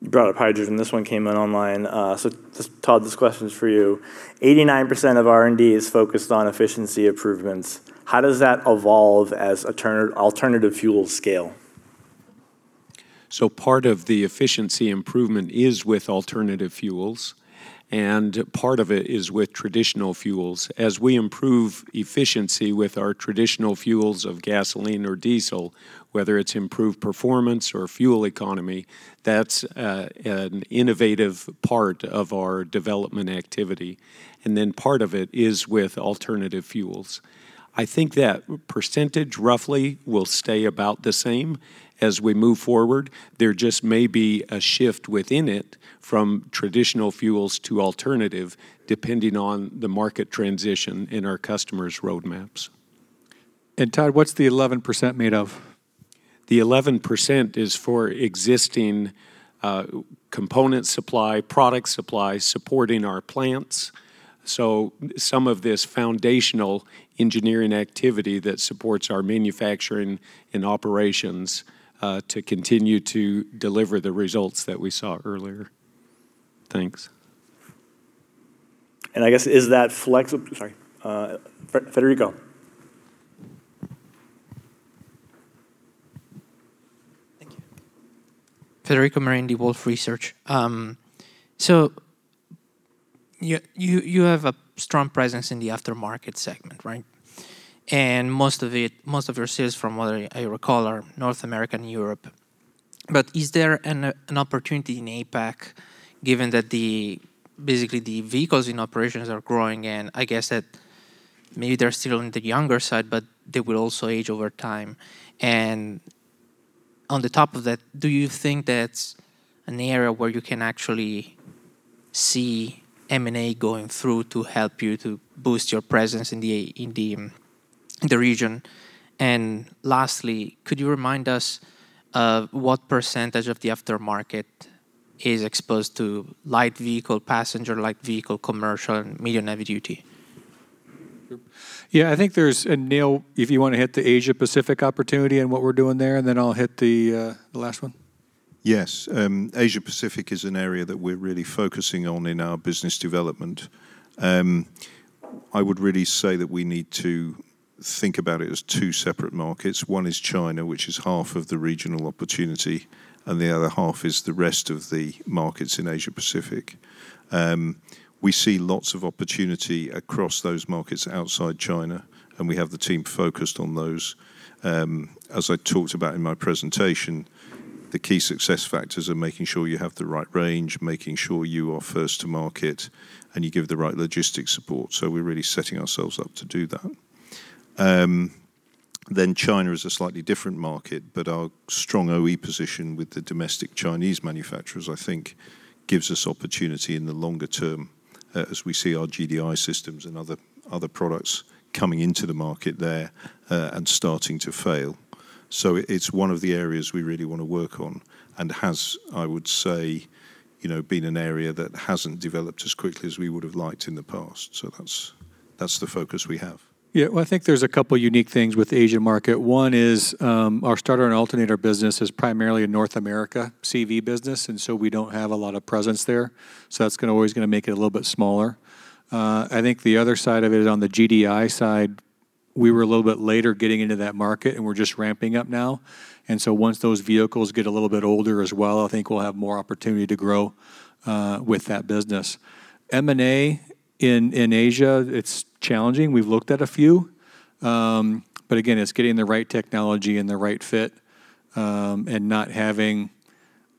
You brought up hydrogen. This one came in online. Just, Todd, this question is for you. 89% of R&D is focused on efficiency improvements. How does that evolve as alternative fuels scale? Part of the efficiency improvement is with alternative fuels, and part of it is with traditional fuels. As we improve efficiency with our traditional fuels of gasoline or diesel, whether it's improved performance or fuel economy, that's an innovative part of our development activity. Then part of it is with alternative fuels. I think that percentage roughly will stay about the same as we move forward. There just may be a shift within it from traditional fuels to alternative, depending on the market transition in our customers' roadmaps. Todd, what's the 11% made of? The 11% is for existing, component supply, product supply, supporting our plants. Some of this foundational engineering activity that supports our manufacturing and operations, to continue to deliver the results that we saw earlier. Thanks. I guess, is that flex... Sorry, Federico. Thank you. Federico Merendi, Wolfe Research. So you have a strong presence in the aftermarket segment, right? Most of it, most of your sales from what I recall, are North America and Europe. Is there an opportunity in APAC, given that basically, the vehicles in operations are growing, and I guess that maybe they're still on the younger side, but they will also age over time? On the top of that, do you think that's an area where you can actually see M&A going through to help you to boost your presence in the region? Lastly, could you remind us of what percentage of the aftermarket is exposed to light vehicle, passenger light vehicle, commercial, and medium, heavy duty? Yeah, I think there's. Neil, if you want to hit the Asia-Pacific opportunity and what we're doing there, and then I'll hit the last one. Yes, Asia-Pacific is an area that we're really focusing on in our business development. I would really say that we need to think about it as two separate markets. One is China, which is half of the regional opportunity, and the other half is the rest of the markets in Asia-Pacific. We see lots of opportunity across those markets outside China, and we have the team focused on those. As I talked about in my presentation, the key success factors are making sure you have the right range, making sure you are first to market, and you give the right logistics support. We're really setting ourselves up to do that. China is a slightly different market, but our strong OE position with the domestic Chinese manufacturers, I think, gives us opportunity in the longer term, as we see our GDI systems and other products coming into the market there, and starting to fail. It's one of the areas we really wanna work on and has, I would say, you know, been an area that hasn't developed as quickly as we would have liked in the past. That's the focus we have. Yeah, well, I think there's a couple unique things with Asia market. One is, our starter and alternator business is primarily a North America CV business. We don't have a lot of presence there, so that's always gonna make it a little bit smaller. I think the other side of it, on the GDI side, we were a little bit later getting into that market, and we're just ramping up now. Once those vehicles get a little bit older as well, I think we'll have more opportunity to grow with that business. M&A in Asia, it's challenging. We've looked at a few, but again, it's getting the right technology and the right fit, and not having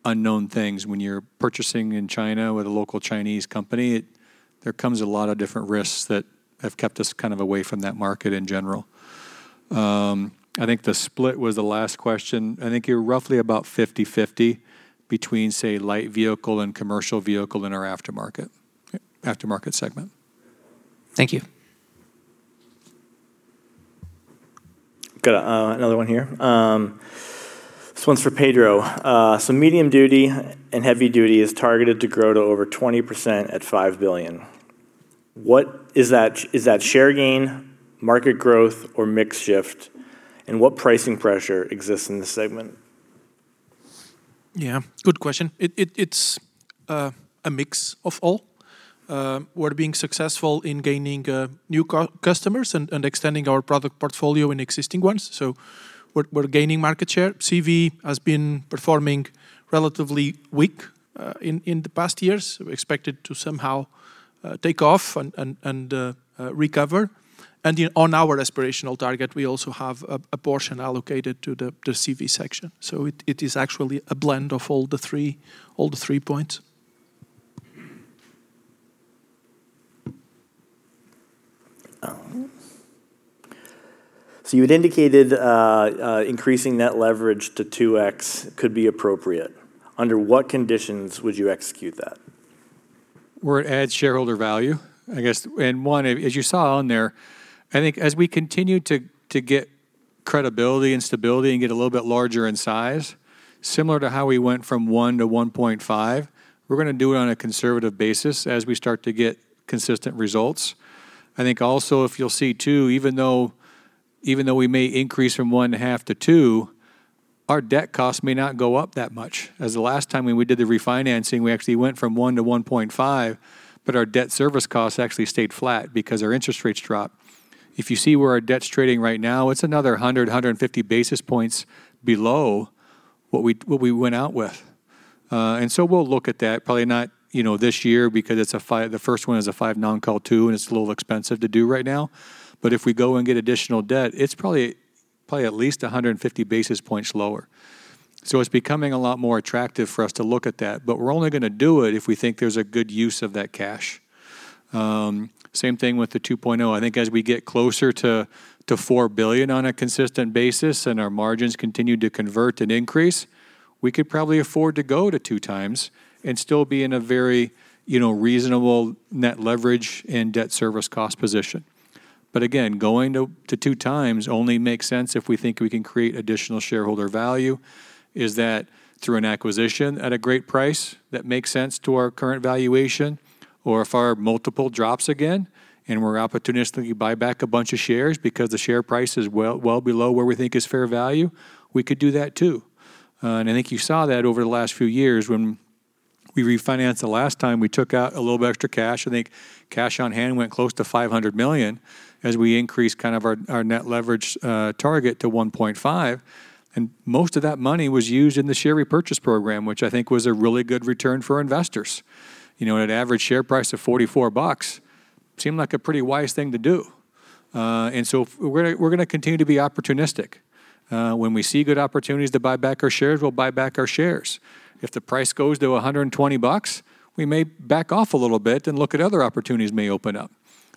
unknown things. When you're purchasing in China with a local Chinese company, there comes a lot of different risks that have kept us kind of away from that market in general. I think the split was the last question. I think you're roughly about 50/50 between, say, light vehicle and commercial vehicle in our aftermarket segment. Thank you. Got another one here. This one's for Pedro. Medium duty and heavy duty is targeted to grow to over 20% at $5 billion. Is that share gain, market growth, or mix shift? What pricing pressure exists in this segment? Yeah, good question. It's a mix of all. We're being successful in gaining new customers and extending our product portfolio in existing ones, so we're gaining market share. CV has been performing relatively weak in the past years. We expect it to somehow take off and recover. On our aspirational target, we also have a portion allocated to the CV section. So it is actually a blend of all the three points. You had indicated increasing net leverage to 2x could be appropriate. Under what conditions would you execute that? Where it adds shareholder value, I guess. One, as you saw on there, I think as we continue to get credibility and stability and get a little bit larger in size, similar to how we went from 1 to 1.5, we're gonna do it on a conservative basis as we start to get consistent results. I think also, if you'll see, too, even though we may increase from 1.5 to 2, our debt cost may not go up that much. The last time when we did the refinancing, we actually went from 1 to 1.5, but our debt service costs actually stayed flat because our interest rates dropped. If you see where our debt's trading right now, it's another 150 basis points below what we went out with. We'll look at that, probably not, you know, this year because it's the first one is a 5 non-call 2, and it's a little expensive to do right now. If we go and get additional debt, it's probably at least 150 basis points lower. It's becoming a lot more attractive for us to look at that, but we're only gonna do it if we think there's a good use of that cash. Same thing with the 2.0. I think as we get closer to $4 billion on a consistent basis and our margins continue to convert and increase, we could probably afford to go to 2x and still be in a very, you know, reasonable net leverage and debt service cost position. Again, going to 2x only makes sense if we think we can create additional shareholder value. Is that through an acquisition at a great price that makes sense to our current valuation? If our multiple drops again, and we're opportunistically buy back a bunch of shares because the share price is well below where we think is fair value, we could do that too. I think you saw that over the last few years when we refinanced the last time, we took out a little bit extra cash. I think cash on hand went close to $500 million as we increased our net leverage target to 1.5, and most of that money was used in the share repurchase program, which I think was a really good return for investors. You know, at an average share price of $44, seemed like a pretty wise thing to do. We're gonna continue to be opportunistic. When we see good opportunities to buy back our shares, we'll buy back our shares. If the price goes to $120, we may back off a little bit and look at other opportunities may open up.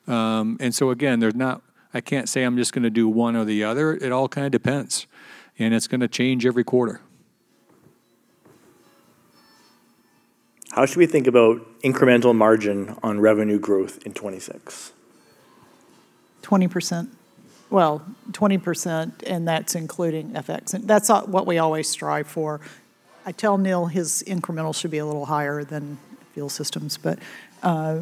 Again, I can't say I'm just gonna do one or the other. It all kind of depends, and it's gonna change every quarter. How should we think about incremental margin on revenue growth in 2026? 20%. Well, 20%, and that's including FX, and that's what we always strive for. I tell Neil his incremental should be a little higher than fuel systems,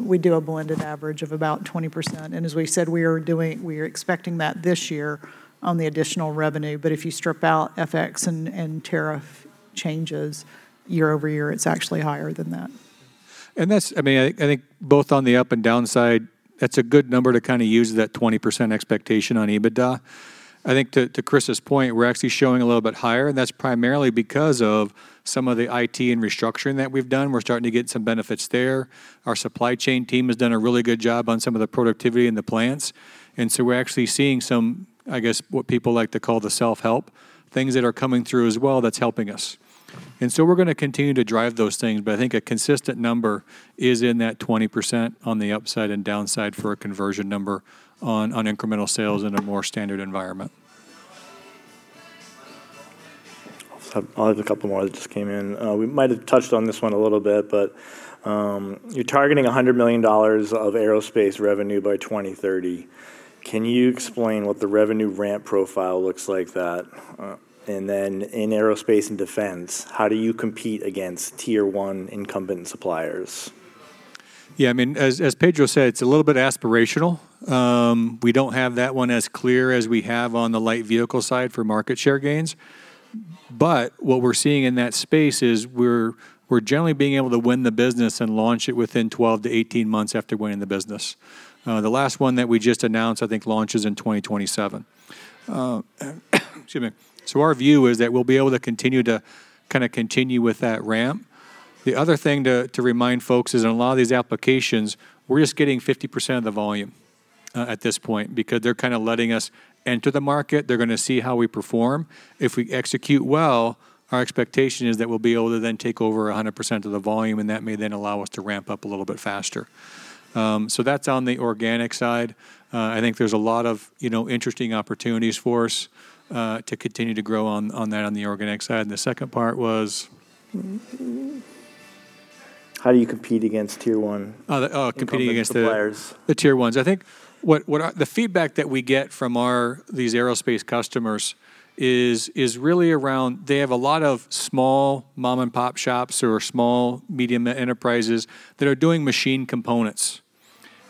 we do a blended average of about 20%. As we said, we are expecting that this year on the additional revenue, but if you strip out FX and tariff changes year-over-year, it's actually higher than that. I mean, I think both on the up and down side, that's a good number to kind of use that 20% expectation on EBITDA. I think to Chris's point, we're actually showing a little bit higher, that's primarily because of some of the IT and restructuring that we've done. We're starting to get some benefits there. Our supply chain team has done a really good job on some of the productivity in the plants, we're actually seeing some, I guess, what people like to call the self-help, things that are coming through as well that's helping us. We're gonna continue to drive those things, but I think a consistent number is in that 20% on the upside and downside for a conversion number on incremental sales in a more standard environment. I'll have a couple more that just came in. We might have touched on this one a little bit, but you're targeting $100 million of aerospace revenue by 2030. Can you explain what the revenue ramp profile looks like that? Then in aerospace and defense, how do you compete against tier one incumbent suppliers? Yeah, I mean, as Pedro said, it's a little bit aspirational. We don't have that one as clear as we have on the light vehicle side for market share gains. What we're seeing in that space is we're generally being able to win the business and launch it within 12-18 months after winning the business. The last one that we just announced, I think, launches in 2027. Excuse me. Our view is that we'll be able to continue with that ramp. The other thing to remind folks is in a lot of these applications, we're just getting 50% of the volume, at this point because they're kind of letting us enter the market. They're gonna see how we perform. If we execute well, our expectation is that we'll be able to then take over 100% of the volume, and that may then allow us to ramp up a little bit faster. That's on the organic side. I think there's a lot of, you know, interesting opportunities for us to continue to grow on that, on the organic side. The second part was? How do you compete against tier one? Competing against. -suppliers. The tier ones. I think what the feedback that we get from our these aerospace customers is really around they have a lot of small mom-and-pop shops or small medium enterprises that are doing machine components,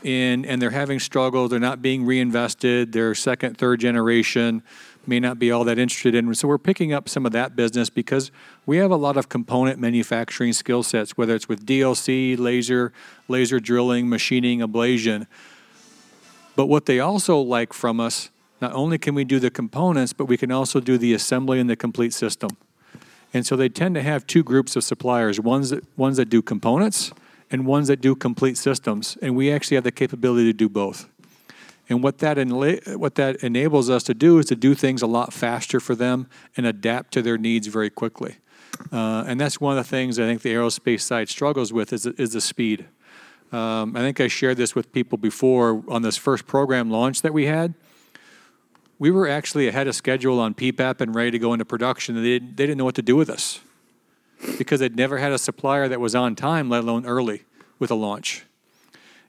and they're having struggles. They're not being reinvested. Their second, third generation may not be all that interested in them. We're picking up some of that business because we have a lot of component manufacturing skill sets, whether it's with DLC, laser drilling, machining, ablation. What they also like from us, not only can we do the components, but we can also do the assembly and the complete system. They tend to have two groups of suppliers, ones that do components and ones that do complete systems, and we actually have the capability to do both. What that enables us to do is to do things a lot faster for them and adapt to their needs very quickly. That's one of the things I think the aerospace side struggles with, is the speed. I think I shared this with people before on this first program launch that we had. We were actually ahead of schedule on PPAP and ready to go into production, and they didn't know what to do with us because they'd never had a supplier that was on time, let alone early, with a launch.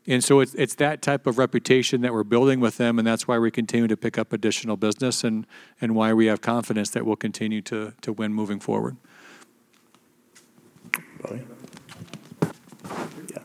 It's that type of reputation that we're building with them, and that's why we continue to pick up additional business and why we have confidence that we'll continue to win moving forward. Yeah. Yeah.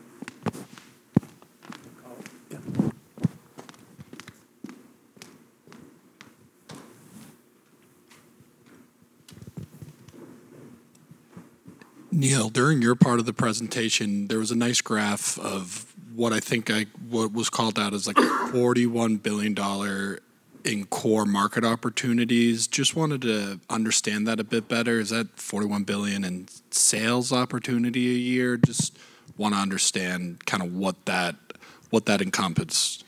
Neil, during your part of the presentation, there was a nice graph of what I think what was called out as, like, $41 billion in core market opportunities. Just wanted to understand that a bit better. Is that $41 billion in sales opportunity a year? Just wanna understand kinda what that encompass.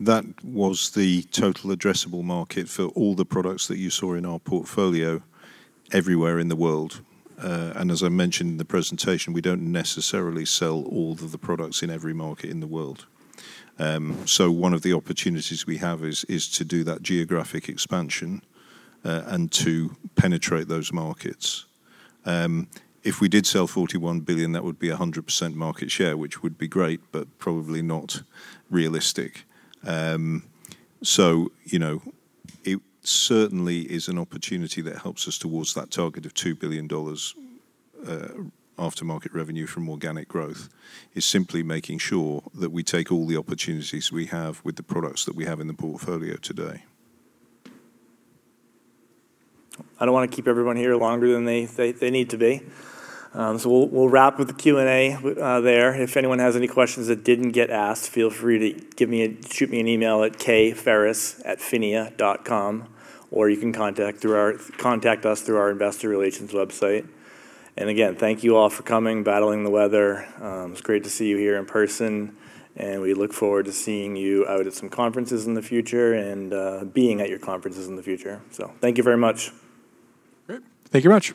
That was the total addressable market for all the products that you saw in our portfolio everywhere in the world. As I mentioned in the presentation, we don't necessarily sell all of the products in every market in the world. One of the opportunities we have is to do that geographic expansion, and to penetrate those markets. If we did sell $41 billion, that would be 100% market share, which would be great, but probably not realistic. You know, it certainly is an opportunity that helps us towards that target of $2 billion, aftermarket revenue from organic growth, is simply making sure that we take all the opportunities we have with the products that we have in the portfolio today. I don't wanna keep everyone here longer than they need to be. We'll wrap with the Q&A there. If anyone has any questions that didn't get asked, feel free to shoot me an email at kferris@phinia.com, or you can contact us through our investor relations website. Again, thank you all for coming, battling the weather. It's great to see you here in person, and we look forward to seeing you out at some conferences in the future and being at your conferences in the future. Thank you very much. Great. Thank you very much.